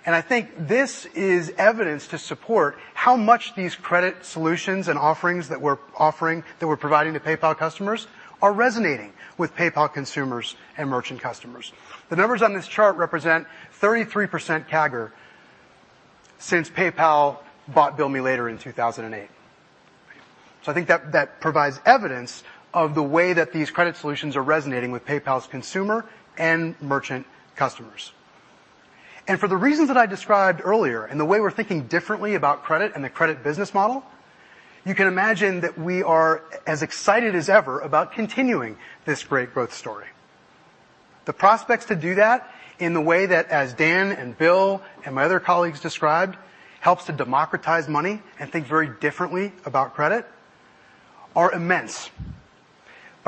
I think this is evidence to support how much these credit solutions and offerings that we're offering, that we're providing to PayPal customers are resonating with PayPal consumers and merchant customers. The numbers on this chart represent 33% CAGR since PayPal bought Bill Me Later in 2008. I think that provides evidence of the way that these credit solutions are resonating with PayPal's consumer and merchant customers. For the reasons that I described earlier and the way we're thinking differently about credit and the credit business model, you can imagine that we are as excited as ever about continuing this great growth story. The prospects to do that in the way that, as Dan and Bill and my other colleagues described, helps to democratize money and think very differently about credit, are immense.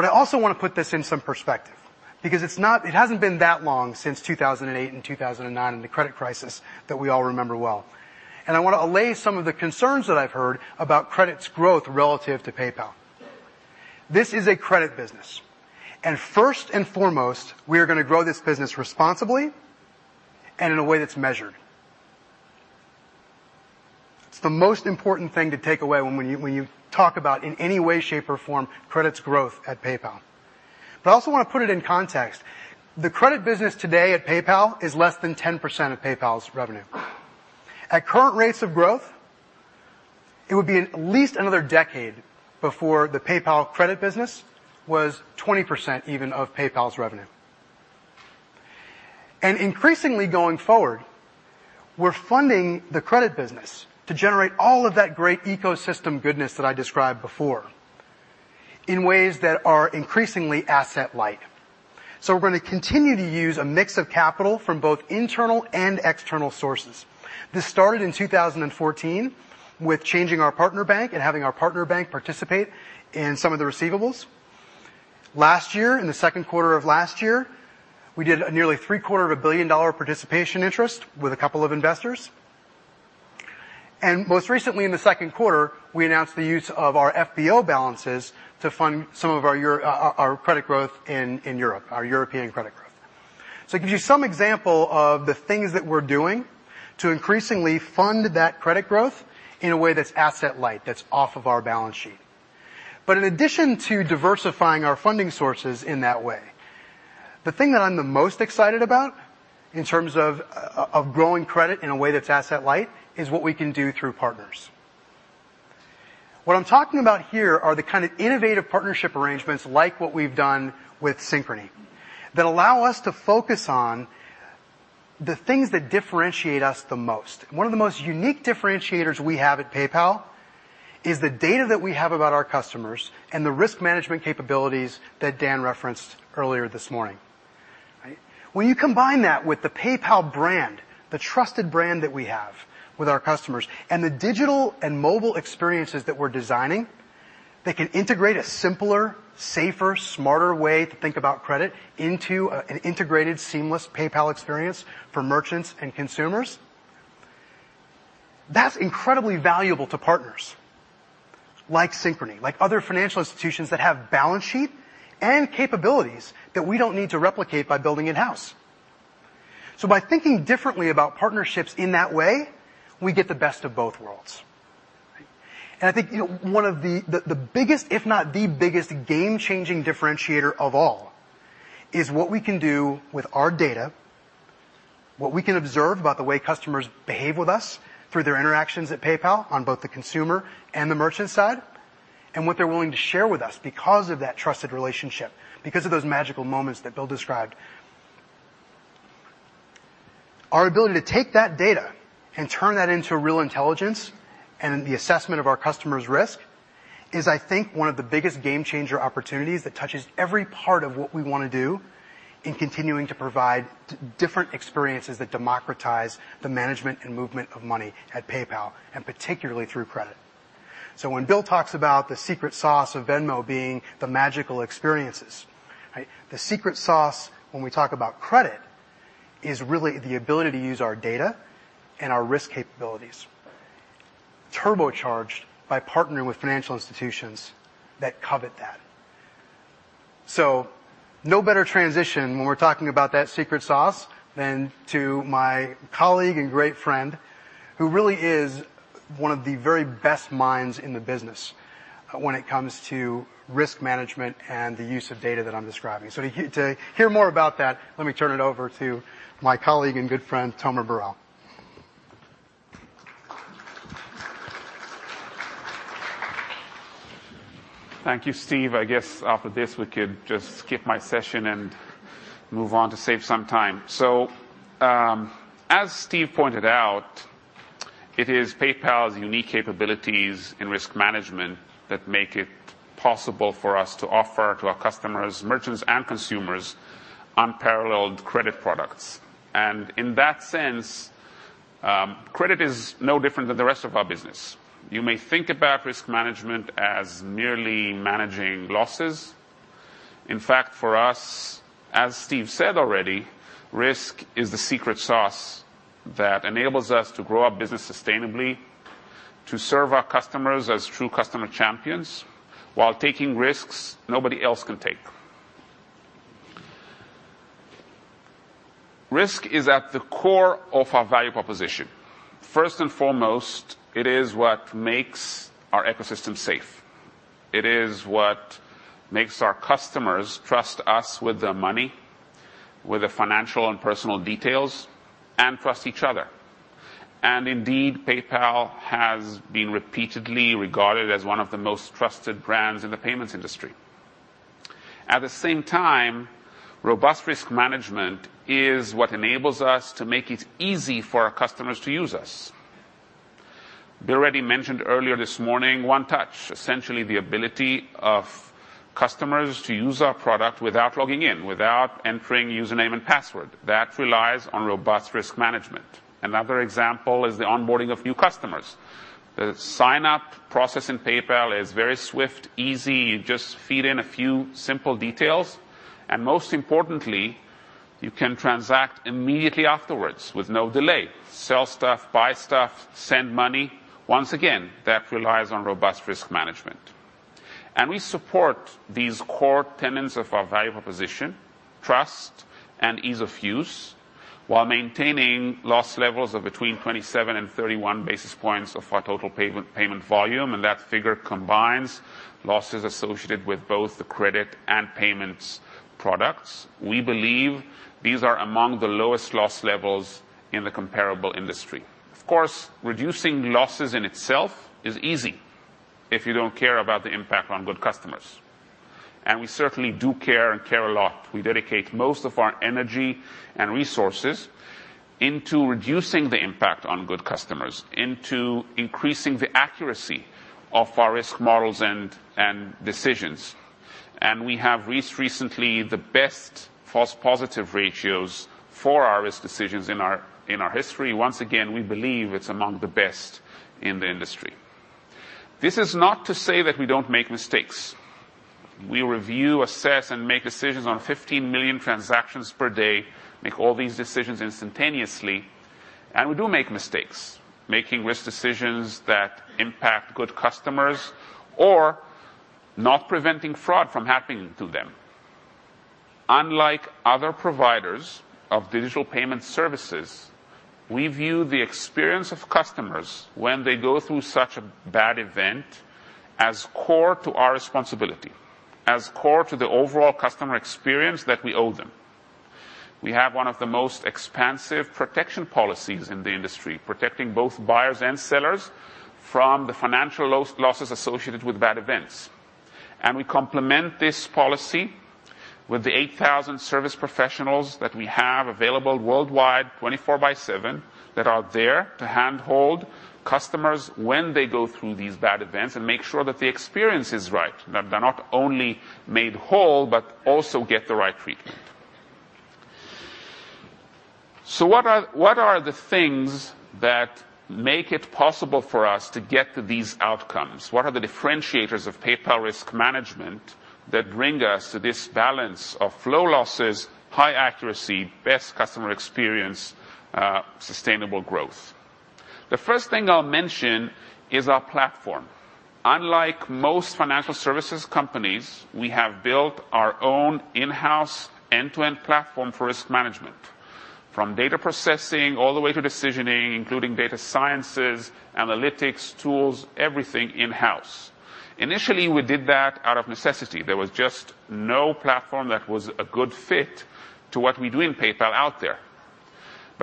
I also want to put this in some perspective because it hasn't been that long since 2008 and 2009, and the credit crisis that we all remember well. I want to allay some of the concerns that I've heard about credit's growth relative to PayPal. This is a credit business, and first and foremost, we are going to grow this business responsibly and in a way that's measured. It's the most important thing to take away when you talk about, in any way, shape, or form, credit's growth at PayPal. I also want to put it in context. The credit business today at PayPal is less than 10% of PayPal's revenue. At current rates of growth, it would be at least another decade before the PayPal Credit business was 20% even of PayPal's revenue. Increasingly, going forward, we're funding the credit business to generate all of that great ecosystem goodness that I described before in ways that are increasingly asset light. We're going to continue to use a mix of capital from both internal and external sources. This started in 2014 with changing our partner bank and having our partner bank participate in some of the receivables. Last year, in the second quarter of last year, we did a nearly three-quarter of a billion dollar participation interest with a couple of investors. Most recently, in the second quarter, we announced the use of our FBO balances to fund some of our credit growth in Europe, our European credit growth. It gives you some example of the things that we're doing to increasingly fund that credit growth in a way that's asset light, that's off of our balance sheet. In addition to diversifying our funding sources in that way, the thing that I'm the most excited about in terms of growing credit in a way that's asset light is what we can do through partners. What I'm talking about here are the kind of innovative partnership arrangements, like what we've done with Synchrony, that allow us to focus on the things that differentiate us the most. One of the most unique differentiators we have at PayPal is the data that we have about our customers and the risk management capabilities that Dan referenced earlier this morning. When you combine that with the PayPal brand, the trusted brand that we have with our customers, and the digital and mobile experiences that we're designing, that can integrate a simpler, safer, smarter way to think about credit into an integrated, seamless PayPal experience for merchants and consumers. That's incredibly valuable to partners like Synchrony, like other financial institutions that have balance sheet and capabilities that we don't need to replicate by building in-house. By thinking differently about partnerships in that way, we get the best of both worlds. I think one of the biggest, if not the biggest game-changing differentiator of all is what we can do with our data, what we can observe about the way customers behave with us through their interactions at PayPal on both the consumer and the merchant side, and what they're willing to share with us because of that trusted relationship, because of those magical moments that Bill described. Our ability to take that data and turn that into real intelligence and the assessment of our customers' risk is, I think, one of the biggest game-changer opportunities that touches every part of what we want to do in continuing to provide different experiences that democratize the management and movement of money at PayPal, and particularly through credit. When Bill talks about the secret sauce of Venmo being the magical experiences, the secret sauce when we talk about credit is really the ability to use our data and our risk capabilities, turbocharged by partnering with financial institutions that covet that. No better transition when we're talking about that secret sauce than to my colleague and great friend who really is one of the very best minds in the business when it comes to risk management and the use of data that I'm describing. To hear more about that, let me turn it over to my colleague and good friend, Tomer Barel. Thank you, Steve. I guess after this, we could just skip my session and move on to save some time. As Steve pointed out, it is PayPal's unique capabilities in risk management that make it possible for us to offer to our customers, merchants, and consumers unparalleled credit products. In that sense, credit is no different than the rest of our business. You may think about risk management as merely managing losses. In fact, for us, as Steve said already, risk is the secret sauce that enables us to grow our business sustainably, to serve our customers as true customer champions while taking risks nobody else can take. Risk is at the core of our value proposition. First and foremost, it is what makes our ecosystem safe. It is what makes our customers trust us with their money, with their financial and personal details, and trust each other. Indeed, PayPal has been repeatedly regarded as one of the most trusted brands in the payments industry. At the same time, robust risk management is what enables us to make it easy for our customers to use us. We already mentioned earlier this morning, One Touch, essentially the ability of customers to use our product without logging in, without entering username and password. That relies on robust risk management. Another example is the onboarding of new customers. The sign-up process in PayPal is very swift, easy. You just feed in a few simple details, and most importantly, you can transact immediately afterwards with no delay. Sell stuff, buy stuff, send money. Once again, that relies on robust risk management. We support these core tenets of our value proposition, trust and ease of use, while maintaining loss levels of between 27 and 31 basis points of our total payment volume, and that figure combines losses associated with both the credit and payments products. We believe these are among the lowest loss levels in the comparable industry. Of course, reducing losses in itself is easy if you don't care about the impact on good customers. We certainly do care, and care a lot. We dedicate most of our energy and resources into reducing the impact on good customers, into increasing the accuracy of our risk models and decisions. We have recently the best false positive ratios for our risk decisions in our history. Once again, we believe it's among the best in the industry. This is not to say that we don't make mistakes. We review, assess, and make decisions on 15 million transactions per day, make all these decisions instantaneously, we do make mistakes. Making risk decisions that impact good customers or not preventing fraud from happening to them. Unlike other providers of digital payment services, we view the experience of customers when they go through such a bad event as core to our responsibility, as core to the overall customer experience that we owe them. We have one of the most expansive protection policies in the industry, protecting both buyers and sellers from the financial losses associated with bad events. We complement this policy with the 8,000 service professionals that we have available worldwide, 24 by seven, that are there to hand-hold customers when they go through these bad events and make sure that the experience is right, that they're not only made whole, but also get the right treatment. What are the things that make it possible for us to get to these outcomes? What are the differentiators of PayPal risk management that bring us to this balance of low losses, high accuracy, best customer experience, sustainable growth? The first thing I'll mention is our platform. Unlike most financial services companies, we have built our own in-house, end-to-end platform for risk management. From data processing all the way to decisioning, including data sciences, analytics, tools, everything in-house. Initially, we did that out of necessity. There was just no platform that was a good fit to what we do in PayPal out there.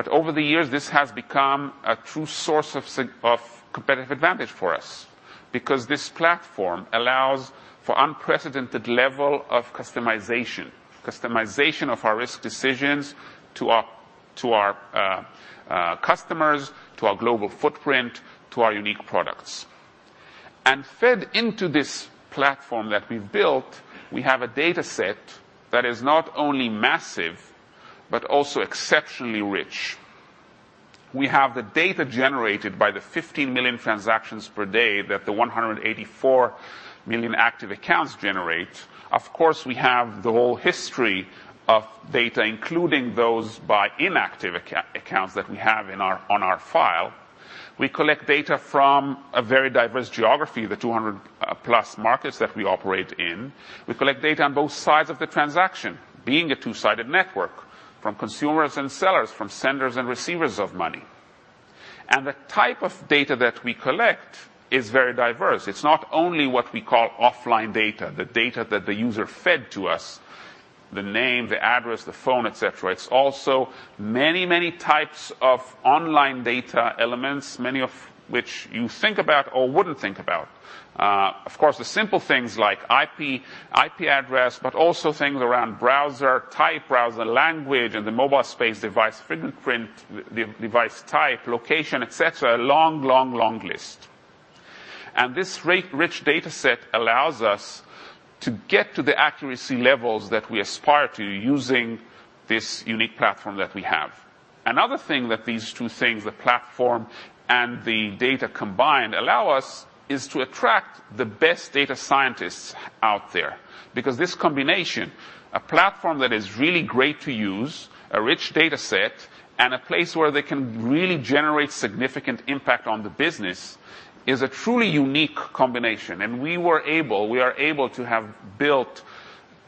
Over the years, this has become a true source of competitive advantage for us because this platform allows for unprecedented level of customization. Customization of our risk decisions to our customers, to our global footprint, to our unique products. Fed into this platform that we've built, we have a data set that is not only massive but also exceptionally rich. We have the data generated by the 15 million transactions per day that the 184 million active accounts generate. Of course, we have the whole history of data, including those by inactive accounts that we have on our file. We collect data from a very diverse geography, the 200-plus markets that we operate in. We collect data on both sides of the transaction, being a two-sided network, from consumers and sellers, from senders and receivers of money. The type of data that we collect is very diverse. It's not only what we call offline data, the data that the user fed to us, the name, the address, the phone, et cetera. It's also many, many types of online data elements, many of which you think about or wouldn't think about. Of course, the simple things like IP address, but also things around browser type, browser language, and the mobile space device fingerprint, the device type, location, et cetera. A long, long, long list. This rich data set allows us to get to the accuracy levels that we aspire to using this unique platform that we have. Another thing that these two things, the platform and the data combined, allow us is to attract the best data scientists out there because this combination, a platform that is really great to use, a rich data set, and a place where they can really generate significant impact on the business, is a truly unique combination. We are able to have built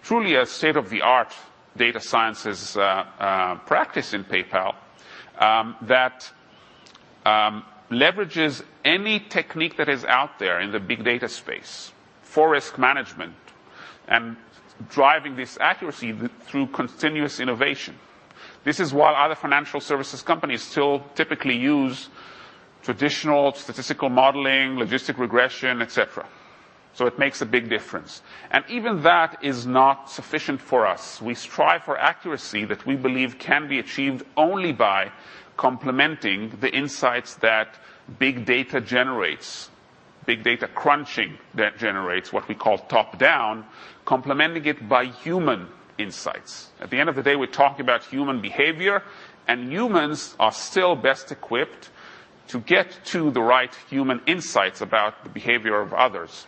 truly a state-of-the-art data sciences practice in PayPal that leverages any technique that is out there in the big data space for risk management and driving this accuracy through continuous innovation. This is while other financial services companies still typically use traditional statistical modeling, logistic regression, et cetera. It makes a big difference. Even that is not sufficient for us. We strive for accuracy that we believe can be achieved only by complementing the insights that big data generates, big data crunching that generates what we call top-down, complementing it by human insights. At the end of the day, we're talking about human behavior, and humans are still best equipped to get to the right human insights about the behavior of others.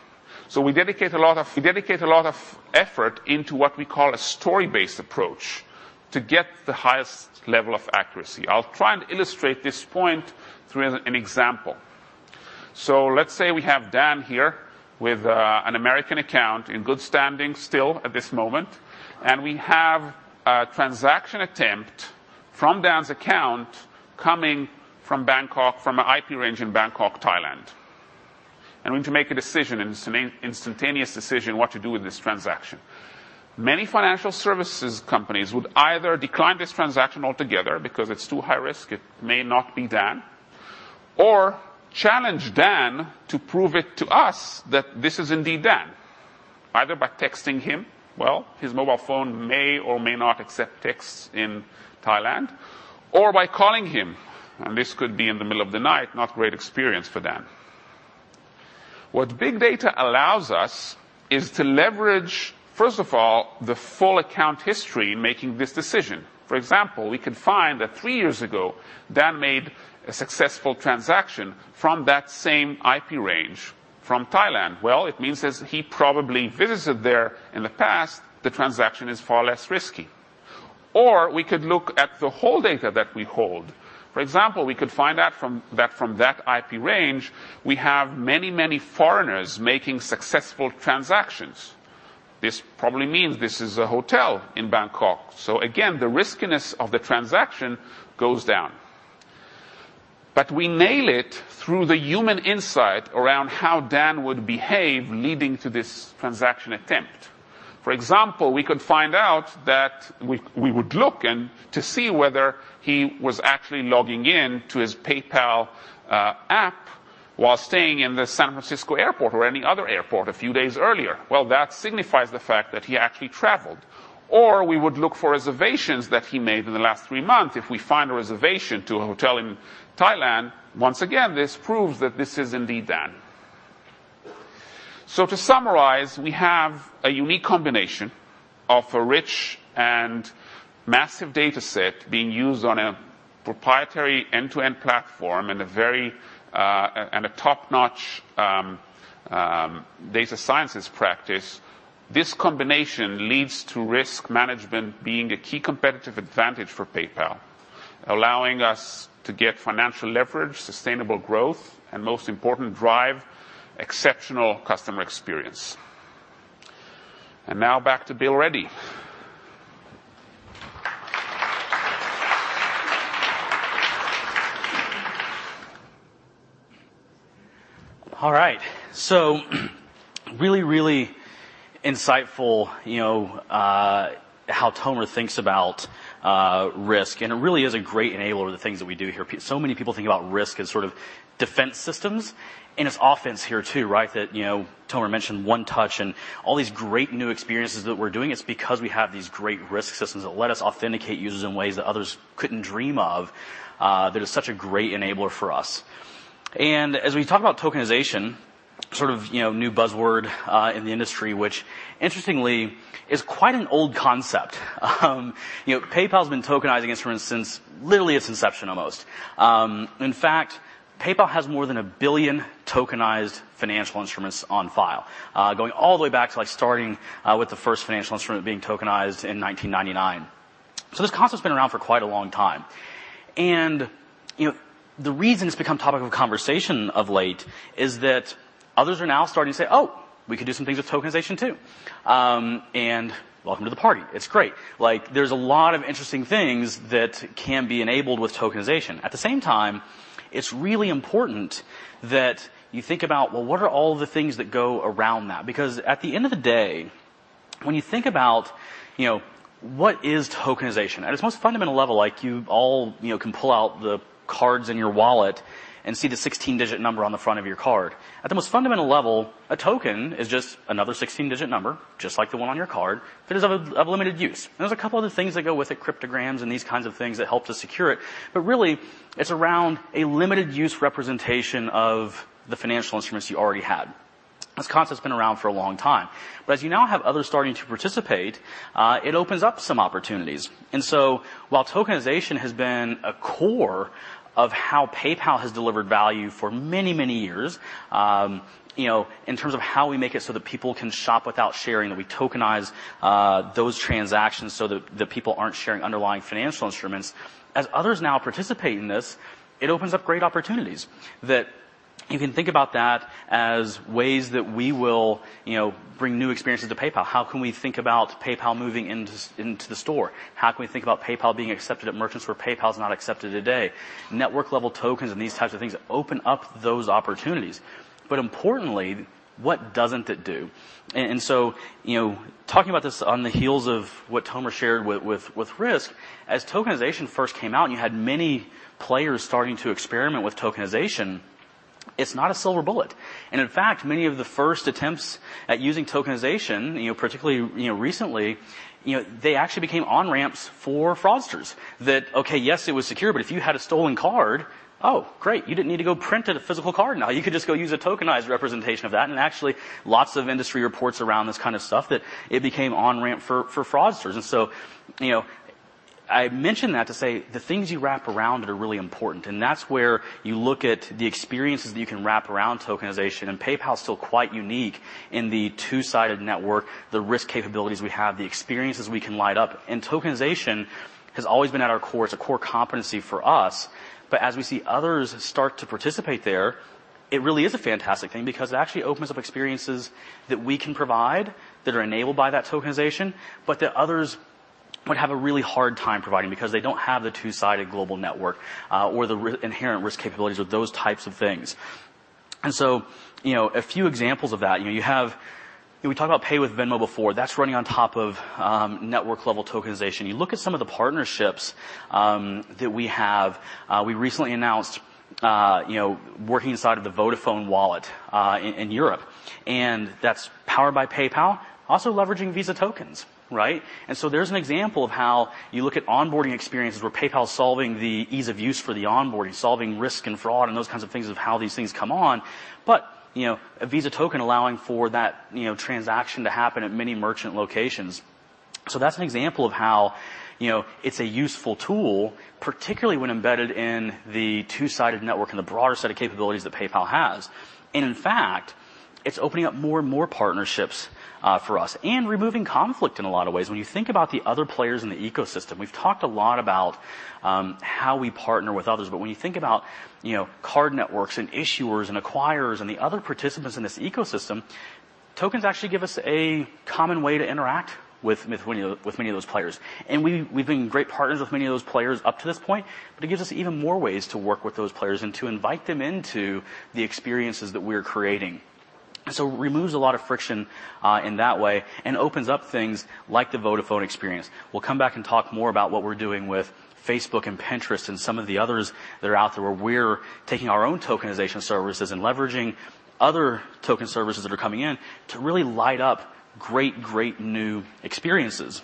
We dedicate a lot of effort into what we call a story-based approach to get the highest level of accuracy. I'll try and illustrate this point through an example. Let's say we have Dan here with an American account in good standing still at this moment, and we have a transaction attempt from Dan's account coming from an IP range in Bangkok, Thailand. We need to make an instantaneous decision what to do with this transaction. Many financial services companies would either decline this transaction altogether because it's too high risk, it may not be Dan, or challenge Dan to prove it to us that this is indeed Dan, either by texting him, well, his mobile phone may or may not accept texts in Thailand, or by calling him, and this could be in the middle of the night, not great experience for Dan. What big data allows us is to leverage, first of all, the full account history in making this decision. For example, we could find that three years ago, Dan made a successful transaction from that same IP range from Thailand. Well, it means that he probably visited there in the past, the transaction is far less risky. We could look at the whole data that we hold. For example, we could find out that from that IP range, we have many, many foreigners making successful transactions. This probably means this is a hotel in Bangkok. Again, the riskiness of the transaction goes down. We nail it through the human insight around how Dan would behave leading to this transaction attempt. For example, we would look to see whether he was actually logging in to his PayPal app while staying in the San Francisco Airport or any other airport a few days earlier. Well, that signifies the fact that he actually traveled. We would look for reservations that he made in the last three months. If we find a reservation to a hotel in Thailand, once again, this proves that this is indeed Dan. To summarize, we have a unique combination of a rich and massive data set being used on a proprietary end-to-end platform and a top-notch data sciences practice. This combination leads to risk management being a key competitive advantage for PayPal, allowing us to get financial leverage, sustainable growth, and most important, drive exceptional customer experience. Now back to Bill Ready. Really, really insightful how Tomer thinks about risk, it really is a great enabler of the things that we do here. Many people think about risk as sort of defense systems, it's offense here too, right? That Tomer mentioned One Touch and all these great new experiences that we're doing, it's because we have these great risk systems that let us authenticate users in ways that others couldn't dream of, that is such a great enabler for us. As we talk about tokenization, sort of new buzzword in the industry, which interestingly is quite an old concept. PayPal's been tokenizing instruments since literally its inception almost. In fact, PayPal has more than 1 billion tokenized financial instruments on file, going all the way back to starting with the first financial instrument being tokenized in 1999. This concept's been around for quite a long time. The reason it's become topic of conversation of late is that others are now starting to say, "Oh, we could do some things with tokenization too." Welcome to the party. It's great. There's a lot of interesting things that can be enabled with tokenization. At the same time, it's really important that you think about, well, what are all the things that go around that? Because at the end of the day, when you think about what is tokenization, at its most fundamental level, like you all can pull out the cards in your wallet and see the 16-digit number on the front of your card. At the most fundamental level, a token is just another 16-digit number, just like the one on your card, that is of limited use. There's a couple other things that go with it, cryptograms and these kinds of things that help to secure it. Really, it's around a limited use representation of the financial instruments you already had. This concept's been around for a long time. As you now have others starting to participate, it opens up some opportunities. While tokenization has been a core of how PayPal has delivered value for many, many years, in terms of how we make it so that people can shop without sharing, that we tokenize those transactions so that the people aren't sharing underlying financial instruments. As others now participate in this, it opens up great opportunities that you can think about that as ways that we will bring new experiences to PayPal. How can we think about PayPal moving into the store? How can we think about PayPal being accepted at merchants where PayPal is not accepted today? Network-level tokens and these types of things open up those opportunities. Importantly, what doesn't it do? Talking about this on the heels of what Tomer shared with risk, as tokenization first came out and you had many players starting to experiment with tokenization, it's not a silver bullet. In fact, many of the first attempts at using tokenization, particularly recently, they actually became on-ramps for fraudsters that, okay, yes, it was secure, but if you had a stolen card, oh, great, you didn't need to go print a physical card now. You could just go use a tokenized representation of that, and actually lots of industry reports around this kind of stuff that it became on-ramp for fraudsters. I mention that to say the things you wrap around it are really important, and that's where you look at the experiences that you can wrap around tokenization. PayPal is still quite unique in the two-sided network, the risk capabilities we have, the experiences we can light up. Tokenization has always been at our core. It's a core competency for us. As we see others start to participate there, it really is a fantastic thing because it actually opens up experiences that we can provide that are enabled by that tokenization, but that others would have a really hard time providing because they don't have the two-sided global network, or the inherent risk capabilities of those types of things. A few examples of that. We talked about Pay with Venmo before. That's running on top of network-level tokenization. You look at some of the partnerships that we have. We recently announced working inside of the Vodafone Wallet in Europe, that's powered by PayPal, also leveraging Visa tokens, right? There's an example of how you look at onboarding experiences where PayPal is solving the ease of use for the onboarding, solving risk and fraud and those kinds of things of how these things come on. A Visa token allowing for that transaction to happen at many merchant locations. That's an example of how it's a useful tool, particularly when embedded in the two-sided network and the broader set of capabilities that PayPal has. In fact, it's opening up more and more partnerships for us and removing conflict in a lot of ways. When you think about the other players in the ecosystem, we've talked a lot about how we partner with others, but when you think about card networks and issuers and acquirers and the other participants in this ecosystem, tokens actually give us a common way to interact with many of those players. We've been great partners with many of those players up to this point, it gives us even more ways to work with those players and to invite them into the experiences that we're creating. It removes a lot of friction in that way and opens up things like the Vodafone experience. We'll come back and talk more about what we're doing with Facebook and Pinterest and some of the others that are out there, where we're taking our own tokenization services and leveraging other token services that are coming in to really light up great new experiences.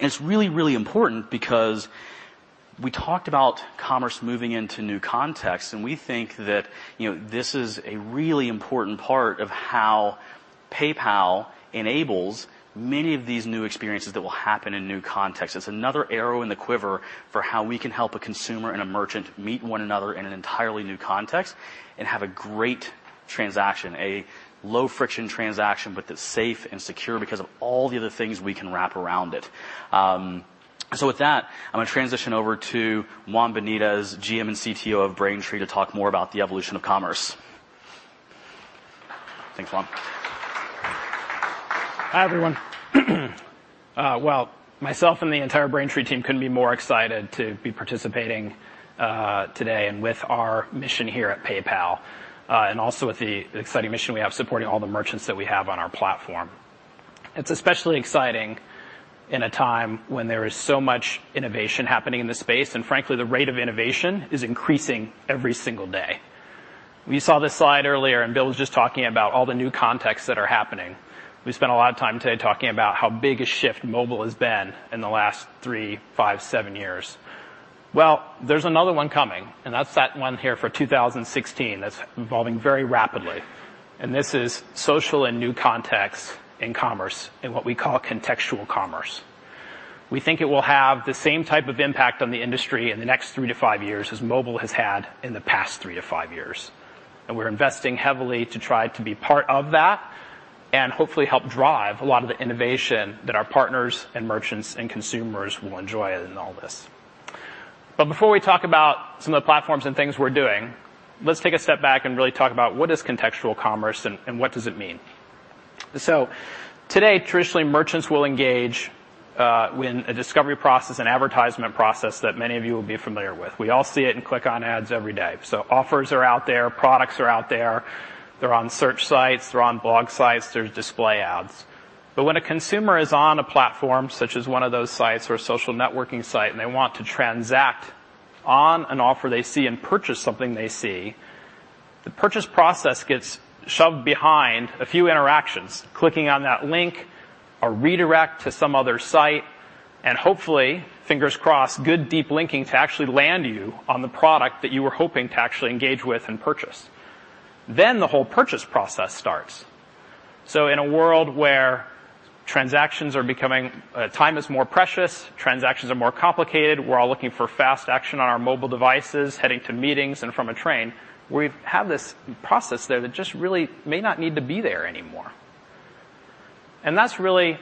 It's really, really important because we talked about commerce moving into new contexts, we think that this is a really important part of how PayPal enables many of these new experiences that will happen in new contexts. It's another arrow in the quiver for how we can help a consumer and a merchant meet one another in an entirely new context and have a great transaction, a low-friction transaction, that's safe and secure because of all the other things we can wrap around it. With that, I'm going to transition over to Juan Benitez, GM and CTO of Braintree, to talk more about the evolution of commerce. Thanks, Juan. Hi, everyone. Myself and the entire Braintree team couldn't be more excited to be participating today and with our mission here at PayPal. Also with the exciting mission we have supporting all the merchants that we have on our platform. It's especially exciting in a time when there is so much innovation happening in the space, and frankly, the rate of innovation is increasing every single day. We saw this slide earlier, and Bill was just talking about all the new contexts that are happening. We spent a lot of time today talking about how big a shift mobile has been in the last three, five, seven years. There's another one coming, and that's that one here for 2016 that's evolving very rapidly. This is social and new contexts in commerce, in what we call contextual commerce. We think it will have the same type of impact on the industry in the next three to five years as mobile has had in the past three to five years. We're investing heavily to try to be part of that and hopefully help drive a lot of the innovation that our partners and merchants and consumers will enjoy in all this. Before we talk about some of the platforms and things we're doing, let's take a step back and really talk about what is contextual commerce and what does it mean. Today, traditionally, merchants will engage in a discovery process and advertisement process that many of you will be familiar with. We all see it and click on ads every day. Offers are out there, products are out there, they're on search sites, they're on blog sites, there's display ads. When a consumer is on a platform such as one of those sites or a social networking site, and they want to transact on an offer they see and purchase something they see, the purchase process gets shoved behind a few interactions. Clicking on that link, a redirect to some other site. Hopefully, fingers crossed, good deep linking to actually land you on the product that you were hoping to actually engage with and purchase. The whole purchase process starts. In a world where time is more precious, transactions are more complicated, we're all looking for fast action on our mobile devices, heading to meetings and from a train, we have this process there that just really may not need to be there anymore. That's really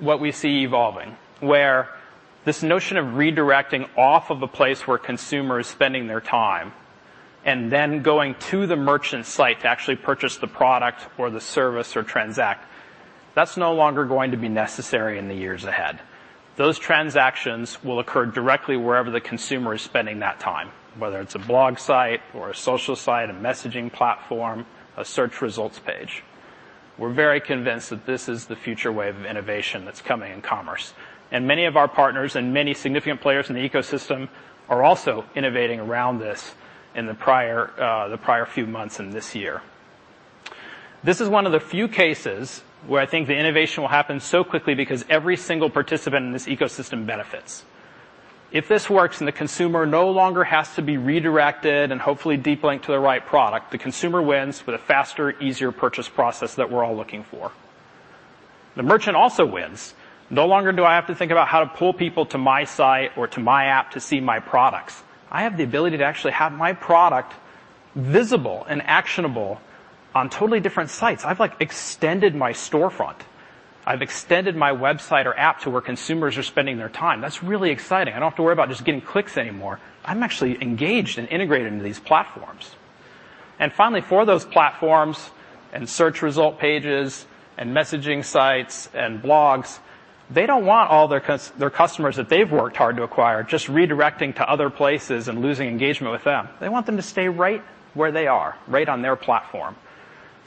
what we see evolving, where this notion of redirecting off of a place where a consumer is spending their time and then going to the merchant site to actually purchase the product or the service or transact, that's no longer going to be necessary in the years ahead. Those transactions will occur directly wherever the consumer is spending that time, whether it's a blog site or a social site, a messaging platform, a search results page. We're very convinced that this is the future wave of innovation that's coming in commerce. Many of our partners and many significant players in the ecosystem are also innovating around this in the prior few months and this year. This is one of the few cases where I think the innovation will happen so quickly because every single participant in this ecosystem benefits. If this works and the consumer no longer has to be redirected and hopefully deep linked to the right product, the consumer wins with a faster, easier purchase process that we're all looking for. The merchant also wins. No longer do I have to think about how to pull people to my site or to my app to see my products. I have the ability to actually have my product visible and actionable on totally different sites. I've extended my storefront. I've extended my website or app to where consumers are spending their time. That's really exciting. I don't have to worry about just getting clicks anymore. I'm actually engaged and integrated into these platforms. Finally, for those platforms and search result pages and messaging sites and blogs, they don't want all their customers that they've worked hard to acquire just redirecting to other places and losing engagement with them. They want them to stay right where they are, right on their platform.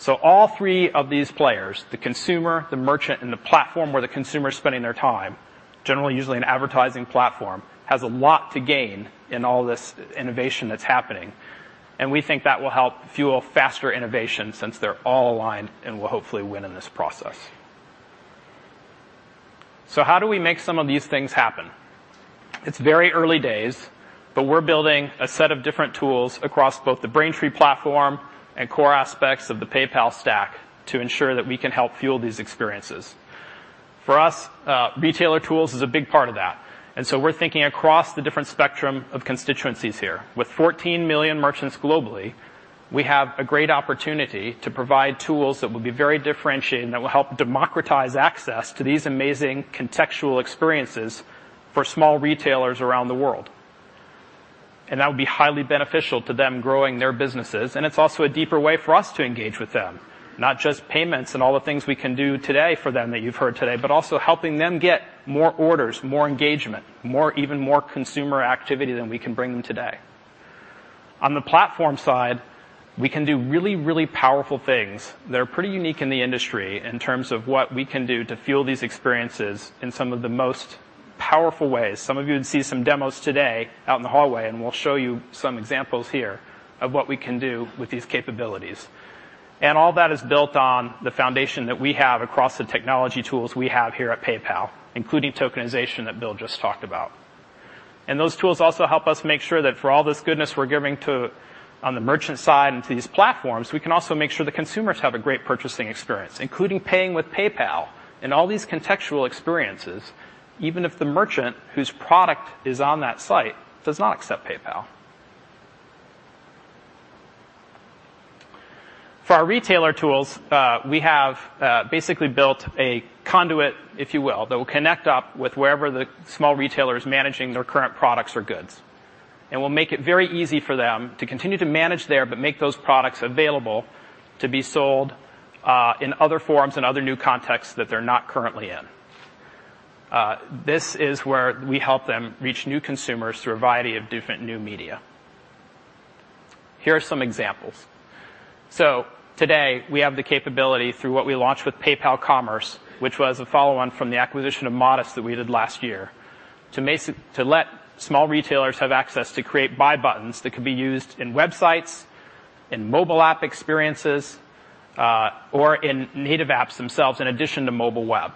All three of these players, the consumer, the merchant, and the platform where the consumer is spending their time, generally usually an advertising platform, has a lot to gain in all this innovation that's happening. We think that will help fuel faster innovation since they're all aligned and will hopefully win in this process. How do we make some of these things happen? It's very early days, but we're building a set of different tools across both the Braintree platform and core aspects of the PayPal stack to ensure that we can help fuel these experiences. For us, retailer tools is a big part of that, so we're thinking across the different spectrum of constituencies here. With 14 million merchants globally, we have a great opportunity to provide tools that will be very differentiating, that will help democratize access to these amazing contextual experiences for small retailers around the world. That would be highly beneficial to them growing their businesses, and it's also a deeper way for us to engage with them. Not just payments and all the things we can do today for them that you've heard today, but also helping them get more orders, more engagement, even more consumer activity than we can bring them today. On the platform side, we can do really, really powerful things that are pretty unique in the industry in terms of what we can do to fuel these experiences in some of the most powerful ways. Some of you would see some demos today out in the hallway, we'll show you some examples here of what we can do with these capabilities. All that is built on the foundation that we have across the technology tools we have here at PayPal, including tokenization that Bill just talked about. Those tools also help us make sure that for all this goodness we're giving on the merchant side and to these platforms, we can also make sure the consumers have a great purchasing experience, including paying with PayPal and all these contextual experiences, even if the merchant whose product is on that site does not accept PayPal. For our retailer tools, we have basically built a conduit, if you will, that will connect up with wherever the small retailer is managing their current products or goods. We'll make it very easy for them to continue to manage there, but make those products available to be sold in other forms and other new contexts that they're not currently in. This is where we help them reach new consumers through a variety of different new media. Here are some examples. Today, we have the capability through what we launched with PayPal Commerce, which was a follow-on from the acquisition of Modest that we did last year, to let small retailers have access to create buy buttons that could be used in websites, in mobile app experiences, or in native apps themselves, in addition to mobile web.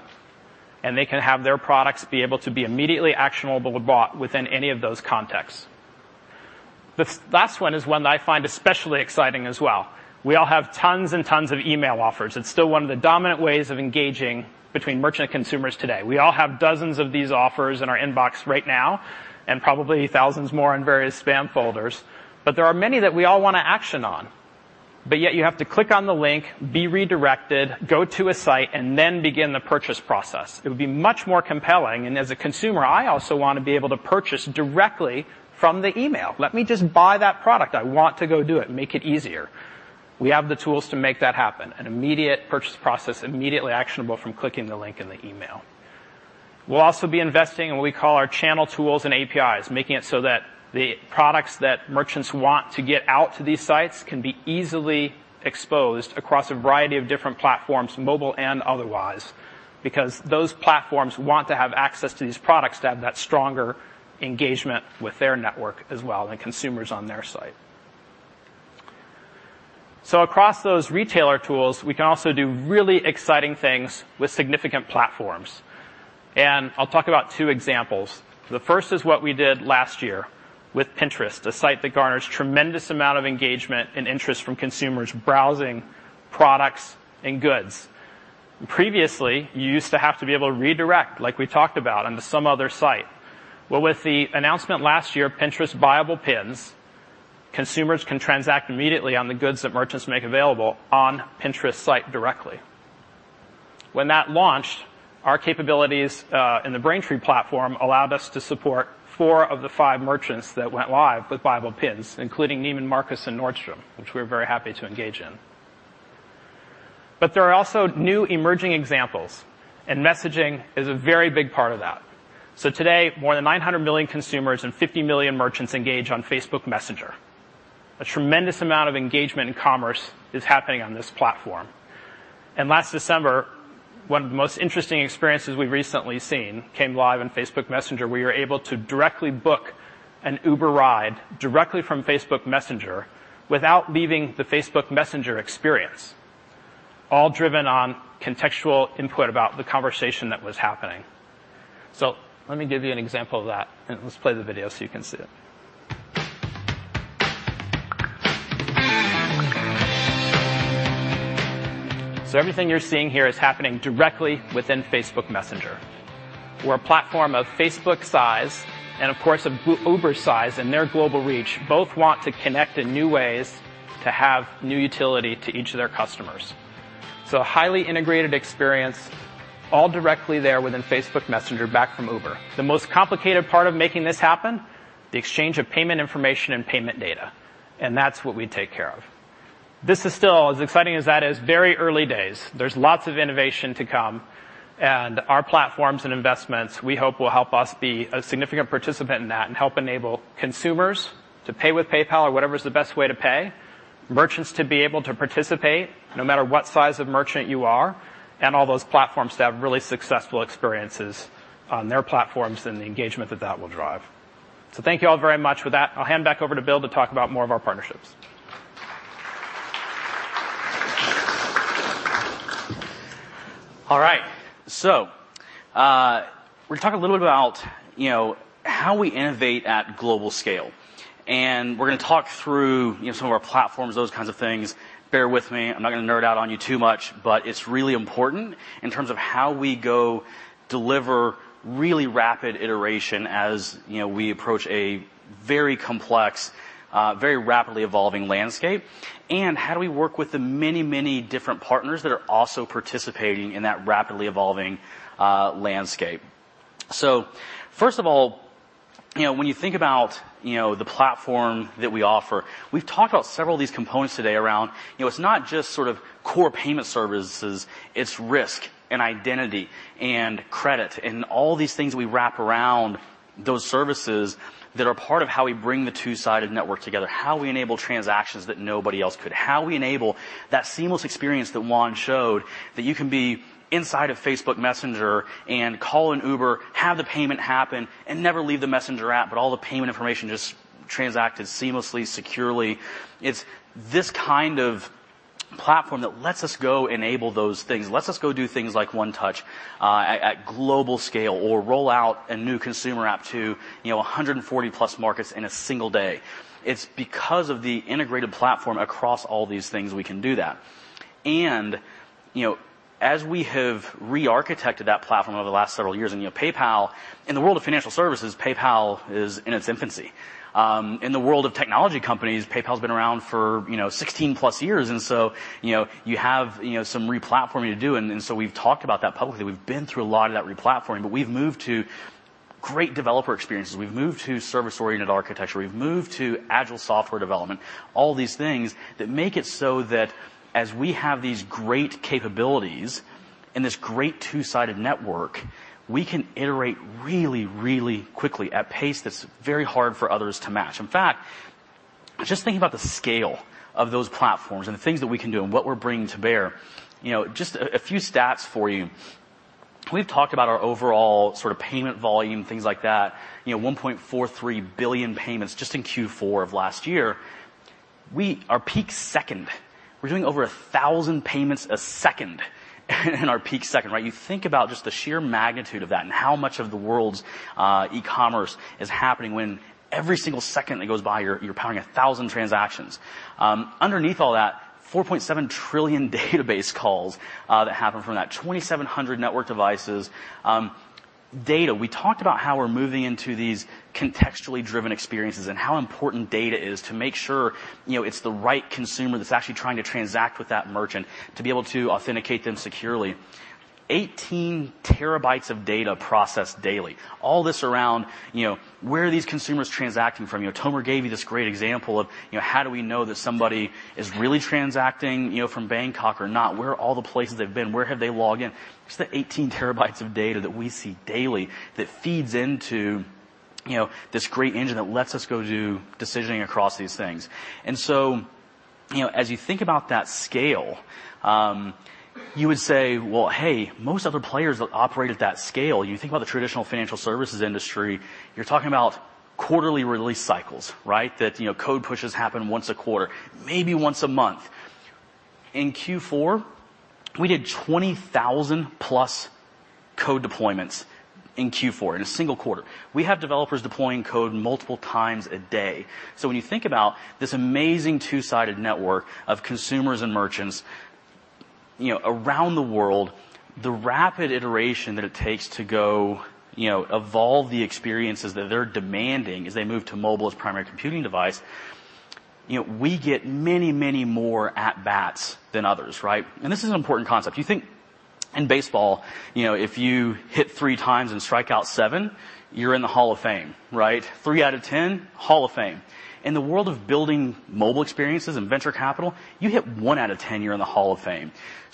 They can have their products be able to be immediately actionable or bought within any of those contexts. The last one is one that I find especially exciting as well. We all have tons and tons of email offers. It's still one of the dominant ways of engaging between merchant and consumers today. We all have dozens of these offers in our inbox right now, and probably thousands more in various spam folders. There are many that we all want to action on. Yet you have to click on the link, be redirected, go to a site, then begin the purchase process. It would be much more compelling, as a consumer, I also want to be able to purchase directly from the email. Let me just buy that product. I want to go do it. Make it easier. We have the tools to make that happen. An immediate purchase process immediately actionable from clicking the link in the email. We'll also be investing in what we call our channel tools and APIs, making it so that the products that merchants want to get out to these sites can be easily exposed across a variety of different platforms, mobile and otherwise, because those platforms want to have access to these products to have that stronger engagement with their network as well and consumers on their site. Across those retailer tools, we can also do really exciting things with significant platforms. I'll talk about two examples. The first is what we did last year with Pinterest, a site that garners tremendous amount of engagement and interest from consumers browsing products and goods. Previously, you used to have to be able to redirect, like we talked about, onto some other site. Well, with the announcement last year, Pinterest Buyable Pins, consumers can transact immediately on the goods that merchants make available on Pinterest site directly. When that launched, our capabilities, in the Braintree platform, allowed us to support four of the five merchants that went live with Buyable Pins, including Neiman Marcus and Nordstrom, which we're very happy to engage in. There are also new emerging examples, and messaging is a very big part of that. Today, more than 900 million consumers and 50 million merchants engage on Facebook Messenger. A tremendous amount of engagement in commerce is happening on this platform. Last December, one of the most interesting experiences we've recently seen came live on Facebook Messenger, where you're able to directly book an Uber ride directly from Facebook Messenger without leaving the Facebook Messenger experience, all driven on contextual input about the conversation that was happening. Let me give you an example of that, and let's play the video so you can see it. Everything you're seeing here is happening directly within Facebook Messenger, where a platform of Facebook size and, of course, of Uber size and their global reach both want to connect in new ways to have new utility to each of their customers. A highly integrated experience all directly there within Facebook Messenger, back from Uber. The most complicated part of making this happen? The exchange of payment information and payment data, and that's what we take care of. This is still, as exciting as that is, very early days. There's lots of innovation to come, and our platforms and investments, we hope, will help us be a significant participant in that and help enable consumers to pay with PayPal or whatever's the best way to pay, merchants to be able to participate, no matter what size of merchant you are, and all those platforms to have really successful experiences on their platforms and the engagement that that will drive. Thank you all very much. With that, I'll hand back over to Bill to talk about more of our partnerships. All right. We're going to talk a little bit about how we innovate at global scale, and we're going to talk through some of our platforms, those kinds of things. Bear with me. I'm not going to nerd out on you too much, but it's really important in terms of how we go deliver really rapid iteration as we approach a very complex, very rapidly evolving landscape. How do we work with the many, many different partners that are also participating in that rapidly evolving landscape. First of all, when you think about the platform that we offer, we've talked about several of these components today around it's not just sort of core payment services, it's risk and identity and credit and all these things we wrap around those services that are part of how we bring the two-sided network together, how we enable transactions that nobody else could, how we enable that seamless experience that Juan showed, that you can be inside of Messenger and call an Uber, have the payment happen, and never leave the Messenger app, but all the payment information just transacted seamlessly, securely. It's this kind of platform that lets us go enable those things, lets us go do things like One Touch at global scale or roll out a new consumer app to 140-plus markets in a single day. It's because of the integrated platform across all these things we can do that. As we have re-architected that platform over the last several years, PayPal, in the world of financial services, PayPal is in its infancy. In the world of technology companies, PayPal's been around for 16-plus years, you have some re-platforming to do. We've talked about that publicly. We've been through a lot of that re-platforming, but we've moved to great developer experiences. We've moved to service-oriented architecture. We've moved to agile software development, all these things that make it so that as we have these great capabilities and this great two-sided network, we can iterate really, really quickly at a pace that's very hard for others to match. In fact, just thinking about the scale of those platforms and the things that we can do and what we're bringing to bear, just a few stats for you. We've talked about our overall sort of payment volume, things like that, 1.43 billion payments just in Q4 of last year. Our peak second, we're doing over 1,000 payments a second in our peak second, right? You think about just the sheer magnitude of that and how much of the world's e-commerce is happening when every single second that goes by, you're pounding 1,000 transactions. Underneath all that, 4.7 trillion database calls that happen from that, 2,700 network devices. Data, we talked about how we're moving into these contextually driven experiences and how important data is to make sure it's the right consumer that's actually trying to transact with that merchant to be able to authenticate them securely. 18 terabytes of data processed daily. All this around where are these consumers transacting from. Tomer gave you this great example of how do we know that somebody is really transacting from Bangkok or not? Where are all the places they've been? Where have they logged in? It's the 18 terabytes of data that we see daily that feeds into this great engine that lets us go do decisioning across these things. As you think about that scale, you would say, "Well, hey, most other players that operate at that scale," you think about the traditional financial services industry, you're talking about quarterly release cycles, right? That code pushes happen once a quarter, maybe once a month. In Q4, we did 20,000-plus code deployments in Q4, in a single quarter. We have developers deploying code multiple times a day. When you think about this amazing two-sided network of consumers and merchants around the world, the rapid iteration that it takes to go evolve the experiences that they're demanding as they move to mobile as a primary computing device, we get many, many more at-bats than others, right? This is an important concept. You think in baseball, if you hit three times and strike out seven, you're in the Hall of Fame, right? Three out of 10, Hall of Fame. In the world of building mobile experiences and venture capital, you hit one out of 10, you're in the Hall of Fame.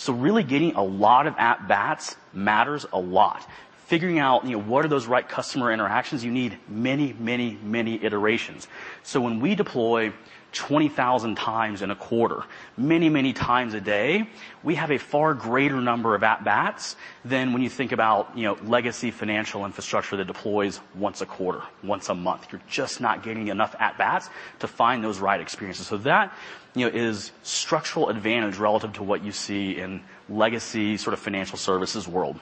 Really getting a lot of at-bats matters a lot. Figuring out what are those right customer interactions, you need many, many, many iterations. When we deploy 20,000 times in a quarter, many, many times a day, we have a far greater number of at-bats than when you think about legacy financial infrastructure that deploys once a quarter, once a month. You're just not getting enough at-bats to find those right experiences. That is structural advantage relative to what you see in legacy sort of financial services world.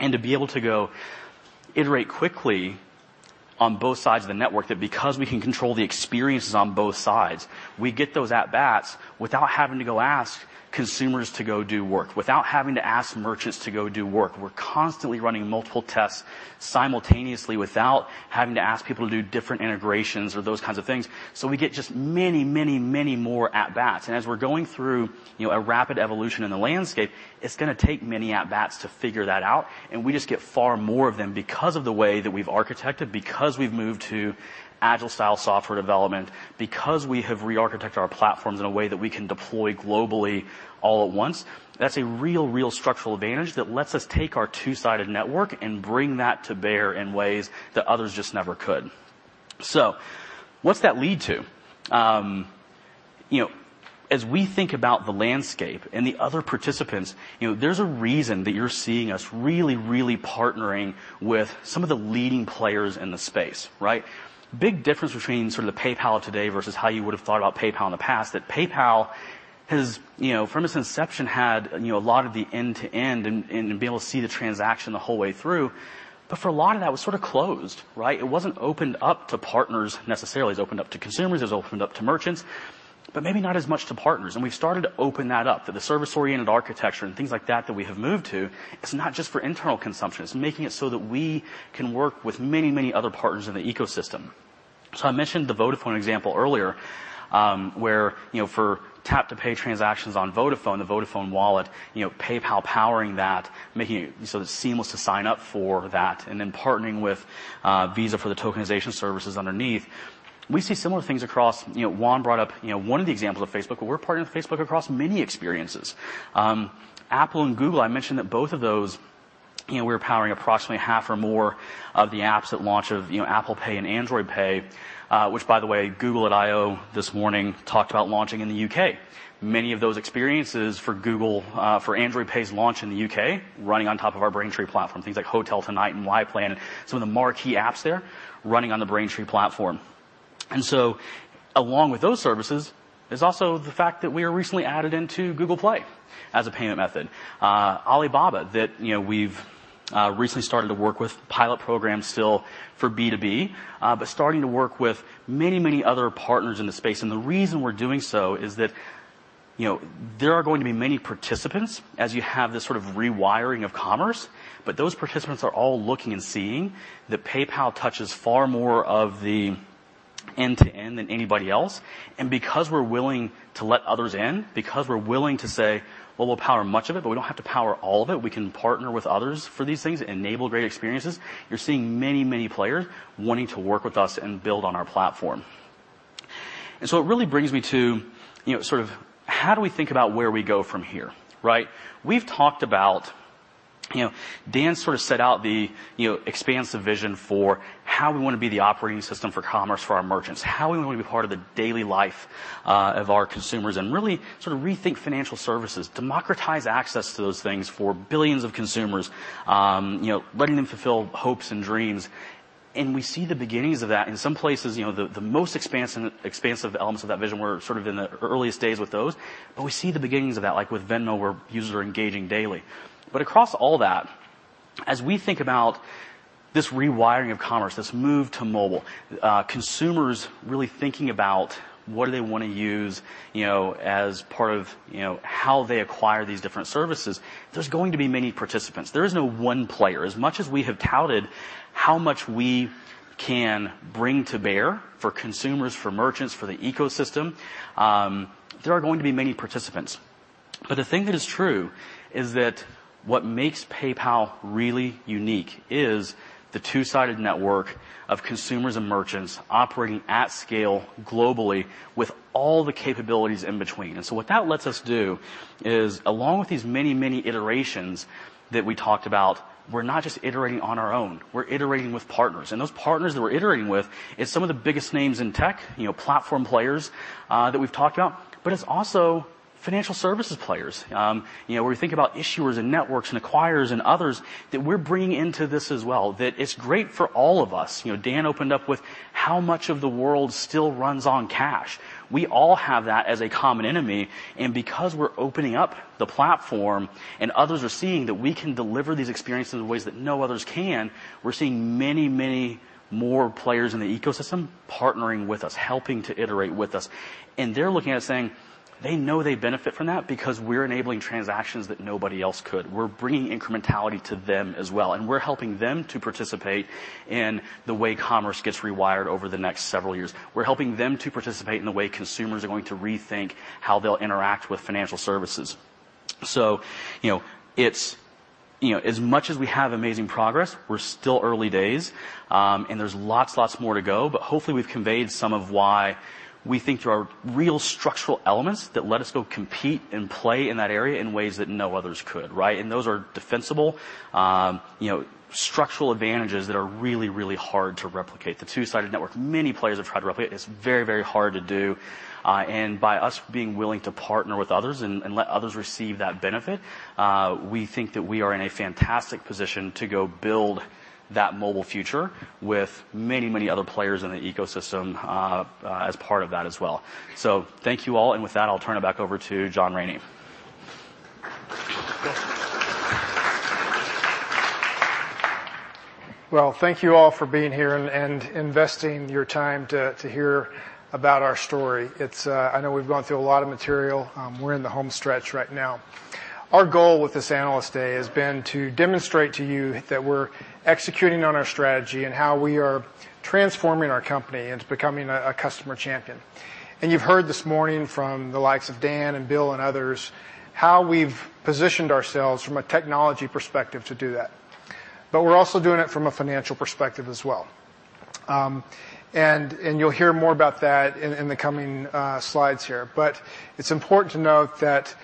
To be able to go iterate quickly on both sides of the network, that because we can control the experiences on both sides, we get those at-bats without having to go ask consumers to go do work, without having to ask merchants to go do work. We're constantly running multiple tests simultaneously without having to ask people to do different integrations or those kinds of things. We get just many, many, many more at-bats. As we're going through a rapid evolution in the landscape, it's going to take many at-bats to figure that out, and we just get far more of them because of the way that we've architected, because we've moved to agile-style software development, because we have rearchitected our platforms in a way that we can deploy globally all at once. That's a real structural advantage that lets us take our two-sided network and bring that to bear in ways that others just never could. What's that lead to? As we think about the landscape and the other participants, there's a reason that you're seeing us really, really partnering with some of the leading players in the space, right? Big difference between sort of the PayPal today versus how you would've thought about PayPal in the past, that PayPal has, from its inception, had a lot of the end-to-end and being able to see the transaction the whole way through. For a lot of that, it was sort of closed, right? It wasn't opened up to partners necessarily. It was opened up to consumers. It was opened up to merchants, but maybe not as much to partners. We've started to open that up, that the service-oriented architecture and things like that that we have moved to, it's not just for internal consumption. It's making it so that we can work with many, many other partners in the ecosystem. I mentioned the Vodafone example earlier, where for tap-to-pay transactions on Vodafone, the Vodafone Wallet, PayPal powering that, making it sort of seamless to sign up for that, and then partnering with Visa for the tokenization services underneath. We see similar things across Juan brought up one of the examples of Facebook, but we're partnered with Facebook across many experiences. Apple and Google, I mentioned that both of those, we were powering approximately half or more of the apps at launch of Apple Pay and Android Pay, which by the way, Google at I/O this morning talked about launching in the U.K. Many of those experiences for Android Pay's launch in the U.K., running on top of our Braintree platform, things like HotelTonight and YPlan, some of the marquee apps there, running on the Braintree platform. Along with those services, there's also the fact that we were recently added into Google Play as a payment method. Alibaba, that we've recently started to work with, pilot program still for B2B, but starting to work with many, many other partners in the space. The reason we're doing so is that there are going to be many participants as you have this sort of rewiring of commerce, but those participants are all looking and seeing that PayPal touches far more of the end-to-end than anybody else. Because we're willing to let others in, because we're willing to say, "Well, we'll power much of it, but we don't have to power all of it. We can partner with others for these things, enable great experiences," you're seeing many, many players wanting to work with us and build on our platform. It really brings me to sort of how do we think about where we go from here, right? We've talked about Dan sort of set out the expansive vision for how we want to be the operating system for commerce for our merchants, how we want to be part of the daily life of our consumers and really sort of rethink financial services, democratize access to those things for billions of consumers, letting them fulfill hopes and dreams. We see the beginnings of that. In some places, the most expansive elements of that vision, we're sort of in the earliest days with those, but we see the beginnings of that, like with Venmo, where users are engaging daily. Across all that, as we think about this rewiring of commerce, this move to mobile, consumers really thinking about what do they want to use as part of how they acquire these different services, there's going to be many participants. There is no one player. As much as we have touted how much we can bring to bear for consumers, for merchants, for the ecosystem, there are going to be many participants. The thing that is true is that what makes PayPal really unique is the two-sided network of consumers and merchants operating at scale globally with all the capabilities in between. What that lets us do is, along with these many, many iterations that we talked about, we're not just iterating on our own, we're iterating with partners. Those partners that we're iterating with is some of the biggest names in tech, platform players that we've talked about, it's also financial services players. We think about issuers and networks and acquirers and others that we're bringing into this as well, that it's great for all of us. Dan opened up with how much of the world still runs on cash. We all have that as a common enemy, because we're opening up the platform and others are seeing that we can deliver these experiences in ways that no others can, we're seeing many, many more players in the ecosystem partnering with us, helping to iterate with us. They're looking at us saying they know they benefit from that because we're enabling transactions that nobody else could. We're bringing incrementality to them as well, we're helping them to participate in the way commerce gets rewired over the next several years. We're helping them to participate in the way consumers are going to rethink how they'll interact with financial services. As much as we have amazing progress, we're still early days, there's lots more to go, hopefully, we've conveyed some of why we think there are real structural elements that let us go compete and play in that area in ways that no others could, right? Those are defensible structural advantages that are really, really hard to replicate. The two-sided network, many players have tried to replicate. It's very hard to do. By us being willing to partner with others and let others receive that benefit, we think that we are in a fantastic position to go build that mobile future with many other players in the ecosystem as part of that as well. Thank you all, and with that, I'll turn it back over to John Rainey. Well, thank you all for being here and investing your time to hear about our story. I know we've gone through a lot of material. We're in the home stretch right now. Our goal with this Analyst Day has been to demonstrate to you that we're executing on our strategy and how we are transforming our company into becoming a customer champion. You've heard this morning from the likes of Dan and Bill and others, how we've positioned ourselves from a technology perspective to do that. We're also doing it from a financial perspective as well. You'll hear more about that in the coming slides here. It's important to note that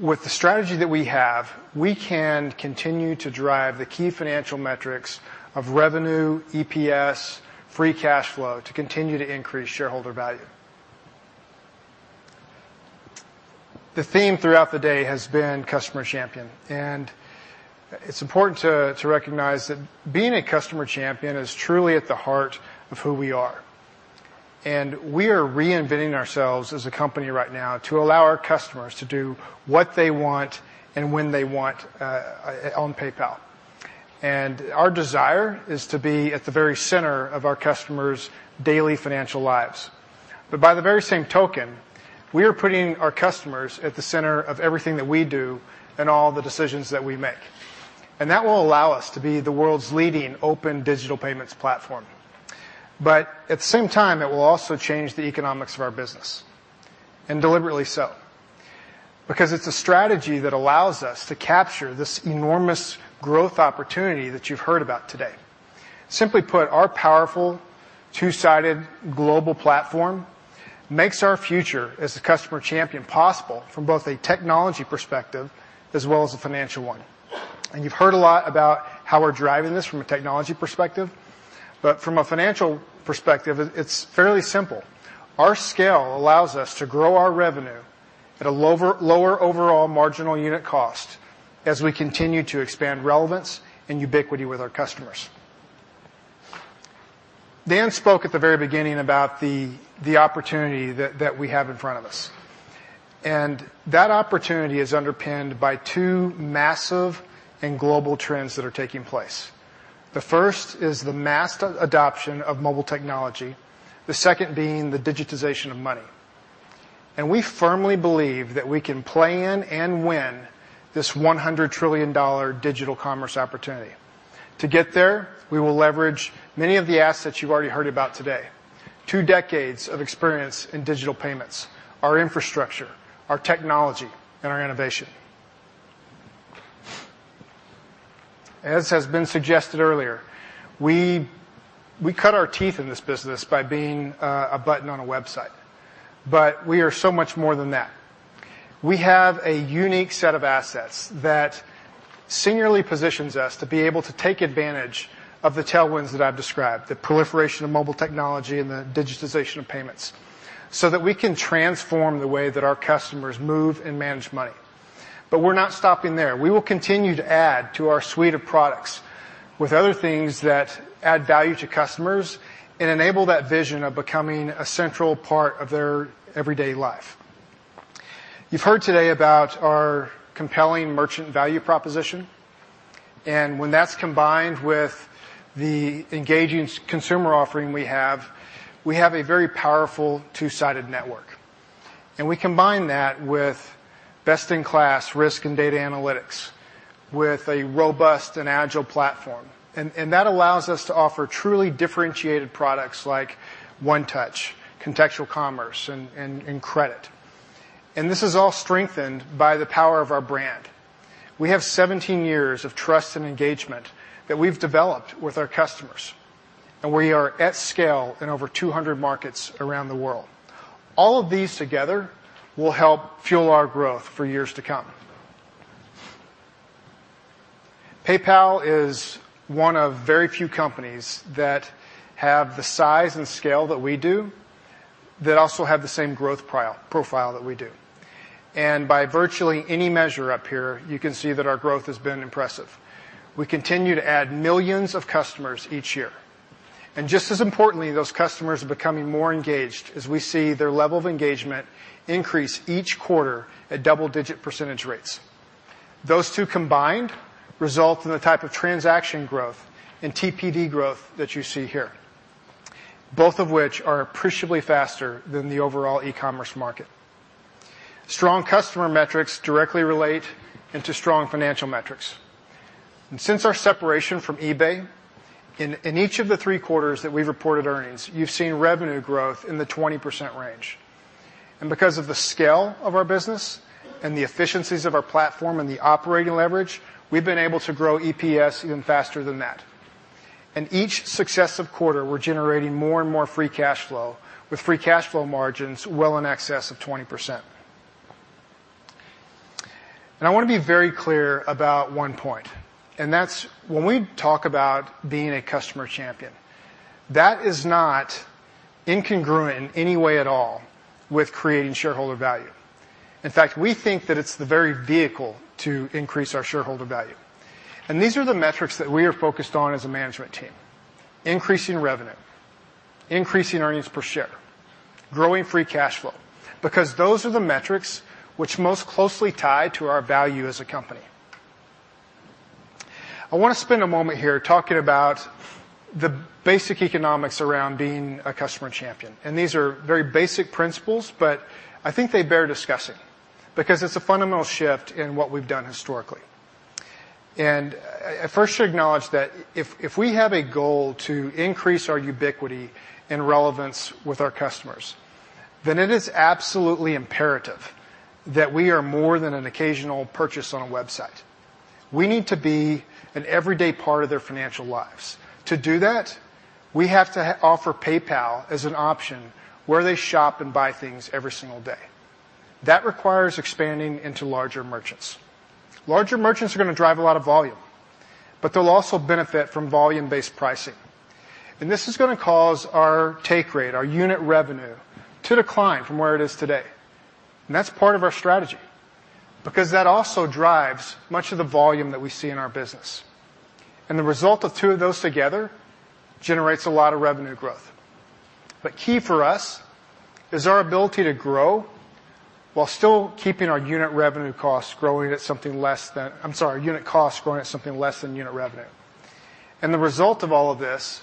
with the strategy that we have, we can continue to drive the key financial metrics of revenue, EPS, free cash flow, to continue to increase shareholder value. The theme throughout the day has been customer champion. It's important to recognize that being a customer champion is truly at the heart of who we are. We are reinventing ourselves as a company right now to allow our customers to do what they want and when they want on PayPal. Our desire is to be at the very center of our customers' daily financial lives. By the very same token, we are putting our customers at the center of everything that we do and all the decisions that we make. That will allow us to be the world's leading open digital payments platform. At the same time, it will also change the economics of our business, and deliberately so, because it's a strategy that allows us to capture this enormous growth opportunity that you've heard about today. Simply put, our powerful, two-sided global platform makes our future as the customer champion possible from both a technology perspective as well as a financial one. You've heard a lot about how we're driving this from a technology perspective, but from a financial perspective, it's fairly simple. Our scale allows us to grow our revenue at a lower overall marginal unit cost as we continue to expand relevance and ubiquity with our customers. Dan spoke at the very beginning about the opportunity that we have in front of us. That opportunity is underpinned by two massive and global trends that are taking place. The first is the mass adoption of mobile technology, the second being the digitization of money. We firmly believe that we can play in and win this $100 trillion digital commerce opportunity. To get there, we will leverage many of the assets you've already heard about today. 2 decades of experience in digital payments, our infrastructure, our technology, and our innovation. As has been suggested earlier, we cut our teeth in this business by being a button on a website, but we are so much more than that. We have a unique set of assets that singularly positions us to be able to take advantage of the tailwinds that I've described, the proliferation of mobile technology and the digitization of payments, so that we can transform the way that our customers move and manage money. We're not stopping there. We will continue to add to our suite of products with other things that add value to customers and enable that vision of becoming a central part of their everyday life. You've heard today about our compelling merchant value proposition. When that's combined with the engaging consumer offering we have, we have a very powerful two-sided network. We combine that with best-in-class risk and data analytics, with a robust and agile platform. That allows us to offer truly differentiated products like One Touch, contextual commerce, and credit. This is all strengthened by the power of our brand. We have 17 years of trust and engagement that we've developed with our customers, and we are at scale in over 200 markets around the world. All of these together will help fuel our growth for years to come. PayPal is one of very few companies that have the size and scale that we do, that also have the same growth profile that we do. By virtually any measure up here, you can see that our growth has been impressive. We continue to add millions of customers each year. Just as importantly, those customers are becoming more engaged, as we see their level of engagement increase each quarter at double-digit percentage rates. Those two combined result in the type of transaction growth and TPV growth that you see here, both of which are appreciably faster than the overall e-commerce market. Strong customer metrics directly relate into strong financial metrics. Since our separation from eBay, in each of the three quarters that we've reported earnings, you've seen revenue growth in the 20% range. Because of the scale of our business and the efficiencies of our platform and the operating leverage, we've been able to grow EPS even faster than that. In each successive quarter, we're generating more and more free cash flow, with free cash flow margins well in excess of 20%. I want to be very clear about one point, that's when we talk about being a customer champion, that is not incongruent in any way at all with creating shareholder value. In fact, we think that it's the very vehicle to increase our shareholder value. These are the metrics that we are focused on as a management team, increasing revenue, increasing earnings per share, growing free cash flow, because those are the metrics which most closely tie to our value as a company. I want to spend a moment here talking about the basic economics around being a customer champion, these are very basic principles, but I think they bear discussing because it's a fundamental shift in what we've done historically. I first should acknowledge that if we have a goal to increase our ubiquity and relevance with our customers, then it is absolutely imperative that we are more than an occasional purchase on a website. We need to be an everyday part of their financial lives. To do that, we have to offer PayPal as an option where they shop and buy things every single day. That requires expanding into larger merchants. Larger merchants are going to drive a lot of volume, but they'll also benefit from volume-based pricing. This is going to cause our take rate, our unit revenue, to decline from where it is today. That's part of our strategy, because that also drives much of the volume that we see in our business. The result of two of those together generates a lot of revenue growth. Key for us is our ability to grow while still keeping our unit revenue costs growing at something less than I'm sorry, unit costs growing at something less than unit revenue. The result of all of this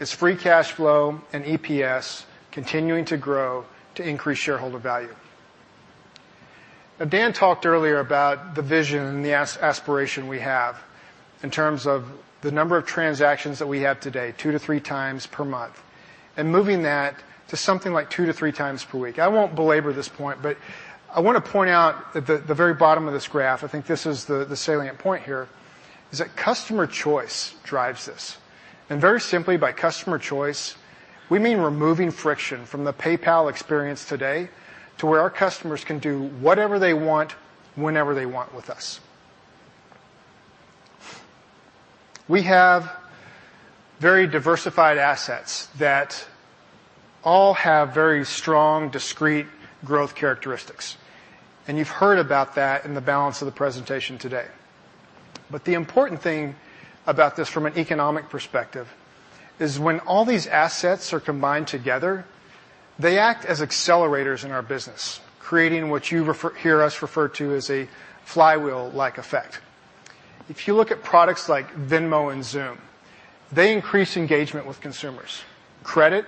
is free cash flow and EPS continuing to grow to increase shareholder value. Dan talked earlier about the vision and the aspiration we have in terms of the number of transactions that we have today, two to three times per month, and moving that to something like two to three times per week. I won't belabor this point, but I want to point out that the very bottom of this graph, I think this is the salient point here, is that customer choice drives this. Very simply, by customer choice, we mean removing friction from the PayPal experience today to where our customers can do whatever they want, whenever they want with us. We have very diversified assets that all have very strong, discrete growth characteristics, and you've heard about that in the balance of the presentation today. The important thing about this from an economic perspective is when all these assets are combined together, they act as accelerators in our business, creating what you hear us refer to as a flywheel-like effect. If you look at products like Venmo and Xoom, they increase engagement with consumers. Credit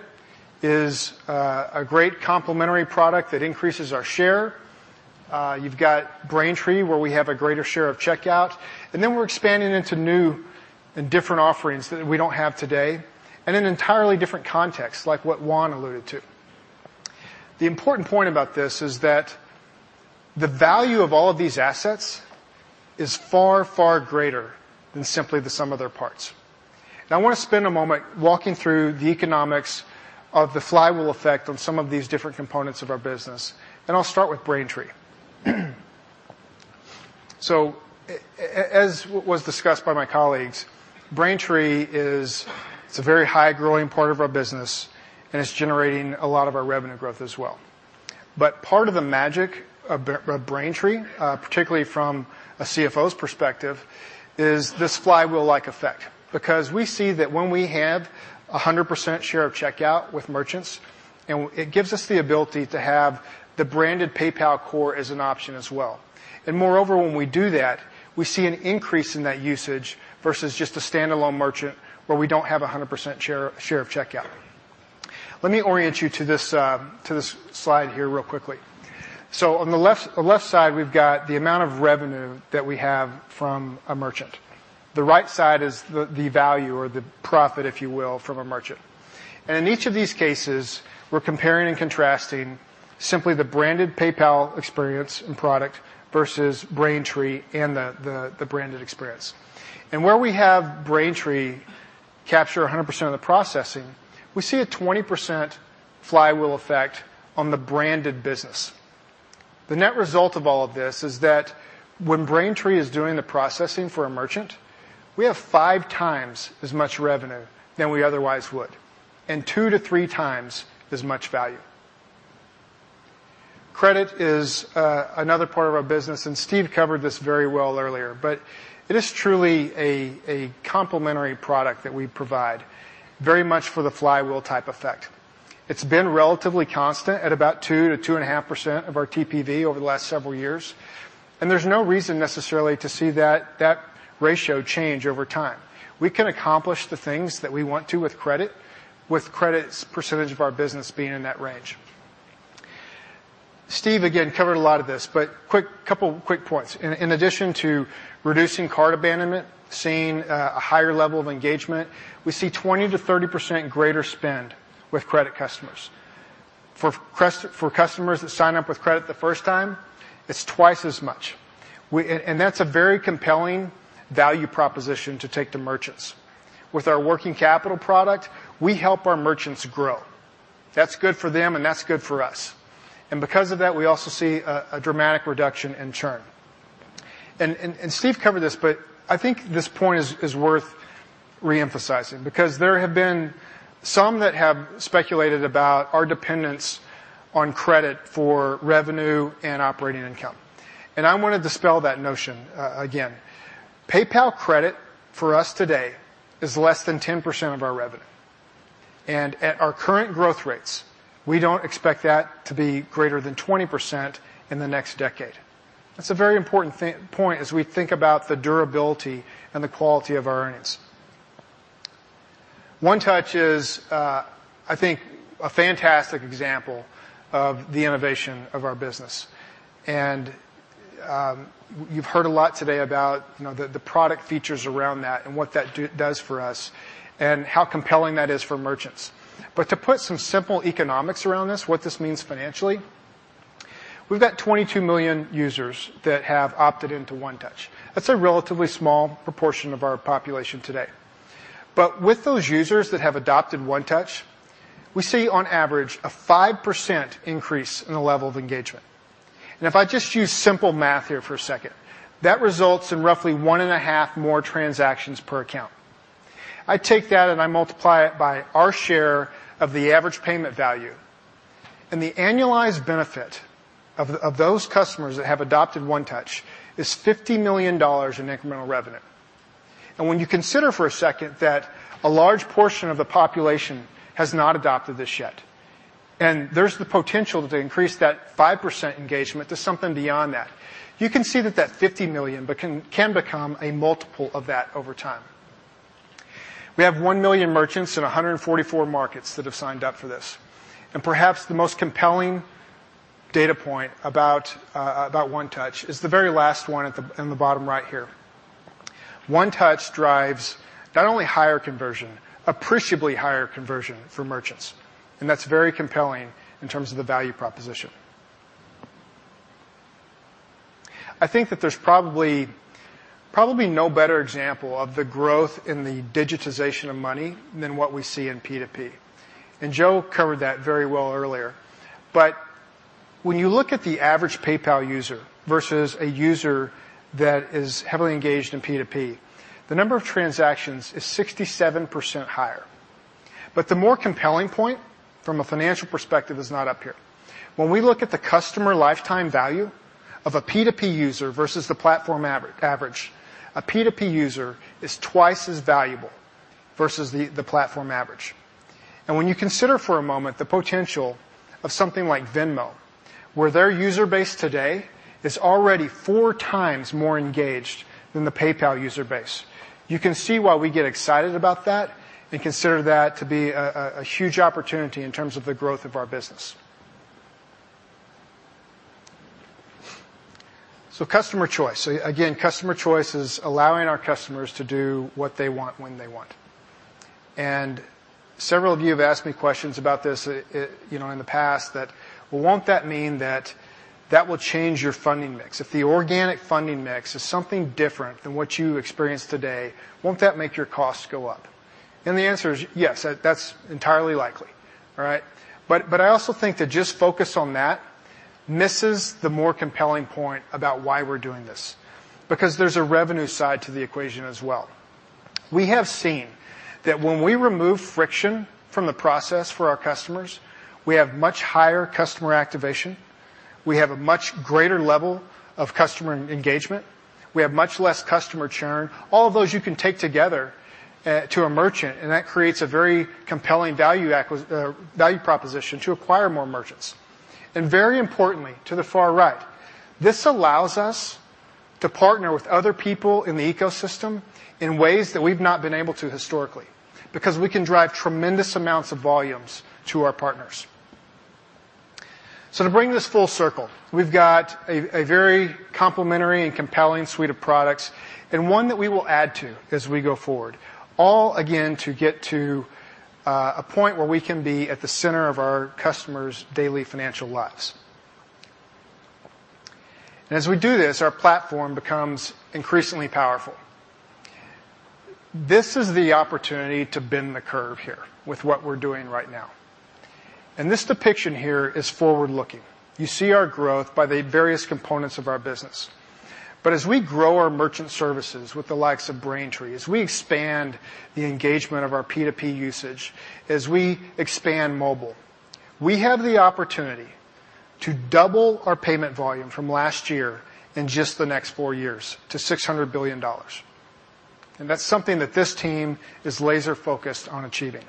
is a great complementary product that increases our share. You've got Braintree, where we have a greater share of checkout, and then we're expanding into new and different offerings that we don't have today, and in an entirely different context, like what Juan alluded to. The important point about this is that the value of all of these assets is far, far greater than simply the sum of their parts. Now, I want to spend a moment walking through the economics of the flywheel-like effect on some of these different components of our business, and I'll start with Braintree. As was discussed by my colleagues, Braintree is a very high-growing part of our business, and it's generating a lot of our revenue growth as well. Part of the magic of Braintree, particularly from a CFO's perspective, is this flywheel-like effect. Because we see that when we have 100% share of checkout with merchants, it gives us the ability to have the branded PayPal Core as an option as well. Moreover, when we do that, we see an increase in that usage versus just a standalone merchant where we don't have 100% share of checkout. Let me orient you to this slide here real quickly. On the left side, we've got the amount of revenue that we have from a merchant. The right side is the value or the profit, if you will, from a merchant. In each of these cases, we're comparing and contrasting simply the branded PayPal experience and product versus Braintree and the branded experience. Where we have Braintree capture 100% of the processing, we see a 20% flywheel-like effect on the branded business. The net result of all of this is that when Braintree is doing the processing for a merchant, we have five times as much revenue than we otherwise would, and two to three times as much value. Credit is another part of our business. Steve covered this very well earlier, it is truly a complementary product that we provide very much for the flywheel-like effect. It's been relatively constant at about 2%-2.5% of our TPV over the last several years, there's no reason necessarily to see that ratio change over time. We can accomplish the things that we want to with credit, with credit's percentage of our business being in that range. Steve, again, covered a lot of this, a couple of quick points. In addition to reducing cart abandonment, seeing a higher level of engagement, we see 20%-30% greater spend with credit customers. For customers that sign up with credit the first time, it's twice as much. That's a very compelling value proposition to take to merchants. With our working capital product, we help our merchants grow. That's good for them, and that's good for us. Because of that, we also see a dramatic reduction in churn. Steve covered this, but I think this point is worth re-emphasizing because there have been some that have speculated about our dependence on credit for revenue and operating income. I want to dispel that notion again. PayPal Credit for us today is less than 10% of our revenue. At our current growth rates, we don't expect that to be greater than 20% in the next decade. That's a very important point as we think about the durability and the quality of our earnings. One Touch is, I think, a fantastic example of the innovation of our business. You've heard a lot today about the product features around that and what that does for us and how compelling that is for merchants. To put some simple economics around this, what this means financially, we've got 22 million users that have opted into One Touch. That's a relatively small proportion of our population today. With those users that have adopted One Touch, we see on average a 5% increase in the level of engagement. If I just use simple math here for a second, that results in roughly one and a half more transactions per account. I take that and I multiply it by our share of the average payment value. The annualized benefit of those customers that have adopted One Touch is $50 million in incremental revenue. When you consider for a second that a large portion of the population has not adopted this yet, and there's the potential to increase that 5% engagement to something beyond that, you can see that $50 million can become a multiple of that over time. We have 1 million merchants in 144 markets that have signed up for this. Perhaps the most compelling data point about One Touch is the very last one in the bottom right here. One Touch drives not only higher conversion, appreciably higher conversion for merchants, and that's very compelling in terms of the value proposition. I think that there's probably no better example of the growth in the digitization of money than what we see in P2P. Jo covered that very well earlier. When you look at the average PayPal user versus a user that is heavily engaged in P2P, the number of transactions is 67% higher. The more compelling point from a financial perspective is not up here. When we look at the customer lifetime value of a P2P user versus the platform average, a P2P user is twice as valuable versus the platform average. When you consider for a moment the potential of something like Venmo, where their user base today is already four times more engaged than the PayPal user base, you can see why we get excited about that and consider that to be a huge opportunity in terms of the growth of our business. Customer choice. Again, customer choice is allowing our customers to do what they want, when they want. Several of you have asked me questions about this in the past that, well, won't that mean that that will change your funding mix? If the organic funding mix is something different than what you experience today, won't that make your costs go up? The answer is yes, that's entirely likely. All right? I also think to just focus on that misses the more compelling point about why we're doing this, because there's a revenue side to the equation as well. We have seen that when we remove friction from the process for our customers, we have much higher customer activation, we have a much greater level of customer engagement, we have much less customer churn. All of those you can take together to a merchant, that creates a very compelling value proposition to acquire more merchants. Very importantly, to the far right, this allows us to partner with other people in the ecosystem in ways that we've not been able to historically, because we can drive tremendous amounts of volumes to our partners. To bring this full circle, we've got a very complementary and compelling suite of products, one that we will add to as we go forward, all again, to get to a point where we can be at the center of our customers' daily financial lives. As we do this, our platform becomes increasingly powerful. This is the opportunity to bend the curve here with what we're doing right now. This depiction here is forward-looking. You see our growth by the various components of our business. As we grow our merchant services with the likes of Braintree, as we expand the engagement of our P2P usage, as we expand mobile, we have the opportunity to double our payment volume from last year in just the next four years to $600 billion. That's something that this team is laser-focused on achieving.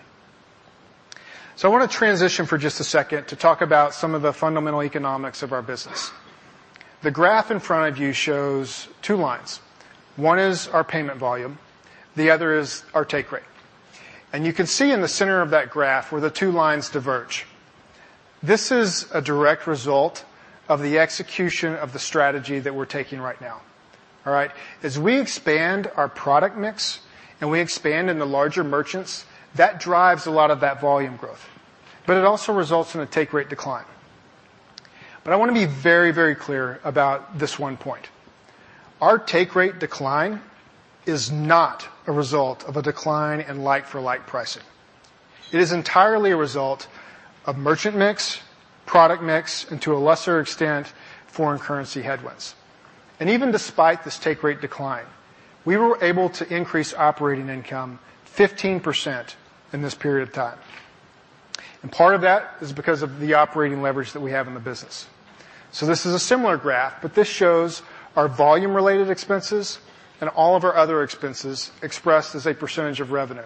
I want to transition for just a second to talk about some of the fundamental economics of our business. The graph in front of you shows two lines. One is our payment volume, the other is our take rate. You can see in the center of that graph where the two lines diverge. This is a direct result of the execution of the strategy that we're taking right now. All right? As we expand our product mix and we expand in the larger merchants, that drives a lot of that volume growth. It also results in a take rate decline. I want to be very clear about this one point. Our take rate decline is not a result of a decline in like for like pricing. It is entirely a result of merchant mix, product mix, to a lesser extent, foreign currency headwinds. Even despite this take rate decline, we were able to increase operating income 15% in this period of time. Part of that is because of the operating leverage that we have in the business. This is a similar graph, but this shows our volume-related expenses and all of our other expenses expressed as a percentage of revenue.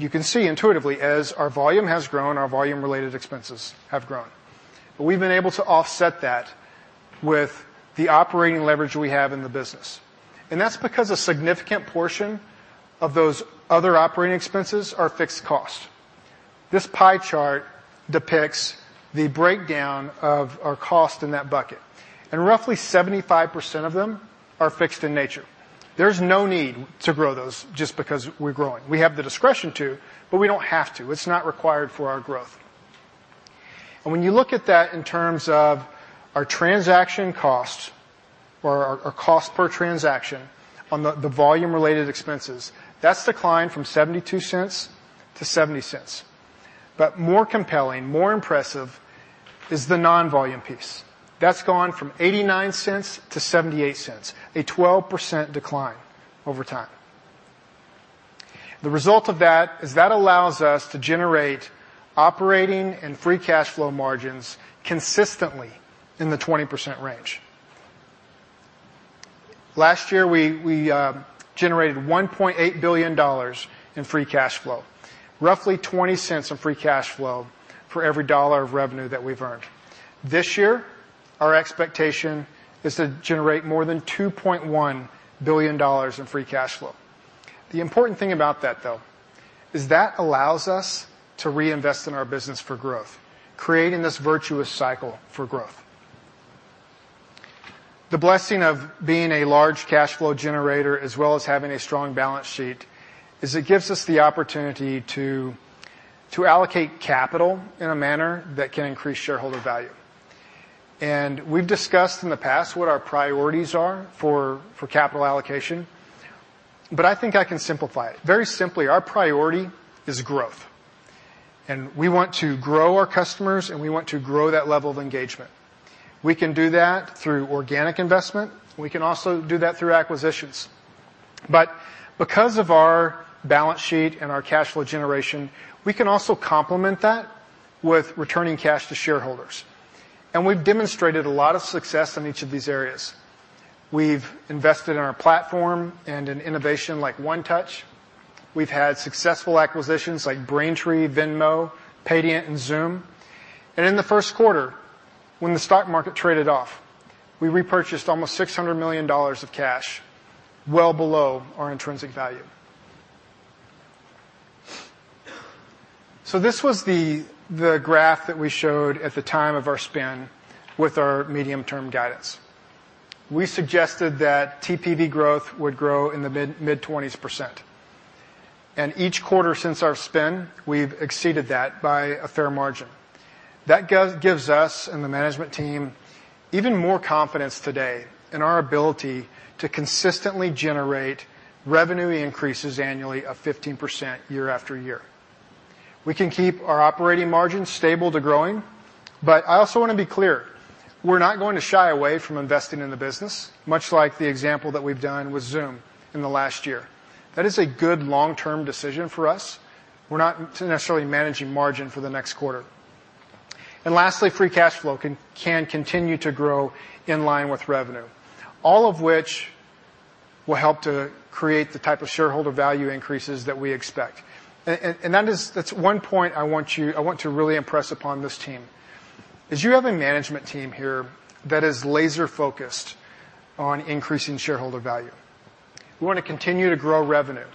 You can see intuitively, as our volume has grown, our volume-related expenses have grown. We've been able to offset that with the operating leverage we have in the business, that's because a significant portion of those other operating expenses are fixed costs. This pie chart depicts the breakdown of our cost in that bucket, roughly 75% of them are fixed in nature. There's no need to grow those just because we're growing. We have the discretion to, but we don't have to. It's not required for our growth. When you look at that in terms of our transaction cost or our cost per transaction on the volume-related expenses, that's declined from $0.72 to $0.70. More compelling, more impressive, is the non-volume piece. That's gone from $0.89 to $0.78, a 12% decline over time. The result of that allows us to generate operating and free cash flow margins consistently in the 20% range. Last year, we generated $1.8 billion in free cash flow, roughly $0.20 of free cash flow for every dollar of revenue that we've earned. This year, our expectation is to generate more than $2.1 billion in free cash flow. The important thing about that, though, allows us to reinvest in our business for growth, creating this virtuous cycle for growth. The blessing of being a large cash flow generator, as well as having a strong balance sheet, is it gives us the opportunity to allocate capital in a manner that can increase shareholder value. We've discussed in the past what our priorities are for capital allocation, I think I can simplify it. Very simply, our priority is growth, we want to grow our customers, and we want to grow that level of engagement. We can do that through organic investment. We can also do that through acquisitions. Because of our balance sheet and our cash flow generation, we can also complement that with returning cash to shareholders. We've demonstrated a lot of success in each of these areas. We've invested in our platform and in innovation like One Touch. We've had successful acquisitions like Braintree, Venmo, Paydiant, and Xoom. In the first quarter, when the stock market traded off, we repurchased almost $600 million of cash, well below our intrinsic value. This was the graph that we showed at the time of our spin with our medium-term guidance. We suggested that TPV growth would grow in the mid-20s%, each quarter since our spin, we've exceeded that by a fair margin. That gives us and the management team even more confidence today in our ability to consistently generate revenue increases annually of 15% year after year. We can keep our operating margin stable to growing. I also want to be clear, we're not going to shy away from investing in the business, much like the example that we've done with Xoom in the last year. That is a good long-term decision for us. We're not necessarily managing margin for the next quarter. Lastly, free cash flow can continue to grow in line with revenue, all of which will help to create the type of shareholder value increases that we expect. That's one point I want to really impress upon this team, is you have a management team here that is laser-focused on increasing shareholder value. We want to continue to grow revenue.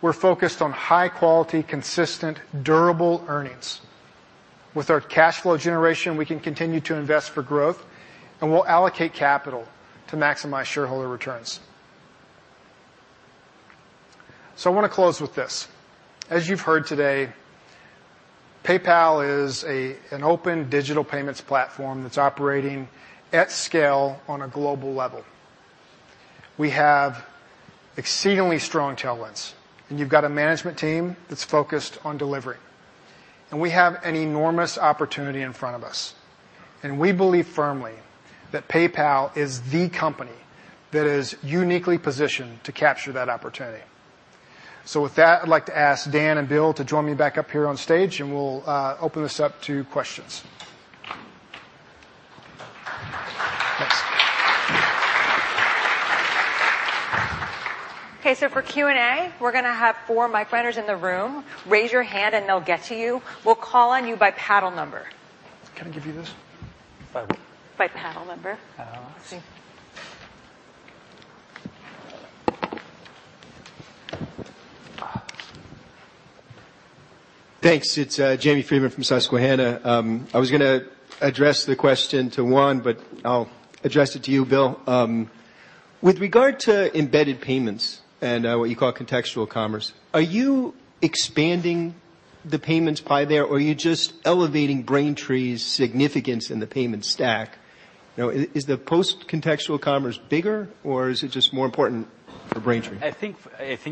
We're focused on high-quality, consistent, durable earnings. With our cash flow generation, we can continue to invest for growth, and we'll allocate capital to maximize shareholder returns. I want to close with this. As you've heard today PayPal is an open digital payments platform that's operating at scale on a global level. We have exceedingly strong talents, and you've got a management team that's focused on delivering. We have an enormous opportunity in front of us, and we believe firmly that PayPal is the company that is uniquely positioned to capture that opportunity. With that, I'd like to ask Dan and Bill to join me back up here on stage, and we'll open this up to questions. Thanks. Okay, for Q&A, we're going to have four mic runners in the room. Raise your hand. They'll get to you. We'll call on you by paddle number. Can I give you this? By what? By paddle number. Oh, okay. Thanks. It's Jamie Friedman from Susquehanna. I was going to address the question to Juan, but I'll address it to you, Bill. With regard to embedded payments and what you call contextual commerce, are you expanding the payments pie there, or are you just elevating Braintree's significance in the payment stack? Is the post contextual commerce bigger or is it just more important for Braintree? I think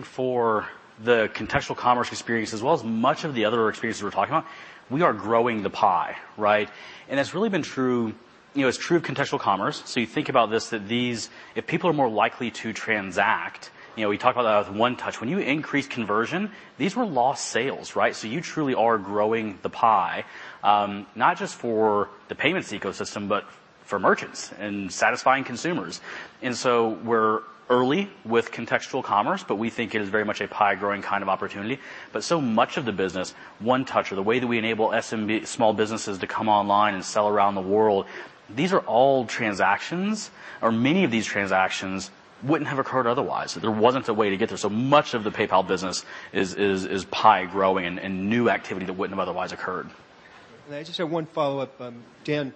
for the contextual commerce experience as well as much of the other experiences we're talking about, we are growing the pie, right? That's really been true of contextual commerce. You think about this, that these, if people are more likely to transact, we talk about that with One Touch. When you increase conversion, these were lost sales, right? You truly are growing the pie, not just for the payments ecosystem, but for merchants and satisfying consumers. We're early with contextual commerce, but we think it is very much a pie growing kind of opportunity. So much of the business, One Touch, or the way that we enable SMB small businesses to come online and sell around the world, these are all transactions, or many of these transactions wouldn't have occurred otherwise if there wasn't a way to get there. Much of the PayPal business is pie growing and new activity that wouldn't have otherwise occurred. I just have one follow-up. Dan,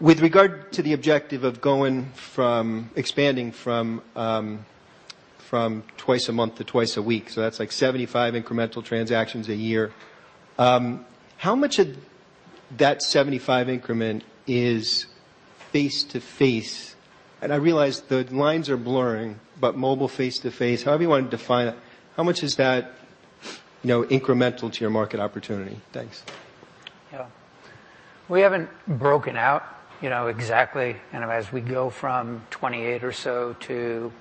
with regard to the objective of expanding from twice a month to twice a week, that's 75 incremental transactions a year. How much of that 75 increment is face-to-face? I realize the lines are blurring, but mobile face-to-face, however you want to define it, how much is that incremental to your market opportunity? Thanks. Yeah. We haven't broken out exactly as we go from 28 or so to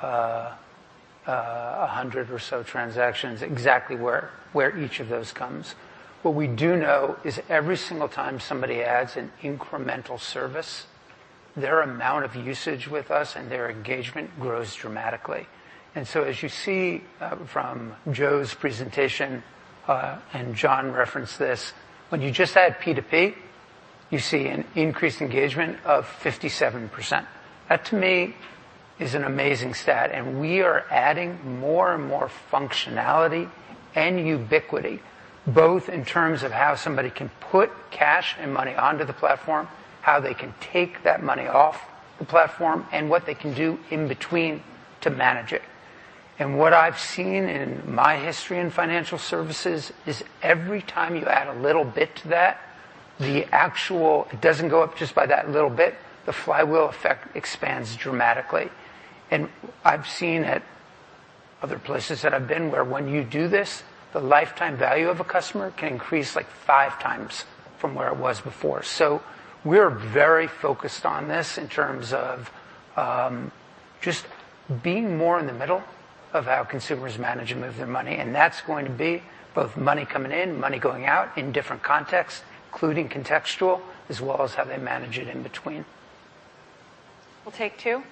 100 or so transactions exactly where each of those comes. What we do know is every single time somebody adds an incremental service, their amount of usage with us and their engagement grows dramatically. As you see from Jo's presentation, John referenced this, when you just add P2P, you see an increased engagement of 57%. That to me is an amazing stat and we are adding more and more functionality and ubiquity, both in terms of how somebody can put cash and money onto the platform, how they can take that money off the platform, and what they can do in between to manage it. What I've seen in my history in financial services is every time you add a little bit to that, it doesn't go up just by that little bit. The flywheel effect expands dramatically. I've seen at other places that I've been where when you do this, the lifetime value of a customer can increase five times from where it was before. We're very focused on this in terms of just being more in the middle of how consumers manage and move their money, and that's going to be both money coming in, money going out in different contexts, including contextual, as well as how they manage it in between. We'll take two.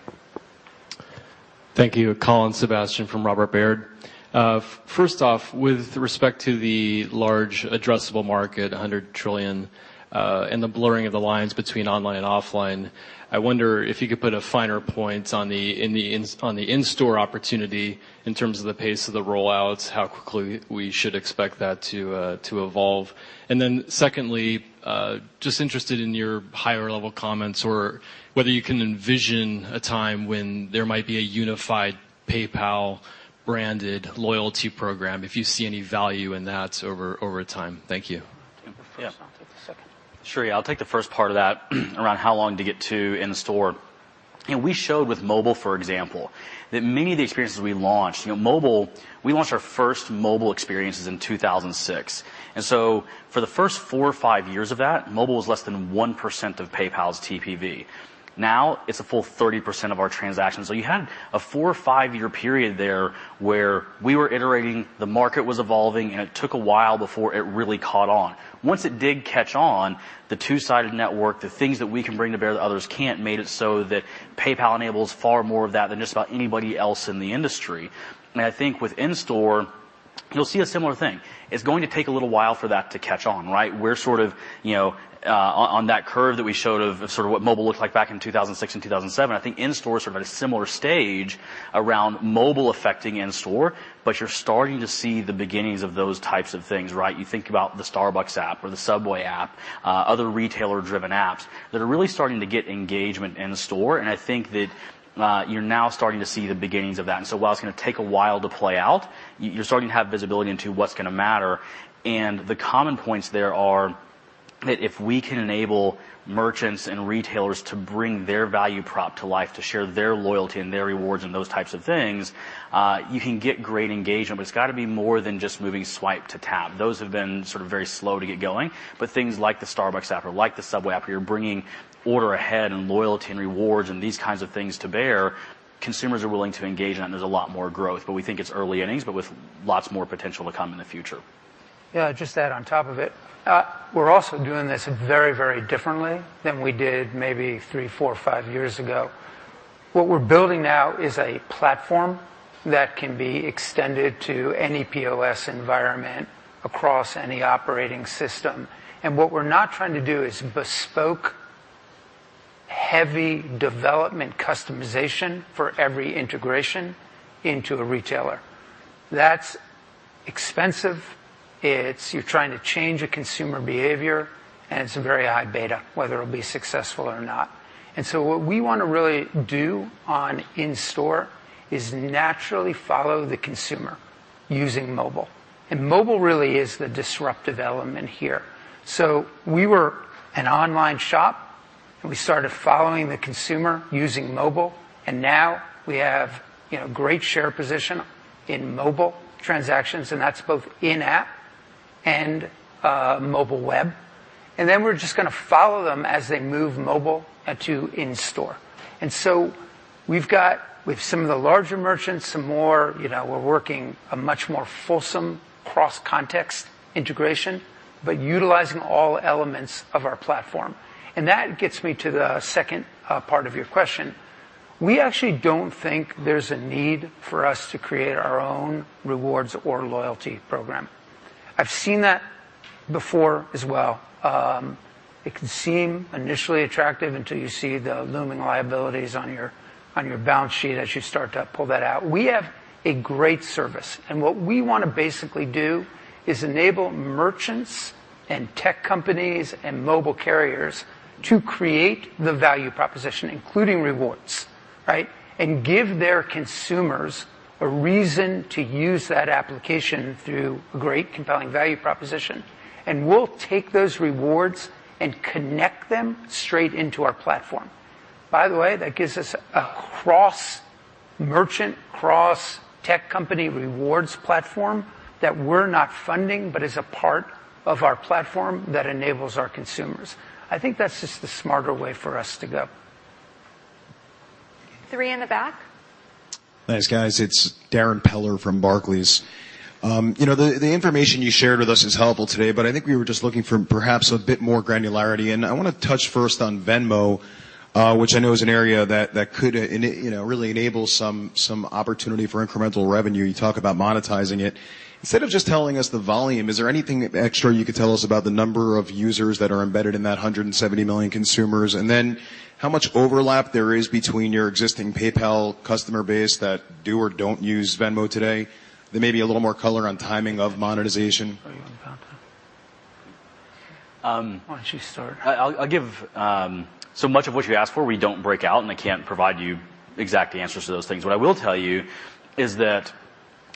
Thank you. Colin Sebastian from Robert W. Baird. First off, with respect to the large addressable market, $100 trillion, and the blurring of the lines between online and offline, I wonder if you could put a finer point on the in-store opportunity in terms of the pace of the roll-outs, how quickly we should expect that to evolve. Secondly, just interested in your higher level comments or whether you can envision a time when there might be a unified PayPal branded loyalty program, if you see any value in that over time. Thank you. Take the first, I'll take the second. Sure. I'll take the first part of that around how long to get to in-store. We showed with mobile, for example, that many of the experiences we launched, mobile, we launched our first mobile experiences in 2006. For the first four or five years of that, mobile was less than 1% of PayPal's TPV. Now it's a full 30% of our transactions. You had a four or five-year period there where we were iterating, the market was evolving, and it took a while before it really caught on. Once it did catch on, the two-sided network, the things that we can bring to bear that others can't, made it so that PayPal enables far more of that than just about anybody else in the industry. I think with in-store, you'll see a similar thing. It's going to take a little while for that to catch on, right? We're sort of on that curve that we showed of sort of what mobile looked like back in 2006 and 2007. I think in-store's sort of at a similar stage around mobile affecting in-store, but you're starting to see the beginnings of those types of things, right? You think about the Starbucks app or the Subway app, other retailer-driven apps that are really starting to get engagement in the store, and I think that you're now starting to see the beginnings of that. While it's going to take a while to play out, you're starting to have visibility into what's going to matter. The common points there are If we can enable merchants and retailers to bring their value prop to life, to share their loyalty and their rewards and those types of things, you can get great engagement, but it's got to be more than just moving swipe to tap. Those have been sort of very slow to get going. Things like the Starbucks app or like the Subway app, you're bringing order ahead and loyalty and rewards and these kinds of things to bear, consumers are willing to engage, and there's a lot more growth. We think it's early innings, but with lots more potential to come in the future. Yeah, just to add on top of it, we're also doing this very, very differently than we did maybe three, four, five years ago. What we're building now is a platform that can be extended to any POS environment across any operating system. What we're not trying to do is bespoke heavy development customization for every integration into a retailer. That's expensive. You're trying to change a consumer behavior, and it's a very high beta whether it'll be successful or not. What we want to really do on in-store is naturally follow the consumer using mobile. Mobile really is the disruptive element here. We were an online shop, and we started following the consumer using mobile, and now we have great share position in mobile transactions, and that's both in-app and mobile web. We're just going to follow them as they move mobile to in-store. We've got with some of the larger merchants, some more, we're working a much more fulsome cross-context integration, but utilizing all elements of our platform. That gets me to the second part of your question. We actually don't think there's a need for us to create our own rewards or loyalty program. I've seen that before as well. It can seem initially attractive until you see the looming liabilities on your balance sheet as you start to pull that out. We have a great service, what we want to basically do is enable merchants and tech companies and mobile carriers to create the value proposition, including rewards, right? Give their consumers a reason to use that application through great compelling value proposition. We'll take those rewards and connect them straight into our platform. That gives us a cross-merchant, cross-tech company rewards platform that we're not funding, but is a part of our platform that enables our consumers. I think that's just the smarter way for us to go. Three in the back. Thanks, guys. It's Darrin Peller from Barclays. The information you shared with us is helpful today, but I think we were just looking for perhaps a bit more granularity. I want to touch first on Venmo, which I know is an area that could really enable some opportunity for incremental revenue. You talk about monetizing it. Instead of just telling us the volume, is there anything extra you could tell us about the number of users that are embedded in that 170 million consumers? How much overlap there is between your existing PayPal customer base that do or don't use Venmo today? Maybe a little more color on timing of monetization. Why don't you start? Much of what you ask for, we don't break out, and I can't provide you exact answers to those things. What I will tell you is that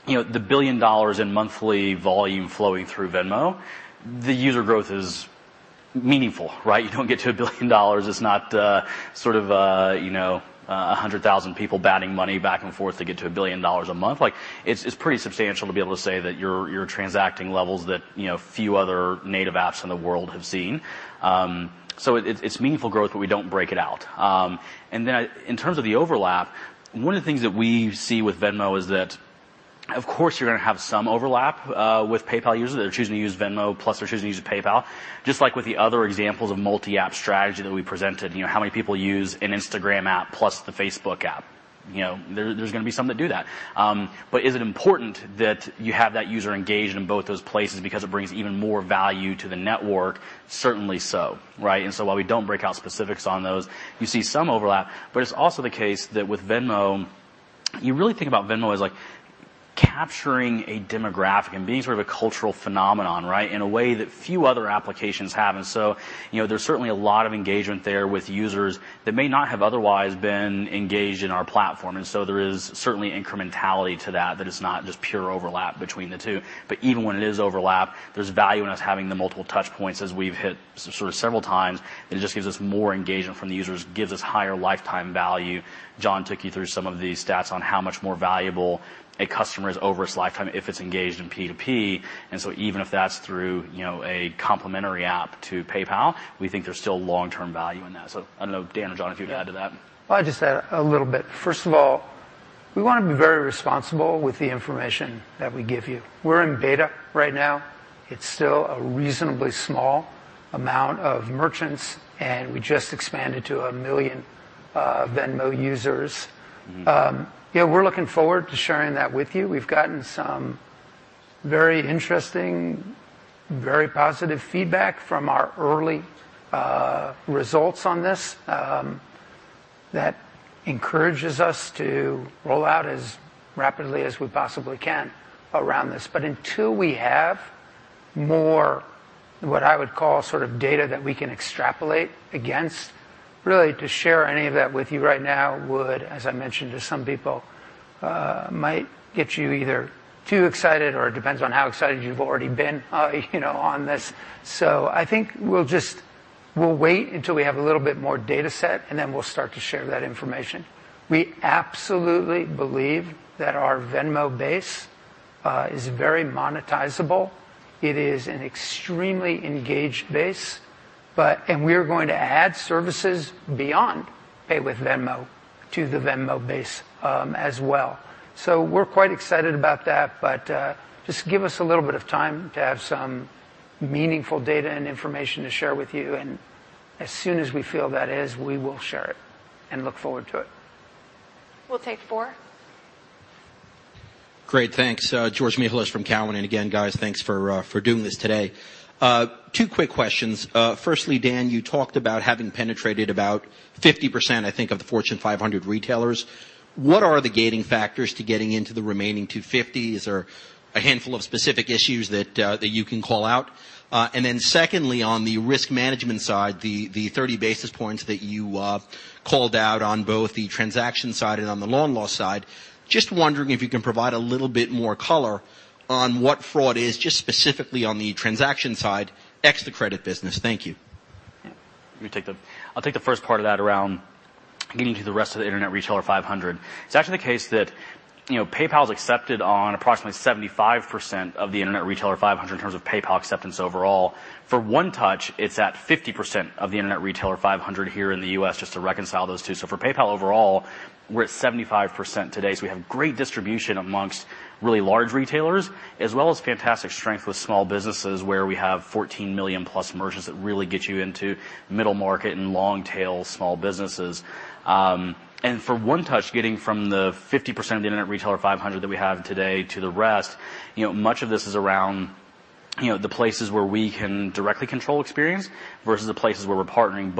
the $1 billion in monthly volume flowing through Venmo, the user growth is meaningful, right? You don't get to $1 billion, it's not sort of 100,000 people batting money back and forth to get to $1 billion a month. It's pretty substantial to be able to say that you're transacting levels that few other native apps in the world have seen. It's meaningful growth, but we don't break it out. In terms of the overlap, one of the things that we see with Venmo is that, of course, you're going to have some overlap with PayPal users that are choosing to use Venmo plus they're choosing to use PayPal, just like with the other examples of multi-app strategy that we presented. How many people use an Instagram app plus the Facebook app? There's going to be some that do that. Is it important that you have that user engaged in both those places because it brings even more value to the network? Certainly so, right? While we don't break out specifics on those, you see some overlap, but it's also the case that with Venmo, you really think about Venmo as like capturing a demographic and being sort of a cultural phenomenon, right, in a way that few other applications have. There's certainly a lot of engagement there with users that may not have otherwise been engaged in our platform. There is certainly incrementality to that it's not just pure overlap between the two. Even when it is overlap, there's value in us having the multiple touch points as we've hit sort of several times, and it just gives us more engagement from the users, gives us higher lifetime value. John took you through some of the stats on how much more valuable a customer is over its lifetime if it's engaged in P2P. Even if that's through a complementary app to PayPal, we think there's still long-term value in that. I don't know, Dan or John, if you'd add to that. I'll just add a little bit. First of all, we want to be very responsible with the information that we give you. We're in beta right now. It's still a reasonably small amount of merchants, and we just expanded to 1 million Venmo users. We're looking forward to sharing that with you. We've gotten some very interesting, very positive feedback from our early results on this that encourages us to roll out as rapidly as we possibly can around this. Until we have more, what I would call sort of data that we can extrapolate against Really, to share any of that with you right now would, as I mentioned to some people, might get you either too excited or it depends on how excited you've already been on this. I think we'll wait until we have a little bit more data set, then we'll start to share that information. We absolutely believe that our Venmo base is very monetizable. It is an extremely engaged base. We are going to add services beyond Pay with Venmo to the Venmo base as well. We're quite excited about that, but just give us a little bit of time to have some meaningful data and information to share with you, and as soon as we feel that is, we will share it, and look forward to it. We'll take four. Great. Thanks. George Mihalos from Cowen, again, guys, thanks for doing this today. Two quick questions. Firstly, Dan, you talked about having penetrated about 50%, I think, of the Fortune 500 retailers. What are the gating factors to getting into the remaining 250? Is there a handful of specific issues that you can call out? Secondly, on the risk management side, the 30 basis points that you called out on both the transaction side and on the loan loss side, just wondering if you can provide a little bit more color on what fraud is, just specifically on the transaction side, ex the credit business. Thank you. I'll take the first part of that around getting to the rest of the Internet Retailer 500. It's actually the case that PayPal is accepted on approximately 75% of the Internet Retailer 500 in terms of PayPal acceptance overall. For One Touch, it's at 50% of the Internet Retailer 500 here in the U.S., just to reconcile those two. For PayPal overall, we're at 75% today. We have great distribution amongst really large retailers, as well as fantastic strength with small businesses, where we have 14 million-plus merchants that really get you into middle market and long-tail small businesses. For One Touch, getting from the 50% of the Internet Retailer 500 that we have today to the rest, much of this is around the places where we can directly control experience versus the places where we're partnering.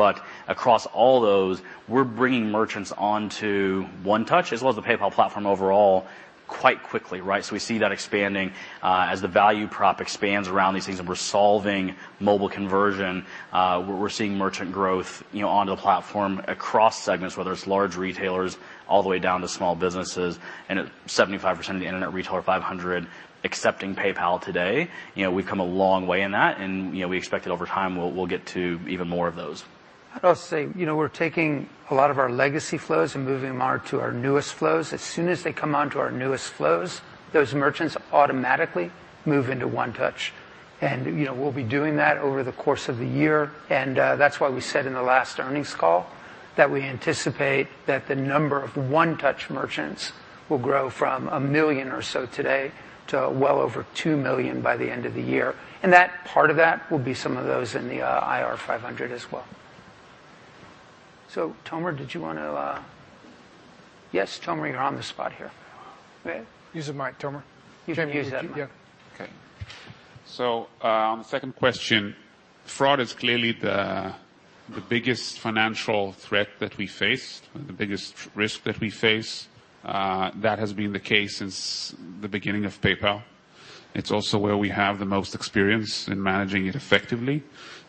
Across all those, we're bringing merchants onto One Touch, as well as the PayPal platform overall, quite quickly. We see that expanding as the value prop expands around these things, and we're solving mobile conversion, we're seeing merchant growth onto the platform across segments, whether it's large retailers all the way down to small businesses. At 75% of the Internet Retailer 500 accepting PayPal today, we've come a long way in that, and we expect that over time, we'll get to even more of those. I'd also say, we're taking a lot of our legacy flows and moving them to our newest flows. As soon as they come onto our newest flows, those merchants automatically move into One Touch. We'll be doing that over the course of the year, and that's why we said in the last earnings call that we anticipate that the number of One Touch merchants will grow from 1 million or so today to well over 2 million by the end of the year. Part of that will be some of those in the IR500 as well. Tomer, did you want to Yes, Tomer, you're on the spot here. Use the mic, Tomer. You can use that mic. Yeah. Okay. Second question, fraud is clearly the biggest financial threat that we face and the biggest risk that we face. That has been the case since the beginning of PayPal. It's also where we have the most experience in managing it effectively.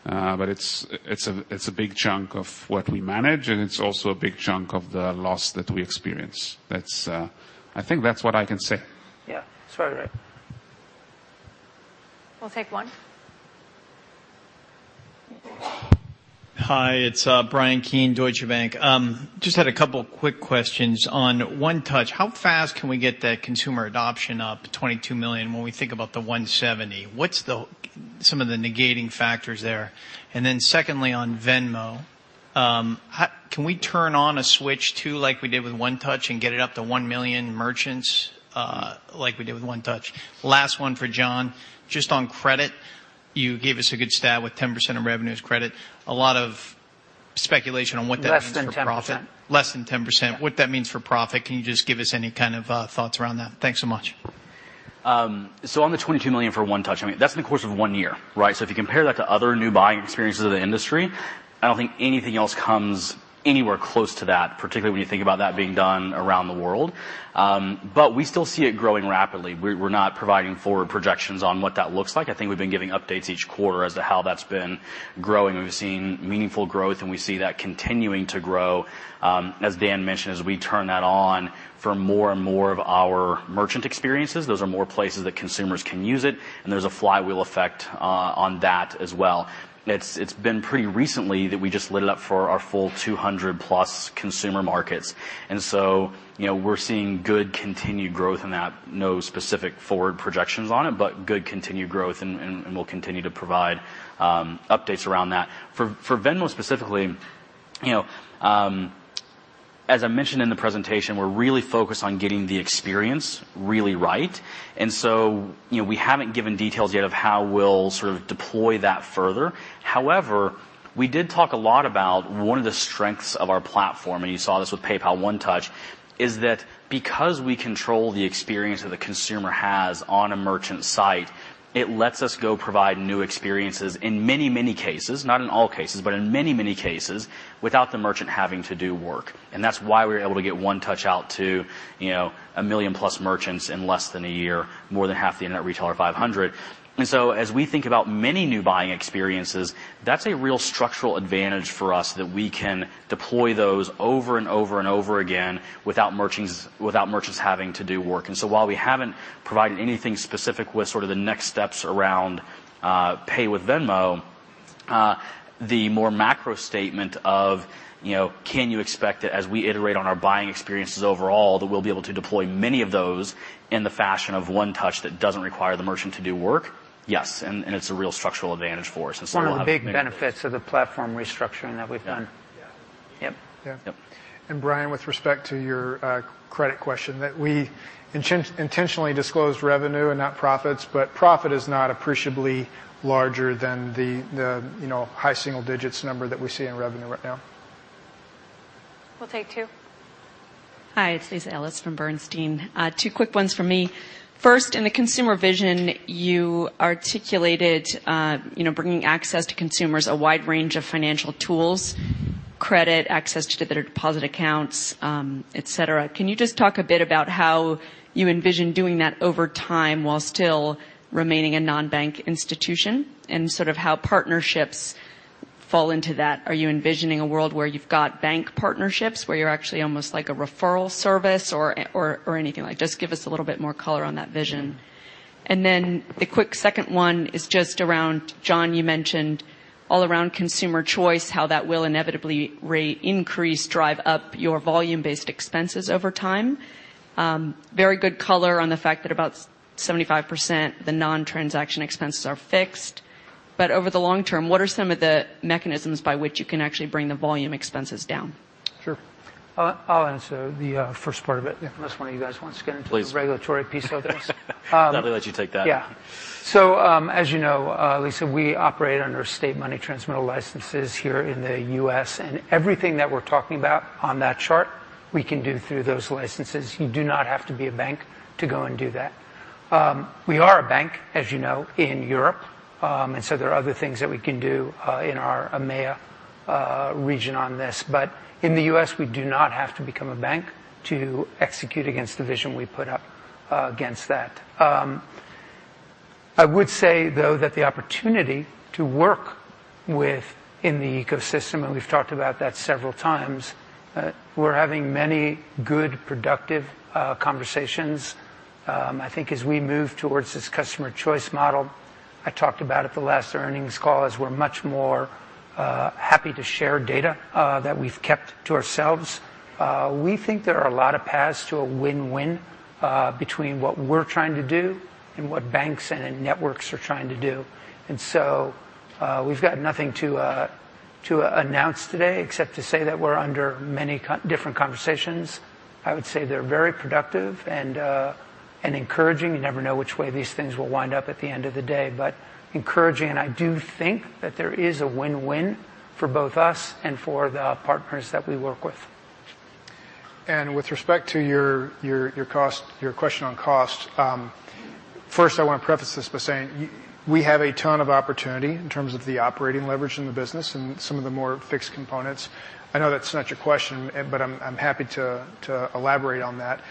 It's a big chunk of what we manage, and it's also a big chunk of the loss that we experience. I think that's what I can say. Yeah. It's very right. We'll take one. Hi, it's Bryan Keane, Deutsche Bank. Just had a couple quick questions. On One Touch, how fast can we get that consumer adoption up to 22 million when we think about the 170? What's some of the negating factors there? Secondly, on Venmo, can we turn on a switch too, like we did with One Touch, and get it up to one million merchants like we did with One Touch? Last one for John, just on credit, you gave us a good stat with 10% of revenue as credit. A lot of speculation on what that means for profit. Less than 10%. Less than 10%. Yeah. What that means for profit, can you just give us any kind of thoughts around that? Thanks so much. On the $22 million for One Touch, that's in the course of one year. If you compare that to other new buying experiences of the industry, I don't think anything else comes anywhere close to that, particularly when you think about that being done around the world. We still see it growing rapidly. We're not providing forward projections on what that looks like. I think we've been giving updates each quarter as to how that's been growing, and we've seen meaningful growth, and we see that continuing to grow. As Dan mentioned, as we turn that on for more and more of our merchant experiences, those are more places that consumers can use it, and there's a flywheel effect on that as well. It's been pretty recently that we just lit it up for our full 200-plus consumer markets. We're seeing good continued growth in that. No specific forward projections on it, but good continued growth. We'll continue to provide updates around that. For Venmo specifically, as I mentioned in the presentation, we're really focused on getting the experience really right. We haven't given details yet of how we'll sort of deploy that further. However, we did talk a lot about one of the strengths of our platform, and you saw this with PayPal One Touch, is that because we control the experience that the consumer has on a merchant site, it lets us go provide new experiences in many, many cases, not in all cases, but in many, many cases, without the merchant having to do work. That's why we were able to get One Touch out to 1 million-plus merchants in less than a year, more than half the Internet Retailer 500. As we think about many new buying experiences, that's a real structural advantage for us that we can deploy those over and over and over again without merchants having to do work. While we haven't provided anything specific with sort of the next steps around Pay with Venmo. The more macro statement of can you expect that as we iterate on our buying experiences overall, that we'll be able to deploy many of those in the fashion of One Touch that doesn't require the merchant to do work? Yes. It's a real structural advantage for us. We'll have. One of the big benefits of the platform restructuring that we've done. Yeah. Yep. Yeah. Yep. Bryan, with respect to your credit question, that we intentionally disclose revenue and not profits. Profit is not appreciably larger than the high single digits number that we see in revenue right now. We'll take two. Hi, it's Lisa Ellis from Bernstein. Two quick ones from me. First, in the consumer vision, you articulated bringing access to consumers, a wide range of financial tools, credit, access to deposit accounts, et cetera. Can you just talk a bit about how you envision doing that over time while still remaining a non-bank institution, and sort of how partnerships fall into that? Are you envisioning a world where you've got bank partnerships, where you're actually almost like a referral service or anything like Just give us a little bit more color on that vision. Then the quick second one is just around, John, you mentioned all around consumer choice, how that will inevitably increase, drive up your volume-based expenses over time. Very good color on the fact that about 75%, the non-transaction expenses are fixed. Over the long term, what are some of the mechanisms by which you can actually bring the volume expenses down? Sure. I'll answer the first part of it. Unless one of you guys wants to get into- Please the regulatory piece of this. Gladly let you take that. Yeah. As you know, Lisa, we operate under state money transmittal licenses here in the U.S., everything that we're talking about on that chart we can do through those licenses. You do not have to be a bank to go and do that. We are a bank, as you know, in Europe. There are other things that we can do, in our EMEA region on this. In the U.S., we do not have to become a bank to execute against the vision we put up against that. I would say, though, that the opportunity to work with in the ecosystem, we've talked about that several times, we're having many good, productive conversations. I think as we move towards this customer choice model, I talked about at the last earnings call, as we're much more happy to share data that we've kept to ourselves. We think there are a lot of paths to a win-win between what we're trying to do and what banks and then networks are trying to do. We've got nothing to announce today except to say that we're under many different conversations. I would say they're very productive and encouraging. You never know which way these things will wind up at the end of the day, encouraging, I do think that there is a win-win for both us and for the partners that we work with. With respect to your question on cost, first I want to preface this by saying we have a ton of opportunity in terms of the operating leverage in the business and some of the more fixed components. I know that's not your question, but I'm happy to elaborate on that.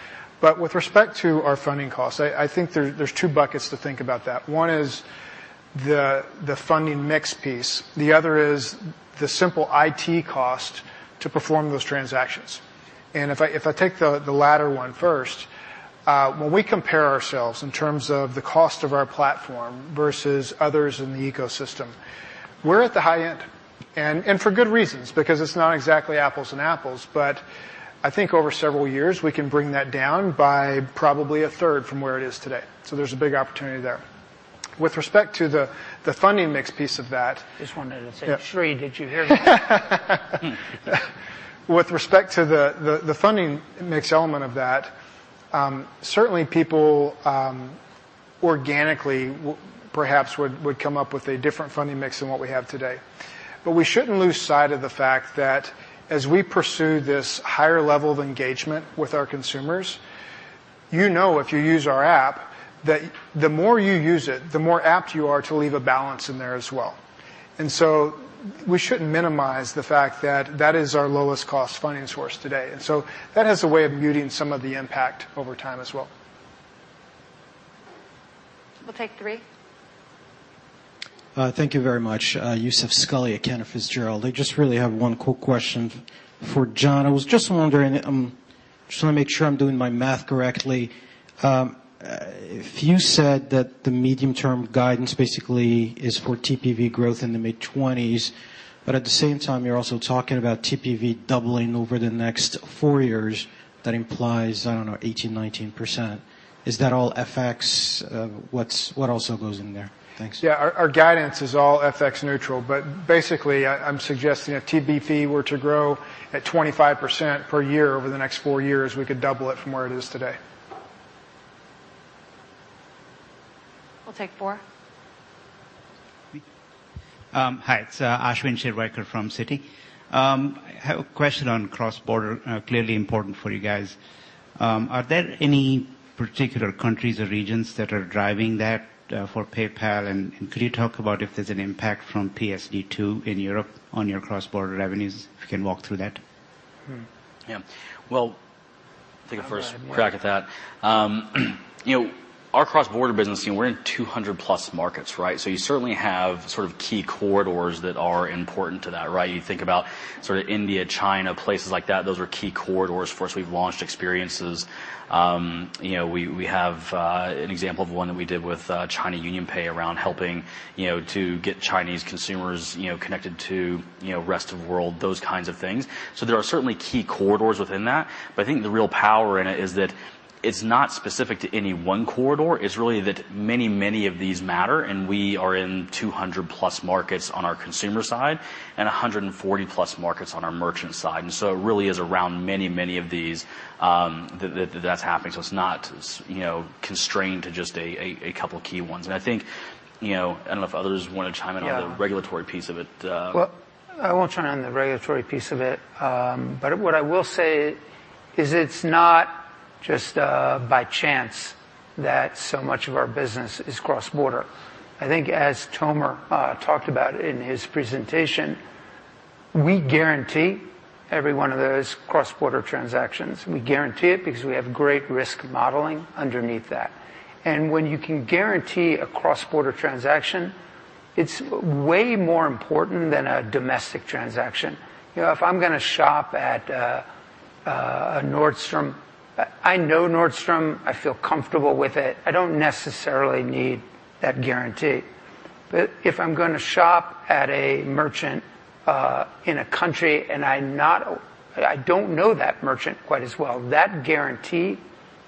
With respect to our funding costs, I think there's two buckets to think about that. One is the funding mix piece. The other is the simple IT cost to perform those transactions. If I take the latter one first, when we compare ourselves in terms of the cost of our platform versus others in the ecosystem, we're at the high end, and for good reasons, because it's not exactly apples and apples, but I think over several years we can bring that down by probably a third from where it is today. There's a big opportunity there. With respect to the funding mix piece of that. Just wanted to say, Sri, did you hear me? With respect to the funding mix element of that, certainly people organically perhaps would come up with a different funding mix than what we have today. We shouldn't lose sight of the fact that as we pursue this higher level of engagement with our consumers, you know if you use our app, that the more you use it, the more apt you are to leave a balance in there as well. We shouldn't minimize the fact that that is our lowest cost funding source today. That has a way of muting some of the impact over time as well. We'll take three. Thank you very much. Youssef Squali at Cantor Fitzgerald. I just really have one quick question for John. I was just wondering, just want to make sure I'm doing my math correctly. If you said that the medium-term guidance basically is for TPV growth in the mid-20s, but at the same time, you're also talking about TPV doubling over the next four years, that implies, I don't know, 18%, 19%. Is that all FX? What also goes in there? Thanks. Yeah, our guidance is all FX neutral, but basically I'm suggesting if TPV were to grow at 25% per year over the next four years, we could double it from where it is today. We'll take four. Hi, it's Ashwin Shirvaikar from Citi. I have a question on cross-border, clearly important for you guys. Are there any particular countries or regions that are driving that for PayPal, and could you talk about if there's an impact from PSD2 in Europe on your cross-border revenues? If you can walk through that. Yeah. Take a first crack at that. Our cross-border business, we're in 200-plus markets, right? You certainly have sort of key corridors that are important to that, right? You think about sort of India, China, places like that. Those are key corridors for us. We've launched experiences. We have an example of one that we did with China UnionPay around helping to get Chinese consumers connected to rest of the world, those kinds of things. There are certainly key corridors within that. I think the real power in it is that it's not specific to any one corridor. It's really that many, many of these matter, and we are in 200-plus markets on our consumer side and 140-plus markets on our merchant side. It really is around many, many of these that's happening. It's not constrained to just a couple of key ones. I think, I don't know if others want to chime in on the regulatory piece of it. Well, I won't chime in on the regulatory piece of it. What I will say is it's not just by chance that so much of our business is cross-border. I think as Tomer talked about in his presentation, we guarantee every one of those cross-border transactions. We guarantee it because we have great risk modeling underneath that. When you can guarantee a cross-border transaction, it's way more important than a domestic transaction. If I'm going to shop at a Nordstrom, I know Nordstrom, I feel comfortable with it. I don't necessarily need that guarantee. If I'm going to shop at a merchant in a country, and I don't know that merchant quite as well, that guarantee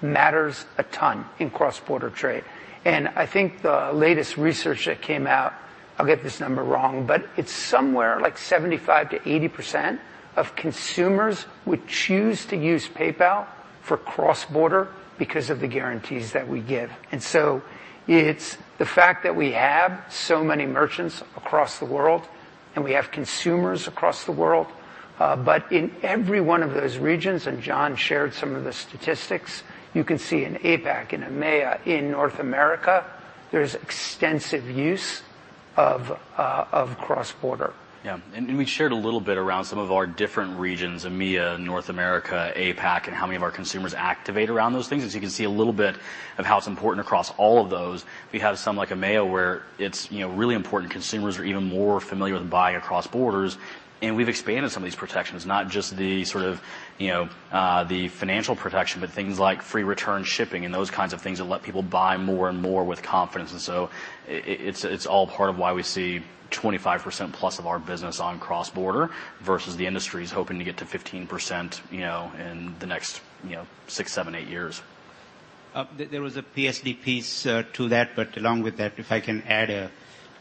matters a ton in cross-border trade. I think the latest research that came out, I'll get this number wrong, but it's somewhere like 75%-80% of consumers would choose to use PayPal for cross-border because of the guarantees that we give. It's the fact that we have so many merchants across the world, and we have consumers across the world. In every one of those regions, and John shared some of the statistics, you can see in APAC, in EMEA, in North America, there's extensive use of cross-border. Yeah. We shared a little bit around some of our different regions, EMEA, North America, APAC, and how many of our consumers activate around those things, as you can see a little bit of how it's important across all of those. We have some like EMEA, where it's really important. Consumers are even more familiar with buying across borders, and we've expanded some of these protections, not just the sort of financial protection, but things like free return shipping and those kinds of things that let people buy more and more with confidence. It's all part of why we see 25%+ of our business on cross-border versus the industry's hoping to get to 15% in the next six, seven, eight years. There was a PSD2 piece to that, along with that, if I can add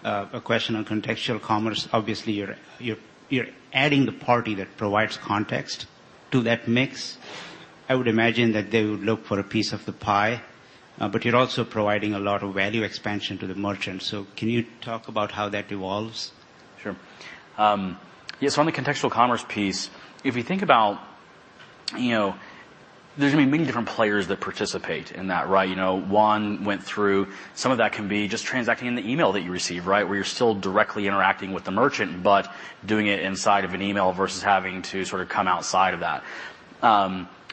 a question on contextual commerce, obviously you're adding the party that provides context to that mix. I would imagine that they would look for a piece of the pie. You're also providing a lot of value expansion to the merchant. Can you talk about how that evolves? Sure. On the contextual commerce piece, if you think about there's going to be many different players that participate in that, right? One went through some of that can be just transacting in the email that you receive, right? Where you're still directly interacting with the merchant, doing it inside of an email versus having to sort of come outside of that.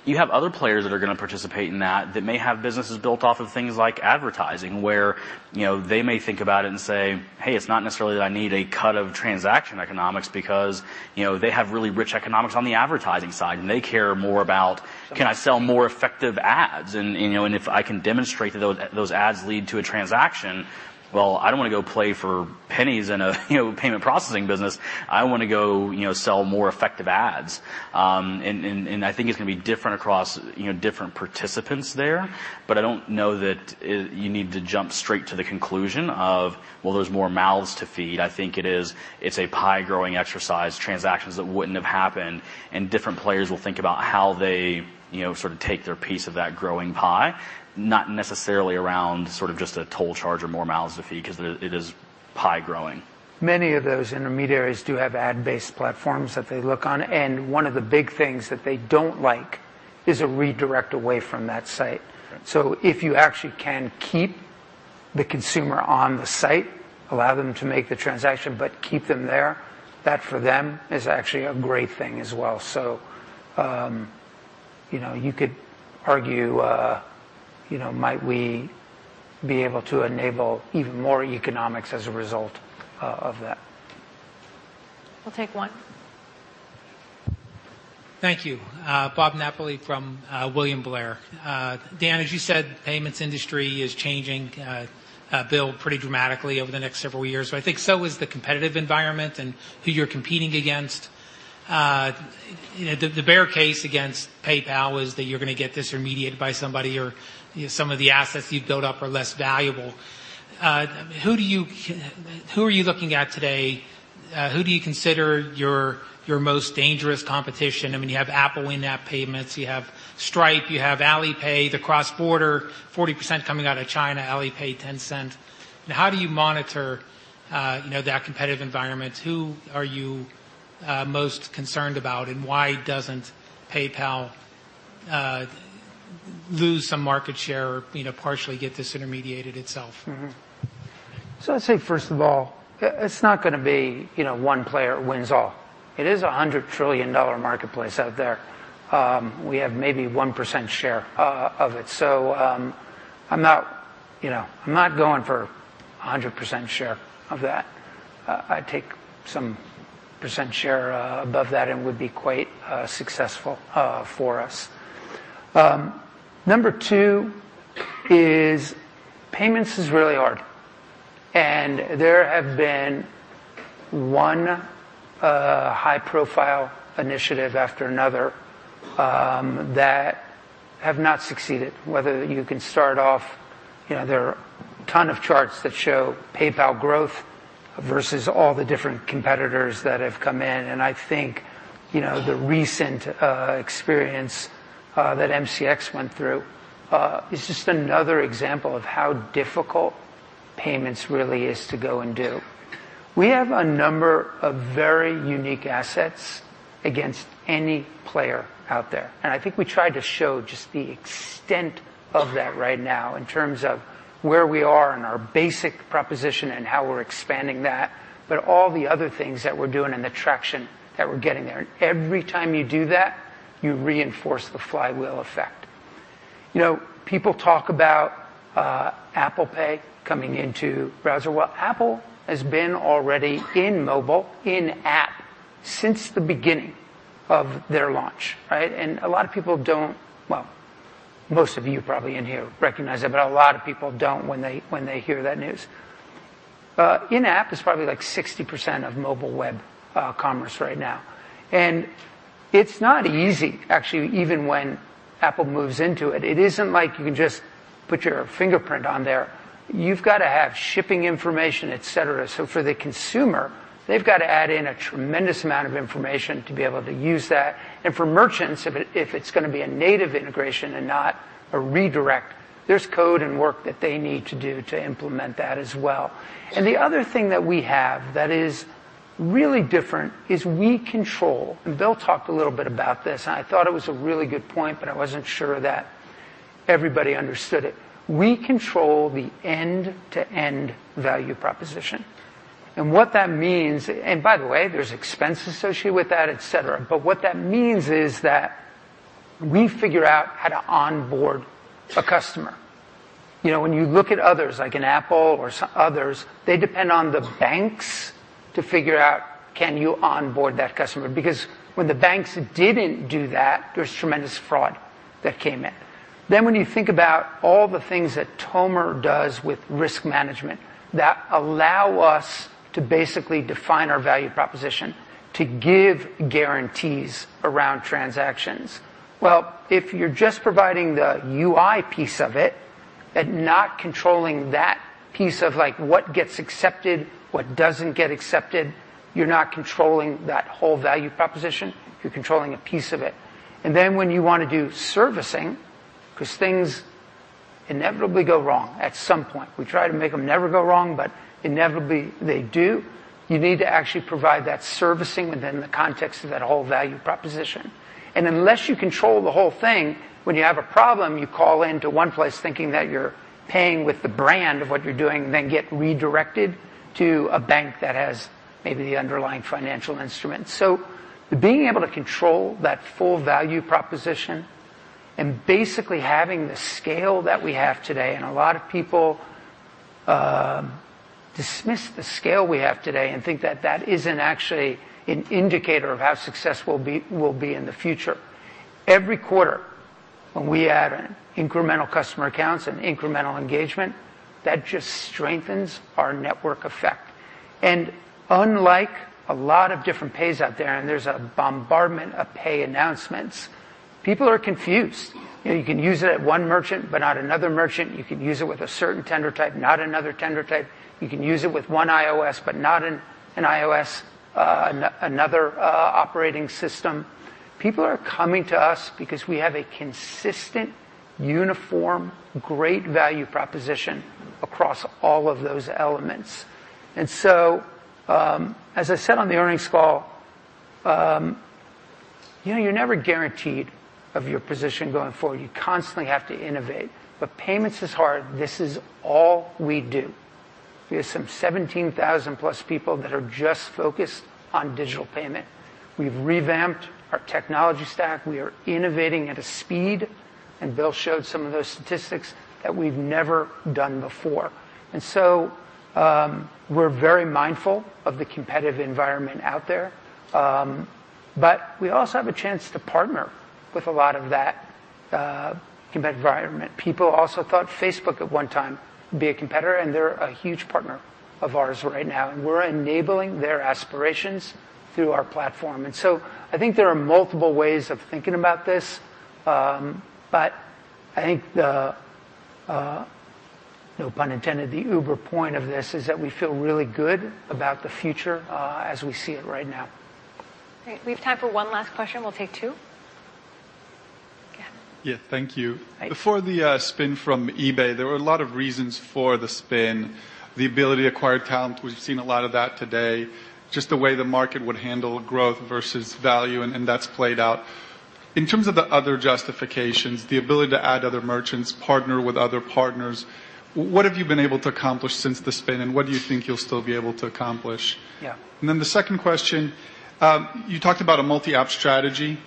You have other players that are going to participate in that that may have businesses built off of things like advertising, where they may think about it and say, "Hey, it's not necessarily that I need a cut of transaction economics," because they have really rich economics on the advertising side, they care more about, can I sell more effective ads? If I can demonstrate that those ads lead to a transaction, well, I don't want to go play for pennies in a payment processing business. I want to go sell more effective ads. I think it's going to be different across different participants there. I don't know that you need to jump straight to the conclusion of, well, there's more mouths to feed. I think it's a pie-growing exercise, transactions that wouldn't have happened, and different players will think about how they sort of take their piece of that growing pie, not necessarily around sort of just a toll charge or more mouths to feed because it is pie-growing. Many of those intermediaries do have ad-based platforms that they look on, and one of the big things that they don't like is a redirect away from that site. Right. If you actually can keep the consumer on the site, allow them to make the transaction, but keep them there, that for them is actually a great thing as well. You could argue, might we be able to enable even more economics as a result of that? We'll take one. Thank you. Bob Napoli from William Blair. Dan, as you said, the payments industry is changing, Bill, pretty dramatically over the next several years. I think so is the competitive environment and who you're competing against. The bear case against PayPal was that you're going to get disintermediated by somebody or some of the assets you've built up are less valuable. Who are you looking at today? Who do you consider your most dangerous competition? You have Apple in-app payments. You have Stripe. You have Alipay, the cross-border, 40% coming out of China, Alipay, Tencent. How do you monitor that competitive environment? Who are you most concerned about, and why doesn't PayPal lose some market share or partially get disintermediated itself? I'd say, first of all, it's not going to be one player wins all. It is a $100 trillion marketplace out there. We have maybe 1% share of it. I'm not going for 100% share of that. I'd take some percent share above that and would be quite successful for us. Number two is payments is really hard, and there have been one high-profile initiative after another that have not succeeded. There are a ton of charts that show PayPal growth versus all the different competitors that have come in. I think, the recent experience that MCX went through is just another example of how difficult payments really is to go and do. We have a number of very unique assets against any player out there, and I think we tried to show just the extent of that right now in terms of where we are in our basic proposition and how we're expanding that, but all the other things that we're doing and the traction that we're getting there. Every time you do that, you reinforce the flywheel effect. People talk about Apple Pay coming into browser. Apple has been already in mobile, in-app, since the beginning of their launch, right? A lot of people don't. Most of you probably in here recognize it, but a lot of people don't when they hear that news. In-app is probably like 60% of mobile web commerce right now, and it's not easy, actually, even when Apple moves into it. It isn't like you can just put your fingerprint on there. You've got to have shipping information, et cetera. For the consumer, they've got to add in a tremendous amount of information to be able to use that. For merchants, if it's going to be a native integration and not a redirect, there's code and work that they need to do to implement that as well. The other thing that we have that is really different is we control, and Bill talked a little bit about this, and I thought it was a really good point, but I wasn't sure that everybody understood it. We control the end-to-end value proposition. By the way, there's expense associated with that, et cetera. What that means is that we figure out how to onboard a customer. When you look at others, like an Apple or others, they depend on the banks to figure out, can you onboard that customer? Because when the banks didn't do that, there was tremendous fraud that came in. When you think about all the things that Tomer does with risk management that allow us to basically define our value proposition to give guarantees around transactions. Well, if you're just providing the UI piece of it and not controlling that piece of what gets accepted, what doesn't get accepted, you're not controlling that whole value proposition. You're controlling a piece of it. When you want to do servicing, because things inevitably go wrong at some point. We try to make them never go wrong, but inevitably they do. You need to actually provide that servicing within the context of that whole value proposition. Unless you control the whole thing, when you have a problem, you call into one place thinking that you're paying with the brand of what you're doing, then get redirected to a bank that has maybe the underlying financial instrument. Being able to control that full value proposition and basically having the scale that we have today, and a lot of people dismiss the scale we have today and think that that isn't actually an indicator of how successful we'll be in the future. Every quarter when we add incremental customer accounts and incremental engagement, that just strengthens our network effect. Unlike a lot of different pays out there, and there's a bombardment of pay announcements, people are confused. You can use it at one merchant but not another merchant. You can use it with a certain tender type, not another tender type. You can use it with one iOS, but not another operating system. People are coming to us because we have a consistent, uniform, great value proposition across all of those elements. As I said on the earnings call, you're never guaranteed of your position going forward. You constantly have to innovate. Payments is hard. This is all we do. We have some 17,000-plus people that are just focused on digital payment. We've revamped our technology stack. We are innovating at a speed, and Bill showed some of those statistics, that we've never done before. We're very mindful of the competitive environment out there. We also have a chance to partner with a lot of that competitive environment. People also thought Facebook at one time would be a competitor, and they're a huge partner of ours right now, and we're enabling their aspirations through our platform. I think there are multiple ways of thinking about this. I think the, no pun intended, the uber point of this is that we feel really good about the future as we see it right now. Great. We have time for one last question. We'll take two. Yeah. Yeah. Thank you. Hi. Before the spin from eBay, there were a lot of reasons for the spin, the ability to acquire talent. We've seen a lot of that today. Just the way the market would handle growth versus value, and that's played out. In terms of the other justifications, the ability to add other merchants, partner with other partners, what have you been able to accomplish since the spin, and what do you think you'll still be able to accomplish? Yeah. The second question, you talked about a multi-app strategy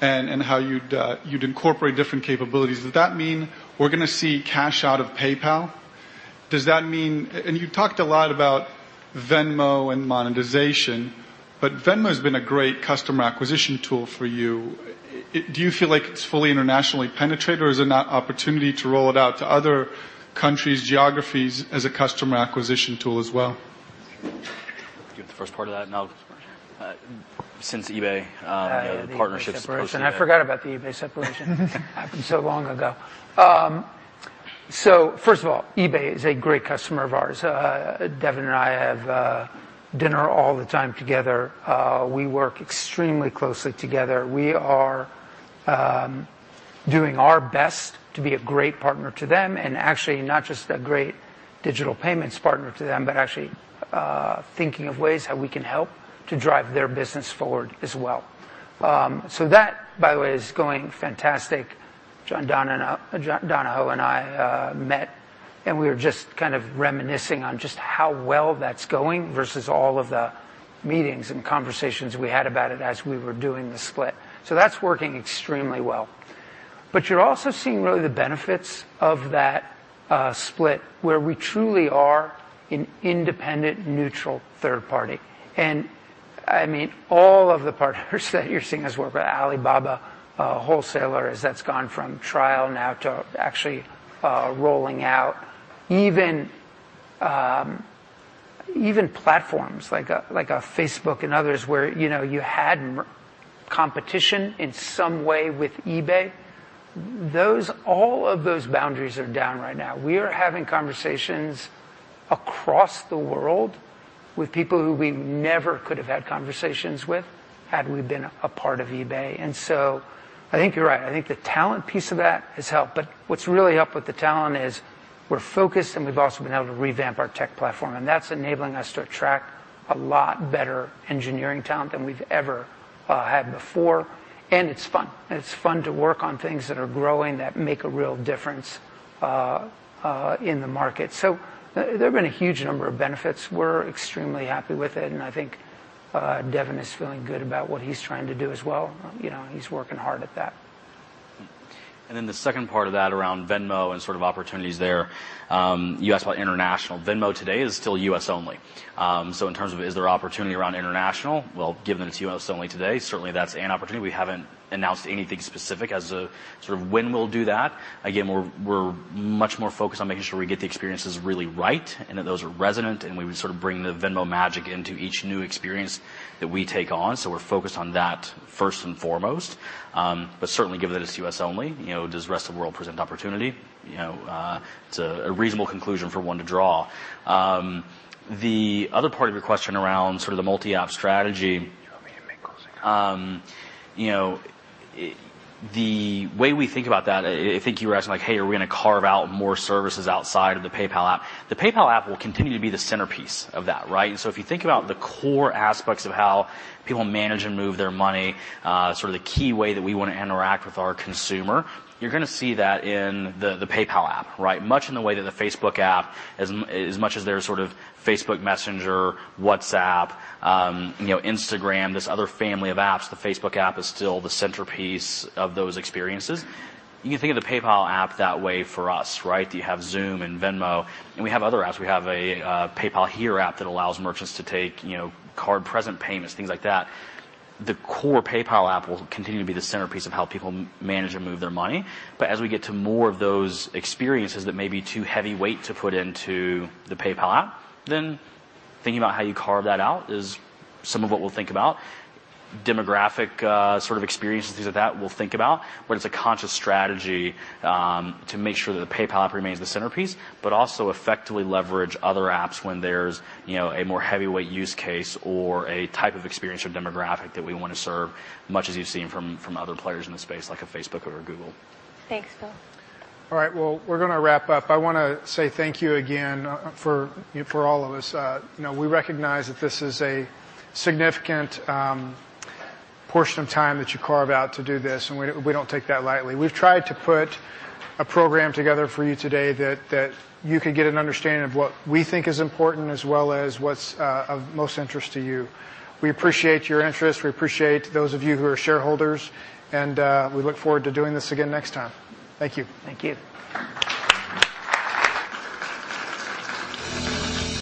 and how you'd incorporate different capabilities. Does that mean we're going to see cash out of PayPal? Does that mean you talked a lot about Venmo and monetization, but Venmo's been a great customer acquisition tool for you. Do you feel like it's fully internationally penetrated, or is there an opportunity to roll it out to other countries, geographies as a customer acquisition tool as well? Do you want the first part of that, and I'll Since eBay, the partnerships post eBay. I forgot about the eBay separation. Happened so long ago. First of all, eBay is a great customer of ours. Devin and I have dinner all the time together. We work extremely closely together. We are doing our best to be a great partner to them and actually not just a great digital payments partner to them, but actually thinking of ways how we can help to drive their business forward as well. That, by the way, is going fantastic. John Donahoe and I met, and we were just kind of reminiscing on just how well that's going versus all of the meetings and conversations we had about it as we were doing the split. That's working extremely well. You're also seeing really the benefits of that split, where we truly are an independent, neutral third party. All of the partners that you're seeing us work with, Alibaba, wholesalers that's gone from trial now to actually rolling out even platforms like a Facebook and others where you had competition in some way with eBay. All of those boundaries are down right now. We are having conversations across the world with people who we never could have had conversations with had we been a part of eBay. I think you're right. I think the talent piece of that has helped. What's really helped with the talent is we're focused, and we've also been able to revamp our tech platform, and that's enabling us to attract a lot better engineering talent than we've ever had before. It's fun. It's fun to work on things that are growing, that make a real difference in the market. There have been a huge number of benefits. We're extremely happy with it. I think Devin is feeling good about what he's trying to do as well. He's working hard at that. The second part of that around Venmo and sort of opportunities there. You asked about international. Venmo today is still U.S. only. In terms of is there opportunity around international, well, given that it's U.S. only today, certainly that's an opportunity. We haven't announced anything specific as a sort of when we'll do that. We're much more focused on making sure we get the experiences really right and that those are resonant, and we sort of bring the Venmo magic into each new experience that we take on. We're focused on that first and foremost. Certainly given that it's U.S. only, does the rest of the world present opportunity? It's a reasonable conclusion for one to draw. The other part of your question around sort of the multi-app strategy. Do you want me to make closing comments? The way we think about that, I think you were asking like, "Hey, are we going to carve out more services outside of the PayPal app?" The PayPal app will continue to be the centerpiece of that, right? If you think about the core aspects of how people manage and move their money, sort of the key way that we want to interact with our consumer, you're going to see that in the PayPal app, right? Much in the way that the Facebook app, as much as there's sort of Facebook Messenger, WhatsApp, Instagram, this other family of apps, the Facebook app is still the centerpiece of those experiences. You can think of the PayPal app that way for us, right? You have Xoom and Venmo, and we have other apps. We have a PayPal Here app that allows merchants to take card-present payments, things like that. The core PayPal app will continue to be the centerpiece of how people manage and move their money. As we get to more of those experiences that may be too heavyweight to put into the PayPal app, thinking about how you carve that out is some of what we'll think about. Demographic sort of experiences, things like that, we'll think about. It's a conscious strategy, to make sure that the PayPal app remains the centerpiece, but also effectively leverage other apps when there's a more heavyweight use case or a type of experience or demographic that we want to serve, much as you've seen from other players in the space, like a Facebook or a Google. Thanks, Bill. All right. Well, we're going to wrap up. I want to say thank you again for all of us. We recognize that this is a significant portion of time that you carve out to do this, and we don't take that lightly. We've tried to put a program together for you today that you could get an understanding of what we think is important as well as what's of most interest to you. We appreciate your interest. We appreciate those of you who are shareholders, and we look forward to doing this again next time. Thank you. Thank you.